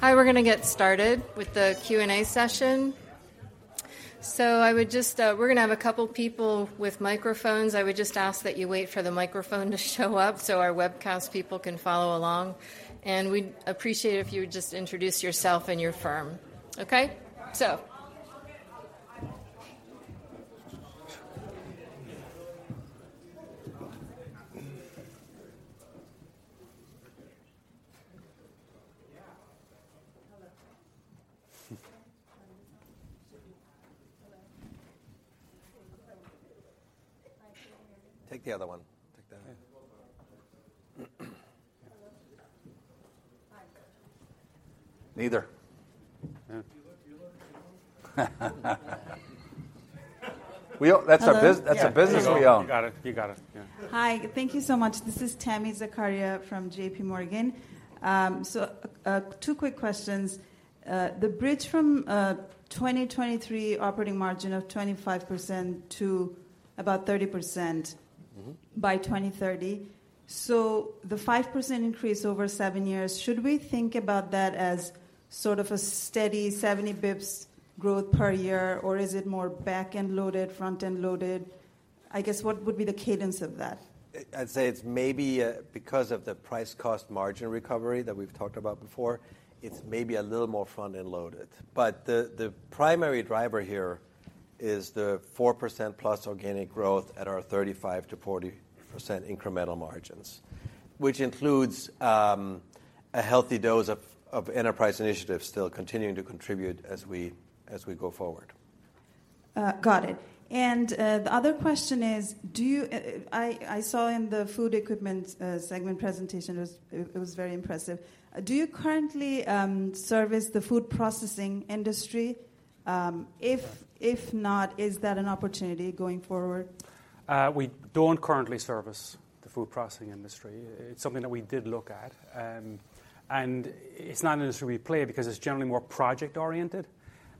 Hi, we're gonna get started with the Q&A session. I would just, We're gonna have a couple people with microphones. I would just ask that you wait for the microphone to show up so our webcast people can follow along, and we'd appreciate it if you would just introduce yourself and your firm. Okay? Take the other one. Take that. Neither. That's a business we own. You got it. You got it. Yeah. Hi. Thank you so much. This is Tami Zakaria from JPMorgan. Two quick questions. The bridge from 2023 operating margin of 25% to at 30%. Mm-hmm By 2030. The 5% increase over seven years, should we think about that as sort of a steady 70 basis points growth per year or is it more back-end loaded, front-end loaded? I guess, what would be the cadence of that? I'd say it's maybe, because of the price cost margin recovery that we've talked about before, it's maybe a little more front-end loaded. The primary driver here is the 4%+ organic growth at our 35%-40% incremental margins, which includes a healthy dose of Enterprise Initiatives still continuing to contribute as we go forward. Got it. The other question is, do you, I saw in the Food Equipment segment presentation, it was very impressive. Do you currently service the food processing industry? If not, is that an opportunity going forward? We don't currently service the Food Processing industry. It's something that we did look at, and it's not an industry we play because it's generally more project-oriented.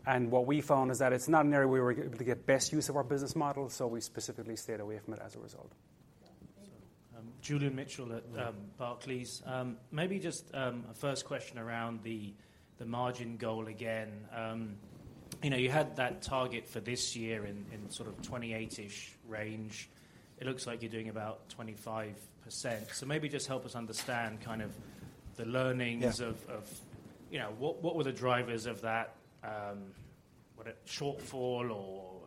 What we found is that it's not an area where we're gonna get best use of our Business Model, so we specifically stayed away from it as a result. Got it. Thank you. Julian Mitchell at Barclays. Maybe just a first question around the margin goal again. You know, you had that target for this year in sort of 28-ish range. It looks like you're doing about 25%. Maybe just help us understand kind of the learnings. Yeah You know, what were the drivers of that, what a shortfall or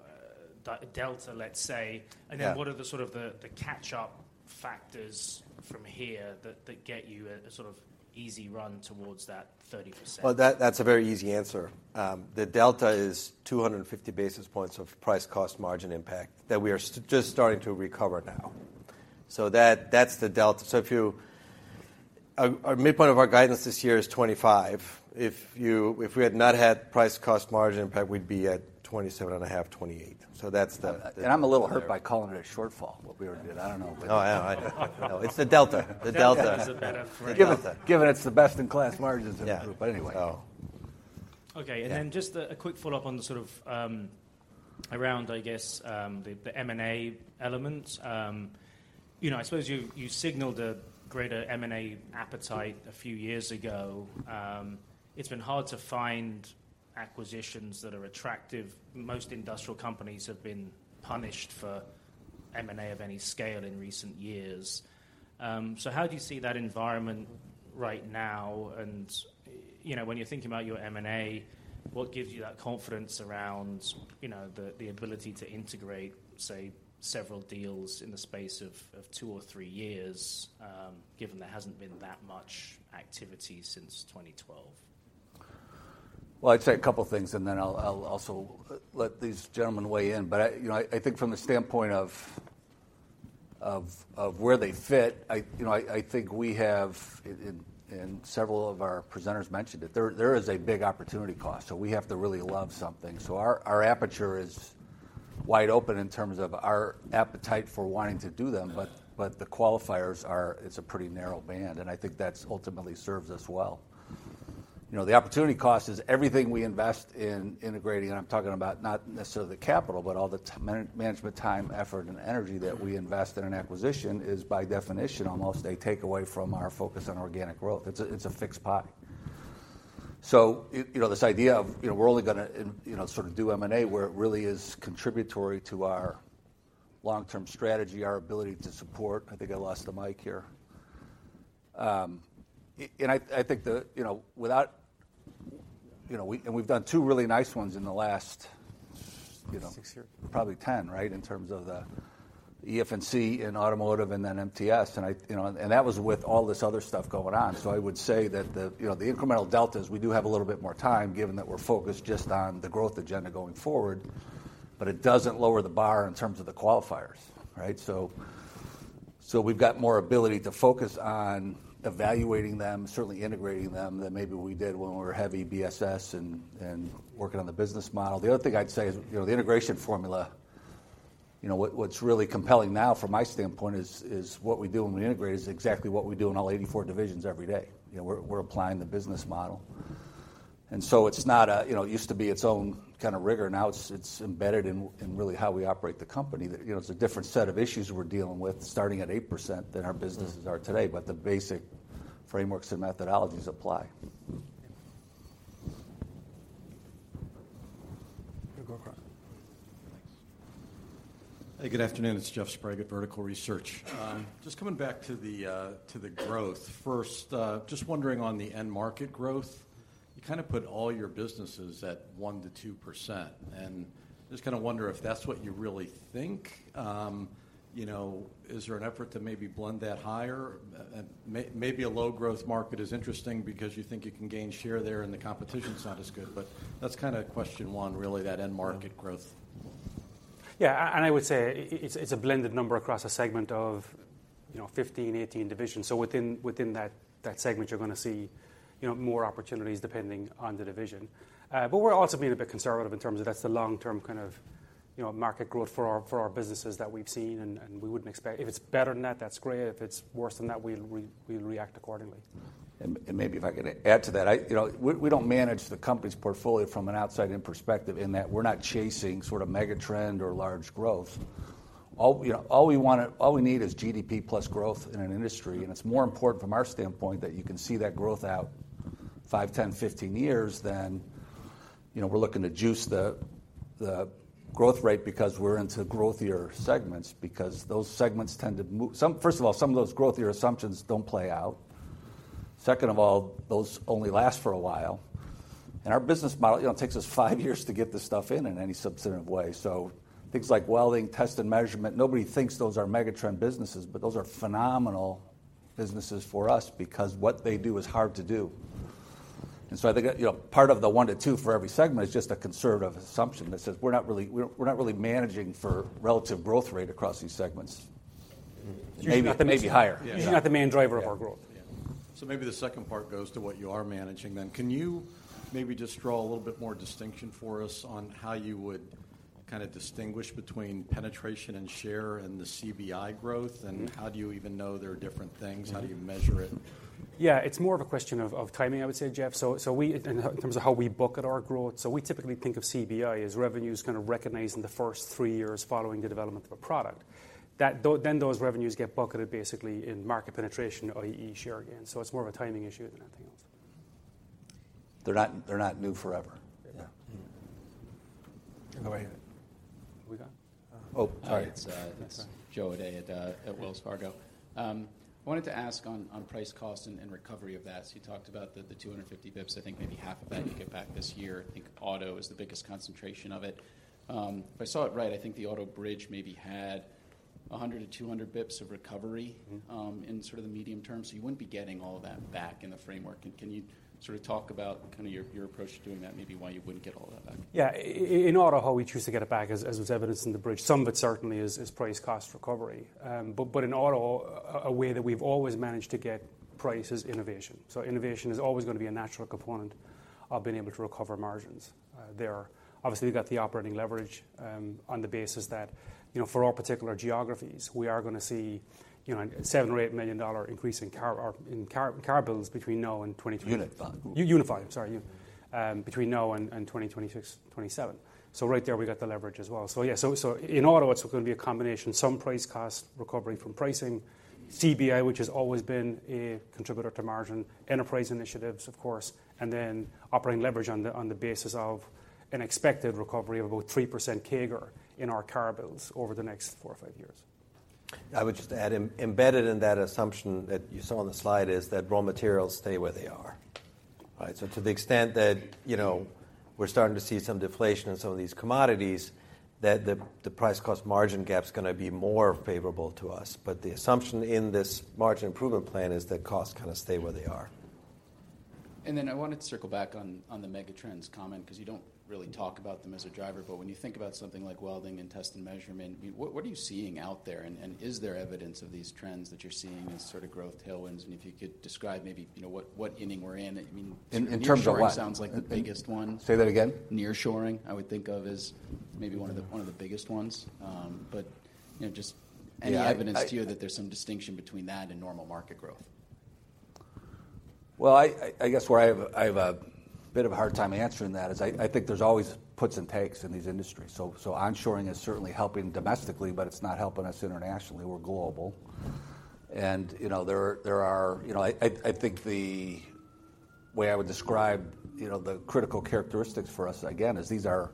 delta, let's say? Yeah. What are the sort of the catch-up factors from here that get you a sort of easy run towards that 30%? Well, that's a very easy answer. The delta is 250 basis points of price cost margin impact that we are just starting to recover now. That's the delta. If our midpoint of our guidance this year is 25%. If we had not had price cost margin impact, we'd be at 27.5%, 28%. That's the. I'm a little hurt by calling it a shortfall, what we already did. I don't know. Oh, yeah, I know. It's the delta. The delta. Delta is a better word. The delta. Given it's the best in class margins in the group. Yeah. Anyway so. Okay. Yeah. Just a quick follow-up on the sort of, around, I guess, the M&A element. You know, I suppose you signaled a greater M&A appetite a few years ago. It's been hard to find acquisitions that are attractive. Most industrial companies have been punished for M&A of any scale in recent years. How do you see that environment right now? You know, when you're thinking about your M&A, what gives you that confidence around, you know, the ability to integrate, say, several deals in the space of 2 or 3 years, given there hasn't been that much activity since 2012? I'd say a couple things, and then I'll also let these gentlemen weigh in. I, you know, I think from the standpoint of where they fit, I, you know, I think we have, and several of our presenters mentioned it. There is a big opportunity cost, so we have to really love something. Our, our aperture is wide open in terms of our appetite for wanting to do them, but the qualifiers are it's a pretty narrow band, and I think that's ultimately serves us well. You know, the opportunity cost is everything we invest in integrating, and I'm talking about not necessarily the capital, but all the management time, effort, and energy that we invest in an acquisition is by definition almost a takeaway from our focus on organic growth. It's a fixed pie. you know, this idea of, you know, we're only gonna you know, sort of do M&A where it really is contributory to our long-term strategy, our ability to support. I think I lost the mic here. I think the, you know, without, you know, we've done two really nice ones in the last You know. Six years. Probably 10, right? In terms of the EF&C and Automotive and then MTS. I, you know, and that was with all this other stuff going on. I would say that the, you know, the incremental deltas, we do have a little bit more time, given that we're focused just on the growth agenda going forward, but it doesn't lower the bar in terms of the qualifiers, right? So we've got more ability to focus on evaluating them, certainly integrating them, than maybe we did when we were heavy BSS and working on the Business Model. The other thing I'd say is, you know, the integration formula, you know, what's really compelling now from my standpoint is what we do when we integrate is exactly what we do in all 84 divisions every day. You know, we're applying the Business Model. It's not a, you know, it used to be its own kind of rigor, now it's embedded in really how we operate the company. That, you know, it's a different set of issues we're dealing with starting at 8% than our businesses are today. The basic frameworks and methodologies apply. We'll go across. Thanks. Hey, good afternoon. It's Jeff Sprague at Vertical Research. Just coming back to the growth. First, just wondering on the end market growth, you kind of put all your businesses at 1%-2%. Just kind of wonder if that's what you really think. You know, is there an effort to maybe blend that higher? Maybe a low growth market is interesting because you think you can gain share there and the competition's not as good. That's kind of question one, really, that end market growth. Yeah. I would say it's a blended number across a segment of, you know, 15, 18 divisions. Within that segment you're gonna see, you know, more opportunities depending on the division. We're also being a bit conservative in terms of that's the long term kind of, you know, market growth for our businesses that we've seen and we wouldn't expect. If it's better than that's great. If it's worse than that, we'll react accordingly. Maybe if I can add to that. I, you know, we don't manage the company's portfolio from an outside-in perspective in that we're not chasing sort of mega trend or large growth. All we need is GDP-plus growth in an industry, and it's more important from our standpoint that you can see that growth out 5 years, 10 years, 15 years than, you know, we're looking to juice the growth rate because we're into growthier segments, because those segments tend to first of all, some of those growthier assumptions don't play out. Second of all, those only last for a while. Our Business Model, you know, takes us five years to get this stuff in in any substantive way. Things like Welding, Test & Measurement, nobody thinks those are mega trend businesses, but those are phenomenal businesses for us because what they do is hard to do. I think, you know, part of the 1%-2% for every segment is just a conservative assumption that says we're not really, we're not really managing for relative growth rate across these segments. Maybe, maybe higher. Usually not the main driver of our growth. Yeah. Maybe the second part goes to what you are managing then. Can you maybe just draw a little bit more distinction for us on how you would kind of distinguish between penetration and share and the CBI growth, and how do you even know they're different things? How do you measure it? Yeah. It's more of a question of timing I would say, Jeff. In terms of how we bucket our growth, we typically think of CBI as revenues kind of recognized in the first three years following the development of a product. Then those revenues get bucketed basically in market penetration, i.e. share gains. It's more of a timing issue than anything else. They're not, they're not new forever. Yeah. In a way. Who we got? Oh, sorry. Hi, it's Joe O'Dea at Wells Fargo. Wanted to ask on price cost and recovery of that. You talked about the 250 basis points, I think maybe half of that you get back this year. I think Auto is the biggest concentration of it. If I saw it right, I think the Auto bridge maybe had 100 basis points-200 basis points of recovery. In sort of the medium term. You wouldn't be getting all that back in the framework. Can you sort of talk about kind of your approach to doing that, maybe why you wouldn't get all that back? Yeah. In Auto, how we choose to get it back as was evidenced in the bridge, some of it certainly is price cost recovery. In auto, a way that we've always managed to get price is innovation. Innovation is always gonna be a natural component of being able to recover margins. There are obviously you've got the operating leverage, on the basis that, you know, for all particular geographies, we are gonna see, you know, a $7 million-$8 million increase in car bills between now and 2023. Unified. Unified, sorry. between now and 2026, 2027. Right there we got the leverage as well. In auto it's gonna be a combination, some price cost recovery from pricing, CBI, which has always been a contributor to margin, Enterprise Initiatives of course, and then operating leverage on the basis of an expected recovery of about 3% CAGR in our car bills over the next four or five years. I would just add, embedded in that assumption that you saw on the slide is that raw materials stay where they are, right? To the extent that, you know, we're starting to see some deflation in some of these commodities, that the price cost margin gap's gonna be more favorable to us. The assumption in this margin improvement plan is that costs kind of stay where they are. I wanted to circle back on the mega trends comment, 'cause you don't really talk about them as a driver. When you think about something like Welding and Test & Measurement, what are you seeing out there, and is there evidence of these trends that you're seeing as sort of growth tailwinds? If you could describe maybe, you know, what inning we're in. I mean? In terms of what? Nearshoring sounds like the biggest one. Say that again. Nearshoring, I would think of as maybe one of the biggest ones. You know, just any evidence. Yeah. That there's some distinction between that and normal market growth? I guess where I have a bit of a hard time answering that is I think there's always puts and takes in these industries. So onshoring is certainly helping domestically, but it's not helping us internationally. We're global. You know, there are, you know. I think the way I would describe, you know, the critical characteristics for us again is these are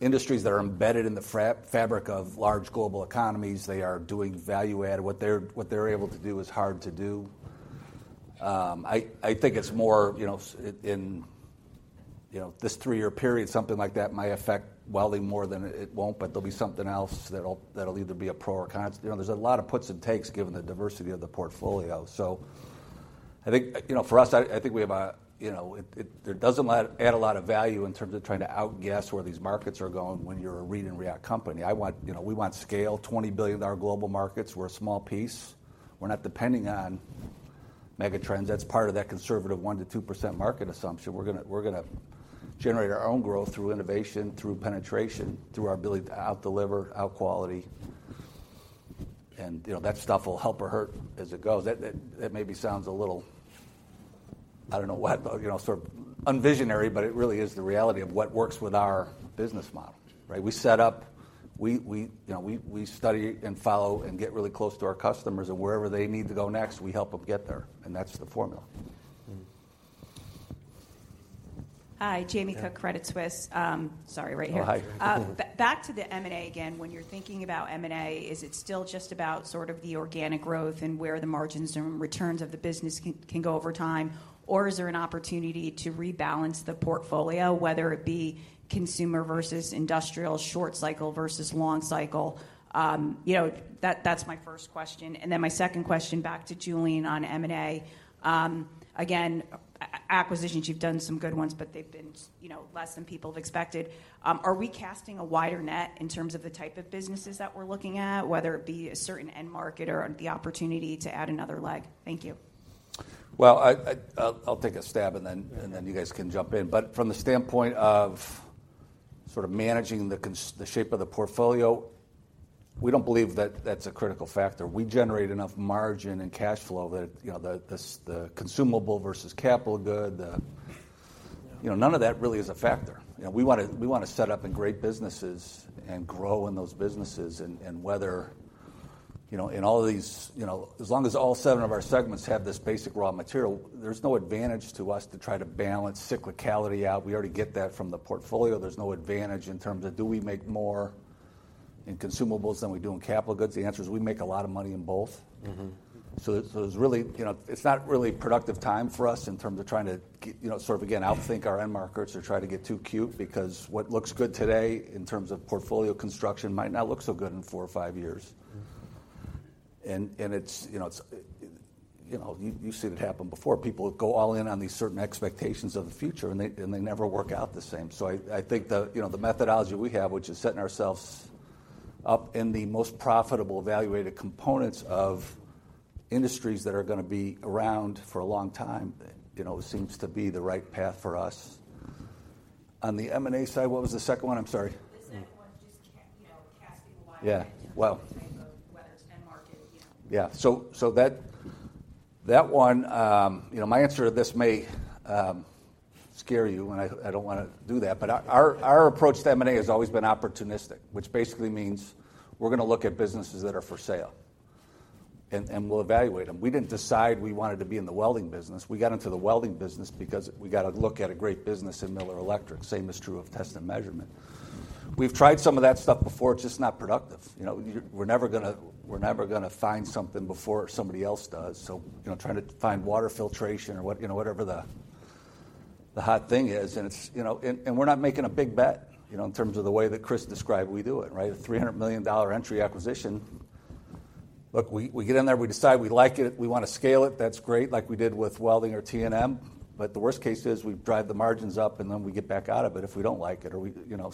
industries that are embedded in the fabric of large global economies. They are doing value add. What they're able to do is hard to do. I think it's more, you know, in, you know, this three-year period, something like that might affect Welding more than it won't, but there'll be something else that'll either be a pro or cons. You know, there's a lot of puts and takes given the diversity of the portfolio. I think, you know, for us, I think we have a, you know, it doesn't add a lot of value in terms of trying to outguess where these markets are going when you're a read and react company. I want, you know, we want scale. $20 billion global markets, we're a small piece. We're not depending on mega trends. That's part of that conservative 1%-2% market assumption. We're gonna generate our own growth through innovation, through penetration, through our ability to out-deliver, out-quality. You know, that stuff will help or hurt as it goes. That maybe sounds a little, I don't know what, you know, sort of un-visionary, but it really is the reality of what works with our Business Model, right? We, you know, we study and follow and get really close to our customers and wherever they need to go next, we help them get there, that's the formula. Hi. Jamie Cook- Yeah. Credit Suisse. sorry, right here. Oh, hi. Back to the M&A again. When you're thinking about M&A, is it still just about sort of the organic growth and where the margins and returns of the business can go over time? Or is there an opportunity to rebalance the portfolio, whether it be consumer versus industrial, short cycle versus long cycle? You know, that's my first question. My second question back to Julian on M&A. Again, acquisitions, you've done some good ones, but they've been, you know, less than people have expected. Are we casting a wider net in terms of the type of businesses that we're looking at, whether it be a certain end market or the opportunity to add another leg? Thank you. Well, I'll take a stab, and then you guys can jump in. From the standpoint of sort of managing the shape of the portfolio, we don't believe that that's a critical factor. We generate enough margin and cash flow that, you know, the consumable versus capital good. You know, none of that really is a factor. You know, we wanna set up in great businesses and grow in those businesses. Whether, you know, in all of these, you know, as long as all seven of our segments have this basic raw material, there's no advantage to us to try to balance cyclicality out. We already get that from the portfolio. There's no advantage in terms of do we make more in consumables than we do in capital goods? The answer is we make a lot of money in both. Mm-hmm. It's really, you know, it's not really productive time for us in terms of trying to you know, sort of again outthink our end markets or try to get too cute because what looks good today in terms of portfolio construction might not look so good in four or five years. It's, you know, it's, you know, you've seen it happen before. People go all in on these certain expectations of the future, and they, and they never work out the same. I think the, you know, the methodology we have, which is setting ourselves up in the most profitable evaluated components of industries that are gonna be around for a long time, you know, seems to be the right path for us. On the M&A side, what was the second one? I'm sorry. The second one, just you know, casting a wide net. Yeah. In terms of the type of, whether it's end market, you know. Yeah. That one, you know, my answer to this may scare you, and I don't wanna do that. Our approach to M&A has always been opportunistic, which basically means we're gonna look at businesses that are for sale. We'll evaluate them. We didn't decide we wanted to be in the Welding business. We got into the Welding business because we got a look at a great business in Miller Electric. Same is true of Test & Measurement. We've tried some of that stuff before. It's just not productive. You know, we're never gonna find something before somebody else does. You know, trying to find water filtration or what, you know, whatever the hot thing is, and it's, you know. We're not making a big bet, you know, in terms of the way that Chris described we do it, right? A $300 million entry acquisition. Look, we get in there, we decide we like it, we wanna scale it, that's great, like we did with Welding or T&M. The worst case is we drive the margins up, and then we get back out of it if we don't like it or we, you know.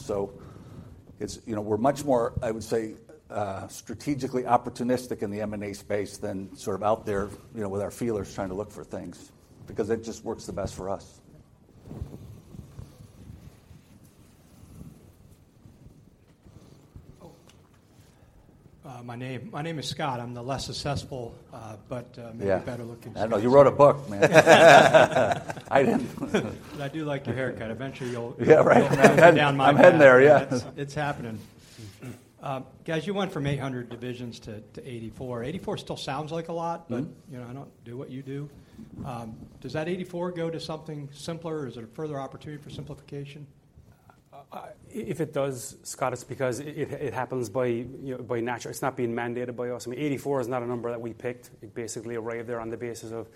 It's, you know, we're much more, I would say, strategically opportunistic in the M&A space than sort of out there, you know, with our feelers trying to look for things because it just works the best for us. My name is Scott. I'm the less successful, but- Yeah. -maybe better looking. I know. You wrote a book, man. I didn't. I do like your haircut. Eventually you'll- Yeah, right. You'll grow into down my path. I'm heading there. Yeah. It's, it's happening. Guys, you went from 800 divisions to 84. 84 still sounds like a lot? You know, I don't do what you do. Does that 84 go to something simpler or is there further opportunity for simplification? If it does, Scott, it's because it happens by, you know, by natural. It's not being mandated by us. I mean, 84 is not a number that we picked. It basically arrived there on the basis of,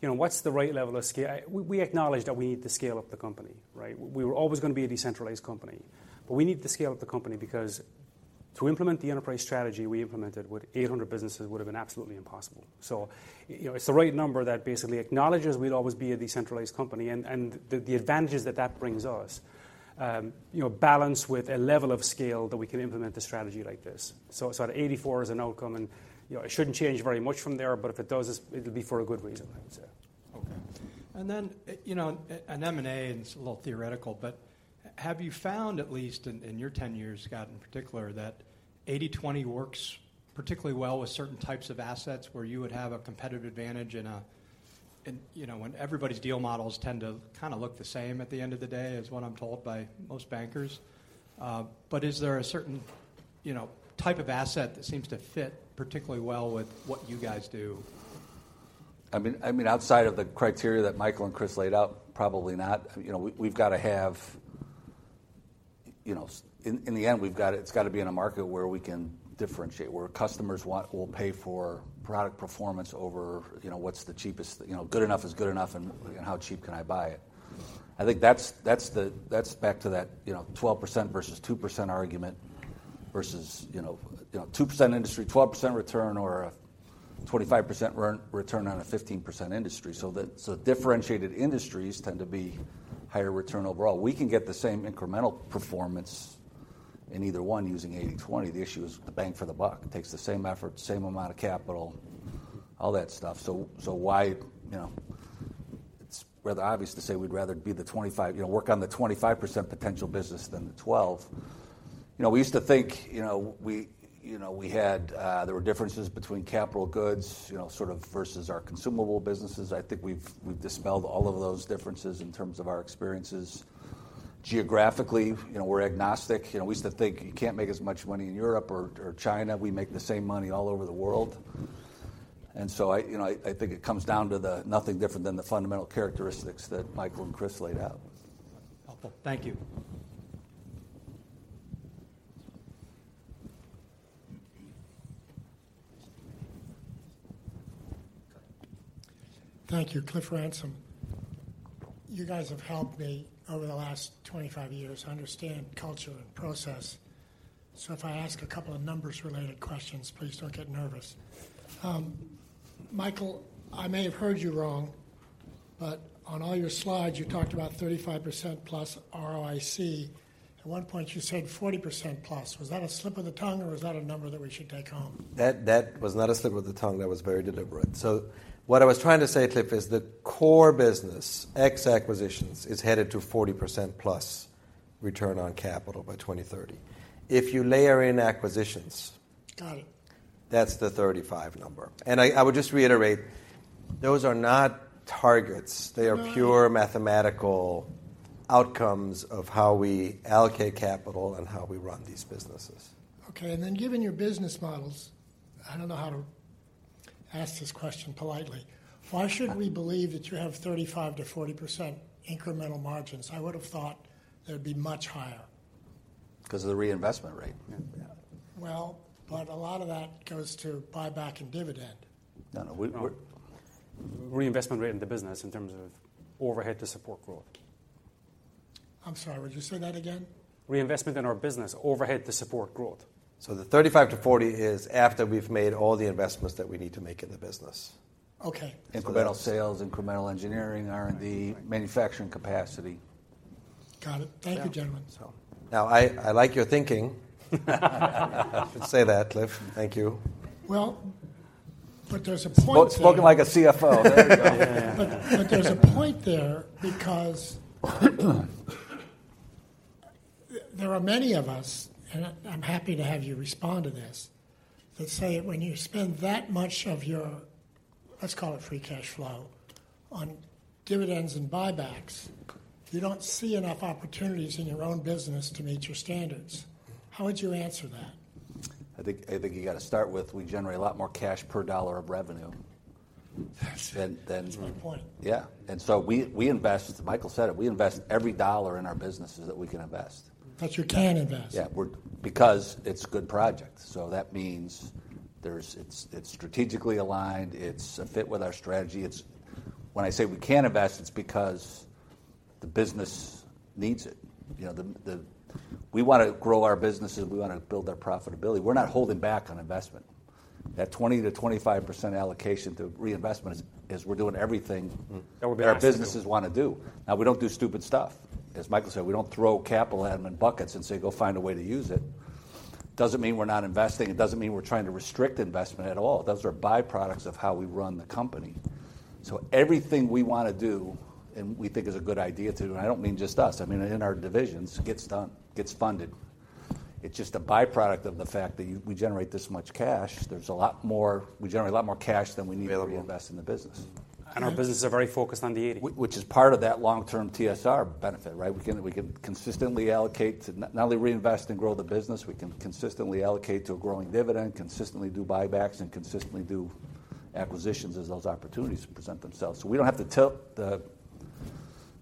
you know, what's the right level of scale? We acknowledge that we need to scale up the company, right? We were always gonna be a decentralized company. We need to scale up the company because to implement the Enterprise Strategy we implemented with 800 businesses would have been absolutely impossible. You know, it's the right number that basically acknowledges we'll always be a decentralized company and the advantages that that brings us. You know, balanced with a level of scale that we can implement a strategy like this. The 84 is an outcome, and you know, it shouldn't change very much from there, but if it does, it'll be for a good reason, I would say. Okay. you know, in M&A, and it's a little theoretical, but have you found at least in your ten years, Scott, in particular, that 80/20 works particularly well with certain types of assets. Where you would have a competitive advantage in a, in, you know, when everybody's deal models tend to kind of look the same at the end of the day, is what I'm told by most bankers? Is there a certain, you know, type of asset that seems to fit particularly well with what you guys do? I mean, outside of the criteria that Michael and Chris laid out, probably not. You know, we've got to in the end, it's got to be in a market where we can differentiate, where customers want will pay for product performance over, you know, what's the cheapest. You know, good enough is good enough and how cheap can I buy it? I think that's back to that, you know, 12% versus 2% argument versus, you know, 2% industry, 12% return or a 25% return on a 15% industry. Differentiated industries tend to be higher return overall. We can get the same incremental performance in either one using 80/20. The issue is the bang for the buck. It takes the same effort, same amount of capital, all that stuff. Why, you know. It's rather obvious to say we'd rather be the 25, you know, work on the 25% potential business than the 12. You know, we used to think, you know, we, you know, we had there were differences between capital goods, you know, sort of versus our consumable businesses. I think we've dispelled all of those differences in terms of our experiences. Geographically, you know, we're agnostic. You know, we used to think you can't make as much money in Europe or China. We make the same money all over the world. I, you know, I think it comes down to the nothing different than the fundamental characteristics that Michael and Chris laid out. Thank you. Thank you. Cliff Ransom. You guys have helped me over the last 25 years understand culture and process. If I ask a couple of numbers related questions, please don't get nervous. Michael, I may have heard you wrong, but on all your slides, you talked about 35%+ ROIC. At one point, you said 40%+. Was that a slip of the tongue or was that a number that we should take home? That was not a slip of the tongue. That was very deliberate. What I was trying to say, Cliff, is the core business, ex acquisitions, is headed to 40%+ return on capital by 2030. If you layer in acquisitions. Got it. That's the 35 number. I would just reiterate, those are not targets. No, I know. They are pure mathematical outcomes of how we allocate capital and how we run these businesses. Okay. Given your Business Models, I don't know how to ask this question politely. Why should we believe that you have 35%-40% incremental margins? I would've thought they'd be much higher. 'Cause of the reinvestment rate. Yeah. Well, a lot of that goes to buyback and dividend. No, no. Reinvestment rate in the business in terms of overhead to support growth. I'm sorry. Would you say that again? Reinvestment in our business, overhead to support growth. The 35%-40% is after we've made all the investments that we need to make in the business. Okay. Incremental sales, incremental engineering, R&D, manufacturing capacity. Got it. Thank you, gentlemen. I like your thinking. I'll say that, Cliff. Thank you. Well, there's a point there. Spoke like a CFO. There you go. Yeah, yeah. There's a point there because there are many of us, and I'm happy to have you respond to this, that say when you spend that much of your, let's call it free cash flow, on dividends and buybacks, you don't see enough opportunities in your own business to meet your standards. How would you answer that? I think you gotta start with we generate a lot more cash per dollar of revenue than. That's one point. Yeah. We invest, as Michael said, we invest every dollar in our businesses that we can invest. That you can invest. Yeah. Because it's good projects. That means, it's strategically aligned. It's a fit with our strategy. It's. When I say we can invest, it's because the business needs it. You know, we wanna grow our businesses. We wanna build our profitability. We're not holding back on investment. That 20%-25% allocation to reinvestment is we're doing everything- That we're being asked to do. -our businesses wanna do. We don't do stupid stuff. As Michael said, we don't throw capital at them in buckets and say, "Go find a way to use it." Doesn't mean we're not investing. It doesn't mean we're trying to restrict investment at all. Those are byproducts of how we run the company. Everything we wanna do and we think is a good idea to, and I don't mean just us, I mean in our divisions, gets done, gets funded. It's just a byproduct of the fact that we generate this much cash. There's a lot more, we generate a lot more cash than we need- Available -to reinvest in the business. Our businesses are very focused on the 80/20. Which is part of that long-term TSR benefit, right? We can consistently allocate to not only reinvest and grow the business, we can consistently allocate to a growing dividend, consistently do buybacks, and consistently do acquisitions as those opportunities present themselves. We don't have to tilt the,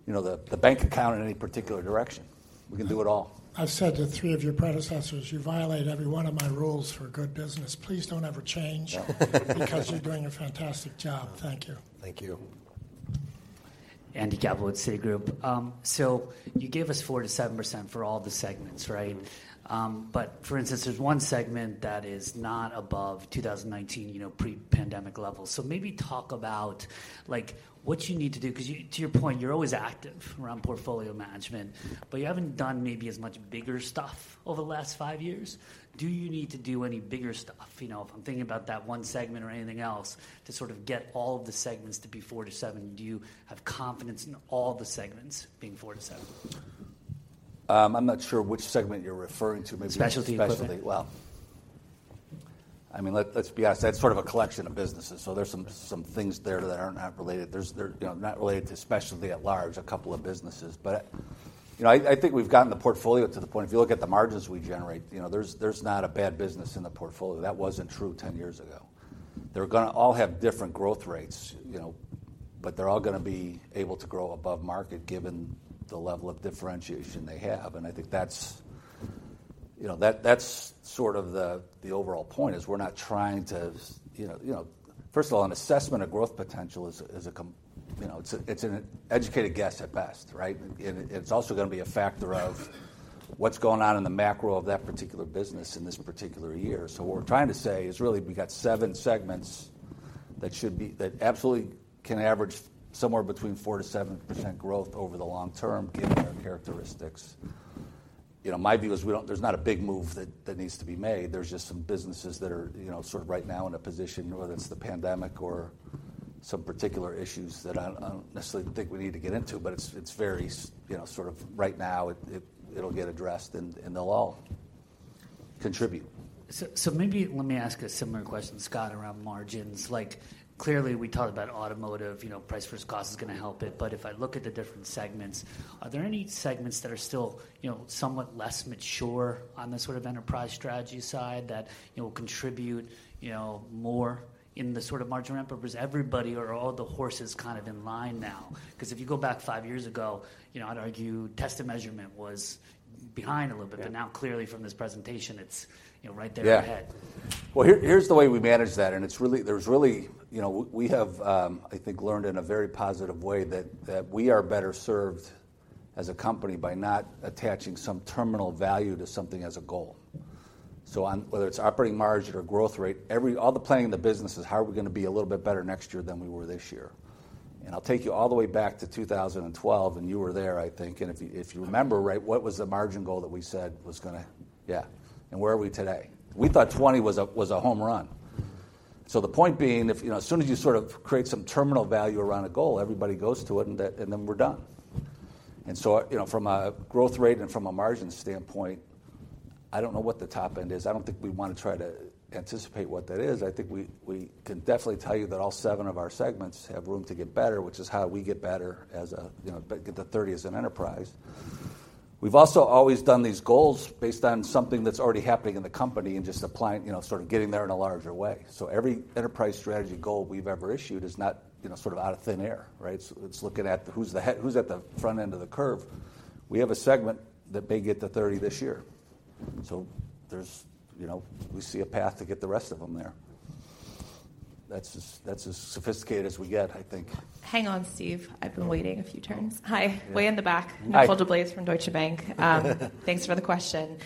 you know, the bank account in any particular direction. We can do it all. I've said to three of your predecessors, you violate every one of my rules for good business. Please don't ever change because you're doing a fantastic job. Thank you. Thank you. Andy Kaplowitz, Citigroup. You gave us 4%-7% for all the segments, right? For instance, there's one segment that is not above 2019, you know, pre-pandemic levels. Maybe talk about, like, what you need to do, 'cause you, to your point, you're always active around portfolio management. But you haven't done maybe as much bigger stuff over the last five years. Do you need to do any bigger stuff? You know, if I'm thinking about that one segment or anything else to sort of get all the segments to be 4%-7%. Do you have confidence in all the segments being 4%-7%? I'm not sure which segment you're referring to. Specialty Equipment. Specialty. Well, I mean, let's be honest, that's sort of a collection of businesses. There's some things there that are not related. They're, you know, not related to specialty at large, a couple of businesses. you know, I think we've gotten the portfolio to the point, if you look at the margins we generate, you know, there's not a bad business in the portfolio. That wasn't true 10 years ago. They're gonna all have different growth rates, you know, but they're all gonna be able to grow above market given the level of differentiation they have. I think that's, you know, that's sort of the overall point is we're not trying to, you know, First of all, an assessment of growth potential is, you know, it's an educated guess at best, right? It's also gonna be a factor of what's going on in the macro of that particular business in this particular year. What we're trying to say is really we got seven segments that absolutely can average somewhere between 4%-7% growth over the long term given their characteristics. You know, my view is there's not a big move that needs to be made. There's just some businesses that are, you know, sort of right now in a position, whether it's the pandemic or some particular issues that I don't necessarily think we need to get into, but it's very you know, sort of right now, it'll get addressed and they'll all contribute. Maybe let me ask a similar question, Scott, around margins. Like, clearly we talked about Automotive, you know, price versus cost is gonna help it. If I look at the different segments, are there any segments that are still, you know, somewhat less mature on the sort of Enterprise Strategy side that, you know, contribute, you know, more in the sort of margin ramp-up? Is everybody or are all the horses kind of in line now? If you go back five years ago, you know, I'd argue Test & Measurement was behind a little bit. Now clearly from this presentation it's, you know, right there at the head. Yeah. Well, here's the way we manage that. It's really, you know, we have, I think, learned in a very positive way that we are better served as a company by not attaching some terminal value to something as a goal. Whether it's operating margin or growth rate, all the planning in the business is how are we gonna be a little bit better next year than we were this year. I'll take you all the way back to 2012, and you were there, I think. If you remember right, what was the margin goal that we said was gonna? Yeah. Where are we today? We thought 20 was a home run. The point being, if, you know, as soon as you sort of create some terminal value around a goal, everybody goes to it and that, and then we're done. From a growth rate and from a margin standpoint, I don't know what the top end is. I don't think we'd wanna try to anticipate what that is. I think we can definitely tell you that all seven of our segments have room to get better, which is how we get better as a, you know, get to 30 as an Enterprise. We've also always done these goals based on something that's already happening in the company and just applying, you know, sort of getting there in a larger way. Every Enterprise Strategy goal we've ever issued is not, you know, sort of out of thin air, right? It's looking at who's at the front end of the curve. We have a segment that may get to 30 this year. There's, you know, we see a path to get the rest of them there. That's as sophisticated as we get, I think. Hang on, Steve. I've been waiting a few turns. Hi. Hi. Way in the back. Hi. Nicole DeBlase from Deutsche Bank. Thanks for the question.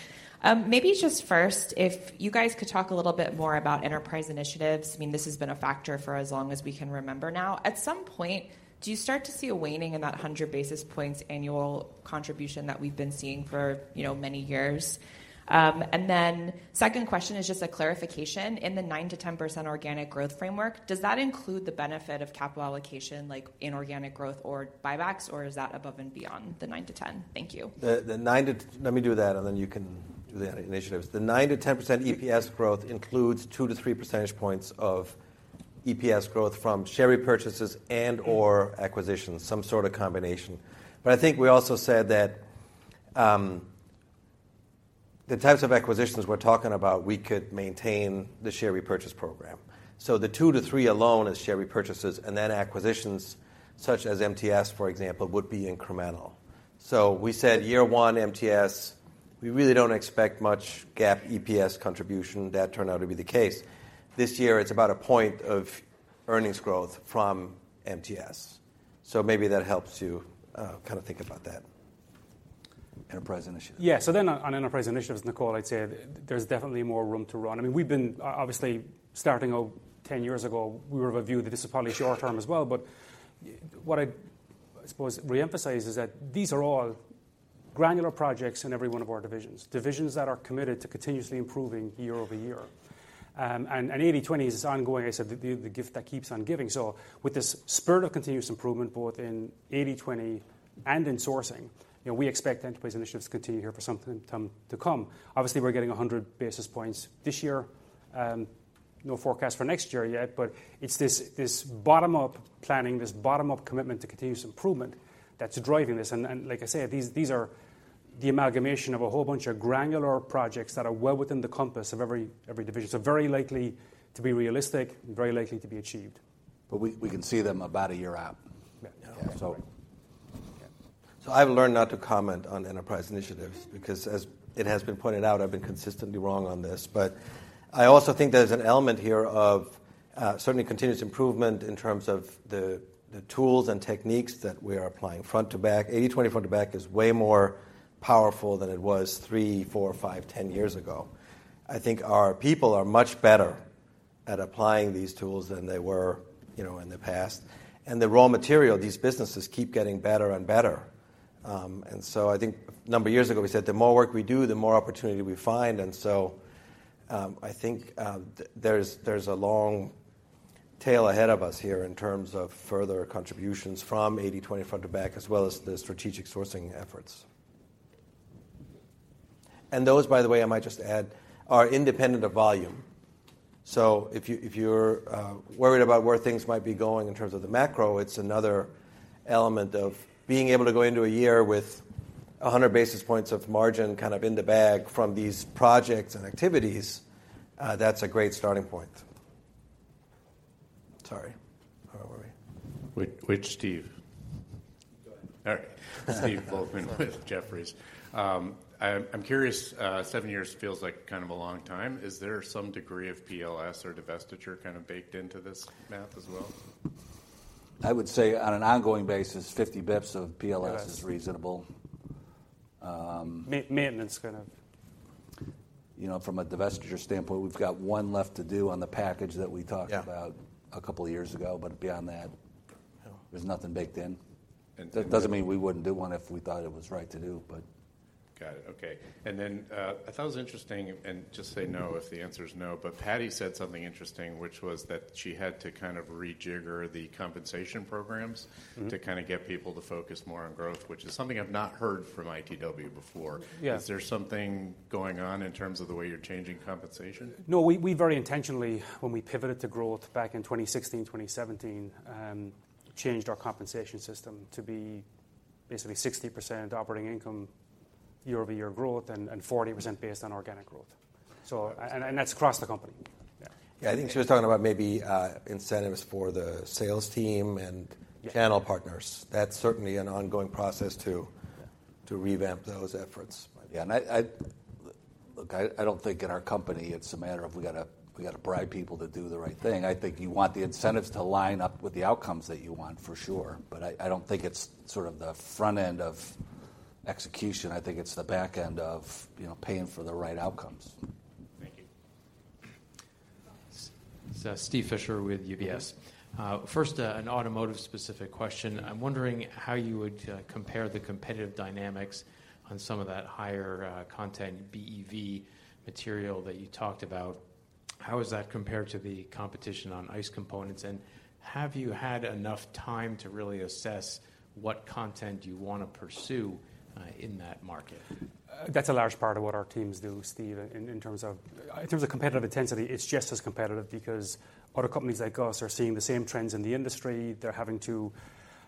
Maybe just first if you guys could talk a little more about Enterprise Initiatives. I mean, this has been a factor for as long as we can remember now. At some point, do you start to see a waning in that 100 basis points annual contribution that we've been seeing for, you know, many years? Second question is just a clarification. In the 9%-10% organic growth framework, does that include the benefit of capital allocation, like inorganic growth or buybacks, or is that above and beyond the 9%-10%? Thank you. Let me do that, and then you can do the Initiatives. The 9%-10% EPS growth includes 2 percentage points-3 percentage points of EPS growth from share repurchases and/or acquisitions, some sort of combination. I think we also said that the types of acquisitions we're talking about, we could maintain the share repurchase program. The 2 percentage points-3 percentage points alone is share repurchases, and then acquisitions, such as MTS, for example, would be incremental. We said year one MTS, we really don't expect much GAAP EPS contribution. That turned out to be the case. This year it's about one point of earnings growth from MTS. Maybe that helps you kind of think about that. Enterprise Initiatives. On Enterprise Initiatives, Nicole, I'd say there's definitely more room to run. I mean, we've been obviously starting out 10 years ago, we were of a view that this is probably short term as well, but what I suppose reemphasize is that these are all granular projects in every one of our divisions that are committed to continuously improving year-over-year. And 80/20 is ongoing. I said the gift that keeps on giving. With this spirit of continuous improvement, both in 80/20 and in sourcing, you know, we expect Enterprise Initiatives to continue here for some time to come. Obviously, we're getting 100 basis points this year. No forecast for next year yet, but it's this bottom-up planning, this bottom-up commitment to continuous improvement that's driving this. Like I say, these are the amalgamation of a whole bunch of granular projects that are well within the compass of every division. Very likely to be realistic and very likely to be achieved. We can see them about a year out. Yeah. Yeah. Yeah. I've learned not to comment on Enterprise Initiatives because as it has been pointed out, I've been consistently wrong on this. I also think there's an element here of certainly continuous improvement in terms of the tools and techniques that we are applying front to back. 80/20 Front-to-Back is way more powerful than it was 3 years, 4 years, 5 years, 10 years ago. I think our people are much better at applying these tools than they were, you know, in the past. The raw material, these businesses keep getting better and better. I think a number of years ago, we said the more work we do, the more opportunity we find. I think, there's a long tail ahead of us here in terms of further contributions from 80/20 Front-to-Back, as well as the strategic sourcing efforts. Those, by the way, I might just add, are independent of volume. If you, if you're, worried about where things might be going in terms of the macro, it's another element of being able to go into a year with 100 basis points of margin kind of in the bag from these projects and activities, that's a great starting point. Sorry. Where were we? Which Steve? Go ahead. All right. Stephen Volkmann with Jefferies. I'm curious, seven years feels like kind of a long time. Is there some degree of PLS or divestiture kind of baked into this math as well? I would say on an ongoing basis, 50 basis points of PLS. Yes Is reasonable. Maintenance kind of. You know, from a divestiture standpoint, we've got one left to do on the package that we talked about. Yeah A couple of years ago, but beyond that, there's nothing baked in. That doesn't mean we wouldn't do one if we thought it was right to do, but. Got it. Okay. Then, I thought it was interesting, and just say no if the answer is no, but Patty said something interesting, which was that she had to kind of rejigger the compensation programs to kind of get people to focus more on growth, which is something I've not heard from ITW before. Yes. Is there something going on in terms of the way you're changing compensation? No. We very intentionally, when we pivoted to growth back in 2016, 2017, changed our compensation system to be basically 60% operating income year-over-year growth and 40% based on organic growth. That's across the company. Yeah. I think she was talking about maybe, incentives for the sales team and- Yeah -channel partners. That's certainly an ongoing process to revamp those efforts. Yeah, I don't think in our company it's a matter of we got to bribe people to do the right thing. I think you want the incentives to line up with the outcomes that you want, for sure. I don't think it's sort of the front-end of execution. I think it's the back-end of, you know, paying for the right outcomes. Thank you. Steven Fisher with UBS. First, an Automotive specific question. I'm wondering how you would compare the competitive dynamics on some of that higher content BEV material that you talked about. How is that compared to the competition on ICE components? Have you had enough time to really assess what content you wanna pursue in that market? That's a large part of what our teams do, Steve, in terms of competitive intensity, it's just as competitive because other companies like us are seeing the same trends in the industry. They're having to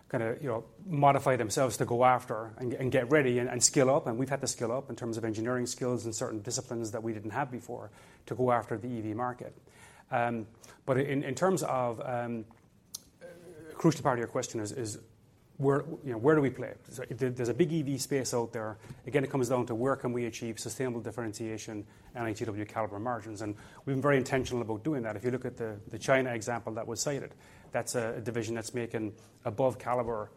kind of, you know, modify themselves to go after and get ready and skill up. And we've had to skill up in terms of engineering skills in certain disciplines that we didn't have before to go after the EV market. In terms of, a crucial part of your question is where, you know, where do we play? There's a big EV space out there. Again, it comes down to where can we achieve sustainable differentiation and ITW caliber margins, and we've been very intentional about doing that. If you look at the China example that was cited, that's a division that's making above caliber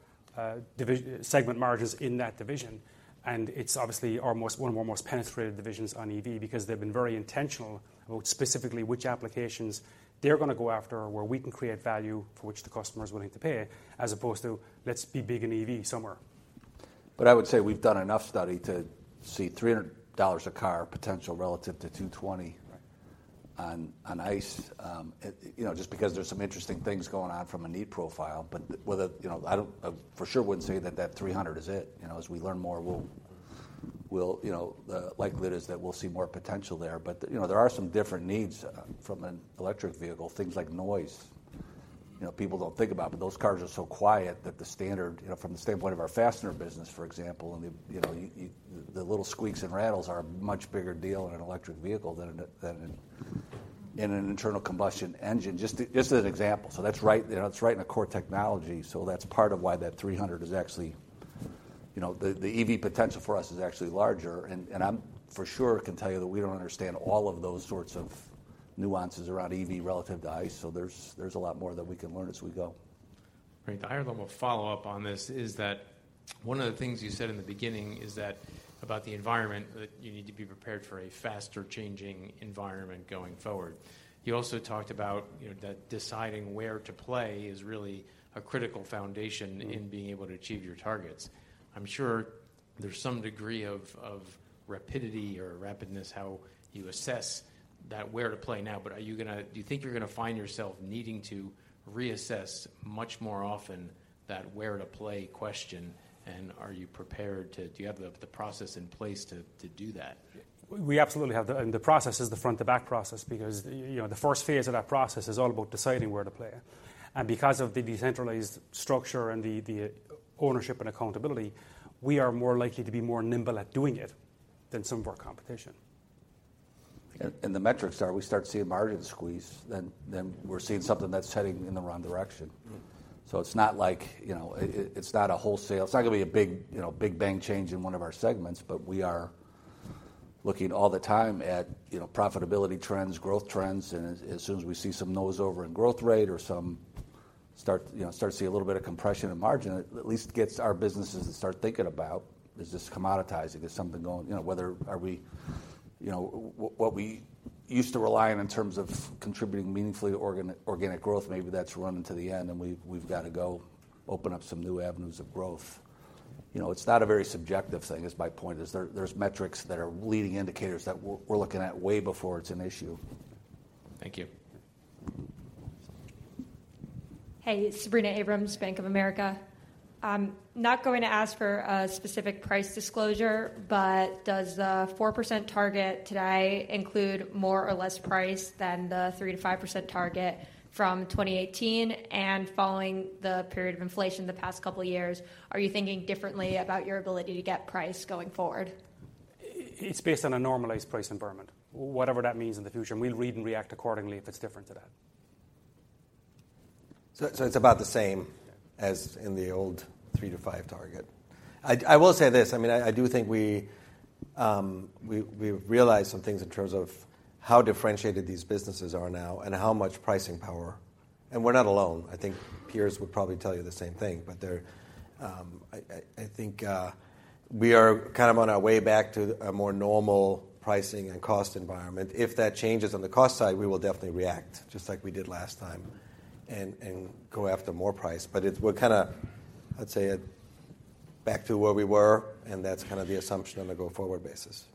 segment margins in that division, and it's obviously our most, one of our most penetrated divisions on EV because they've been very intentional about specifically which applications they're gonna go after where we can create value for which the customer is willing to pay, as opposed to, "Let's be big in EV somewhere. I would say we've done enough study to see $300 a car potential relative to $220 on ICE, it, you know, just because there's some interesting things going on from a need profile. Whether, you know, I for sure wouldn't say that that $300 is it. You know, as we learn more, we'll, you know, the likelihood is that we'll see more potential there. You know, there are some different needs from an electric vehicle, things like noise. You know, people don't think about, but those cars are so quiet that the standard, you know, from the standpoint of our fastener business, for example, and the, you know, the little squeaks and rattles are a much bigger deal in an electric vehicle than in an internal combustion engine. Just as an example. That's right, you know, it's right in the core technology, that's part of why that 300 is actually, you know, the EV potential for us is actually larger. I'm for sure can tell you that we don't understand all of those sorts of nuances around EV relative to ICE. There's a lot more that we can learn as we go. Great. I have one more follow-up on this, is that one of the things you said in the beginning is that about the environment, that you need to be prepared for a faster changing environment going forward. You also talked about, you know, that deciding where to play is really a critical foundation in being able to achieve your targets. I'm sure there's some degree of rapidity or rapidness how you assess that where to play now. Do you think you're gonna find yourself needing to reassess much more often that where to play question, and are you prepared to do you have the process in place to do that? We absolutely have the process is the Front-to-Back process because, you know, the first phase of that process is all about deciding where to play. Because of the decentralized structure and the ownership and accountability, we are more likely to be more nimble at doing it than some of our competition. The metrics are, we start seeing margin squeeze, then we're seeing something that's heading in the wrong direction. It's not like, you know, it's not a wholesale. It's not gonna be a big, you know, big bang change in one of our segments, but we are looking all the time at, you know, profitability trends, growth trends. As soon as we see some nose over in growth rate or some start, you know, start to see a little bit of compression in margin, it at least gets our businesses to start thinking about, is this commoditizing? Is something going, you know, whether are we, you know, what we used to rely on in terms of contributing meaningfully to organic growth, maybe that's running to the end and we've got to go open up some new avenues of growth. You know, it's not a very subjective thing, is my point, is there's metrics that are leading indicators that we're looking at way before it's an issue. Thank you. Hey, Sabrina Abrams, Bank of America. I'm not going to ask for a specific price disclosure, but does the 4% target today include more or less price than the 3%-5% target from 2018? Following the period of inflation the past couple of years, are you thinking differently about your ability to get price going forward? It's based on a normalized price environment. Whatever that means in the future, we'll read and react accordingly if it's different to that. It's about the same as in the old 3%-5% target. I will say this, I mean, I do think we've realized some things in terms of how differentiated these businesses are now and how much pricing power. We're not alone. I think peers would probably tell you the same thing. They're, I think, we are kind of on our way back to a more normal pricing and cost environment. If that changes on the cost side, we will definitely react just like we did last time and go after more price. It's, we're kind of, I'd say, back to where we were, and that's kind of the assumption on a go-forward basis.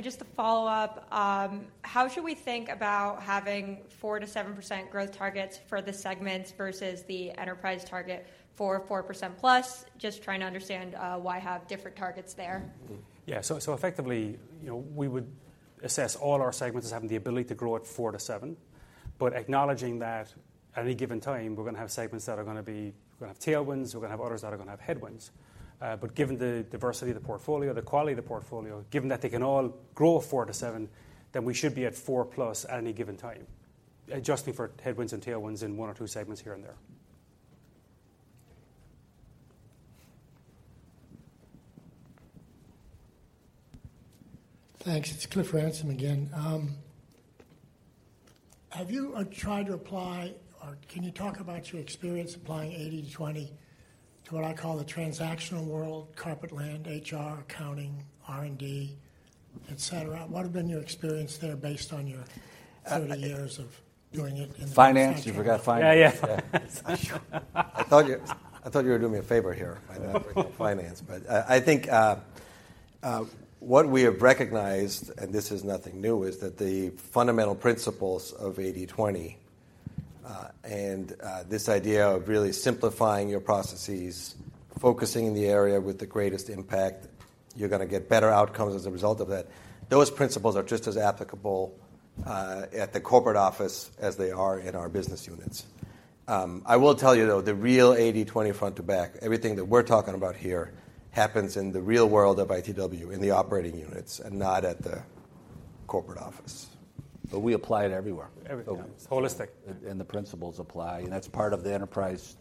Just to follow up, how should we think about having 4%-7% growth targets for the segments versus the Enterprise target for 4%+? Just trying to understand, why have different targets there. Effectively, you know, we would assess all our segments as having the ability to grow at 4%- 7%. Acknowledging that at any given time, we're going to have tailwinds, we're going to have others that are going to have headwinds. Given the diversity of the portfolio, the quality of the portfolio, given that they can all grow 4%-7%, we should be at 4%+ at any given time. Adjusting for headwinds and tailwinds in one or two segments here and there. Thanks. It's Cliff Ransom again. Have you tried to apply or can you talk about your experience applying 80/20 to what I call the transactional world, carpet land, HR, accounting, R&D, et cetera? What have been your experience there 30 years of doing it. Finance? You forgot finance. Yeah, yeah. I thought you were doing me a favor here by not bringing up finance. I think, what we have recognized, and this is nothing new, is that the fundamental principles of 80/20, and this idea of really simplifying your processes, focusing in the area with the greatest impact, you're gonna get better outcomes as a result of that. Those principles are just as applicable, at the corporate office as they are in our business units. I will tell you, though, the real 80/20 Front-to-Back, everything that we're talking about here happens in the real world of ITW, in the operating units, and not at the corporate office. We apply it everywhere. Everywhere. It's holistic. The principles apply, and that's part of the Enterprise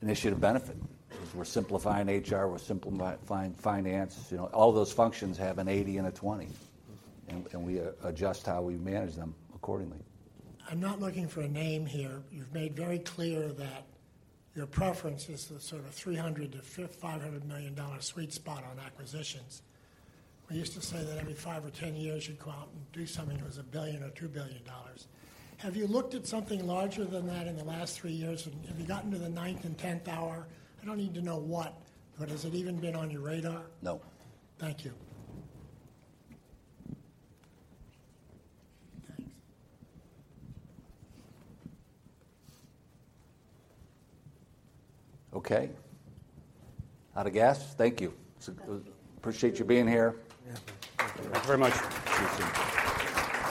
initiatives benefit, is we're simplifying HR, we're simplifying finance. You know, all those functions have an 80 and a 20, and we adjust how we manage them accordingly. I'm not looking for a name here. You've made very clear that your preference is the sort of $300 million-$500 million sweet spot on acquisitions. We used to say that every five or 10 years, you'd go out and do something that was $1 billion or $2 billion. Have you looked at something larger than that in the last three years? Have you gotten to the ninth and tenth hour? I don't need to know what, but has it even been on your radar? No. Thank you. Thanks. Okay. Out of gas. Thank you. It's. Thank you. Appreciate you being here. Yeah. Thank you. Thanks very much. See you soon.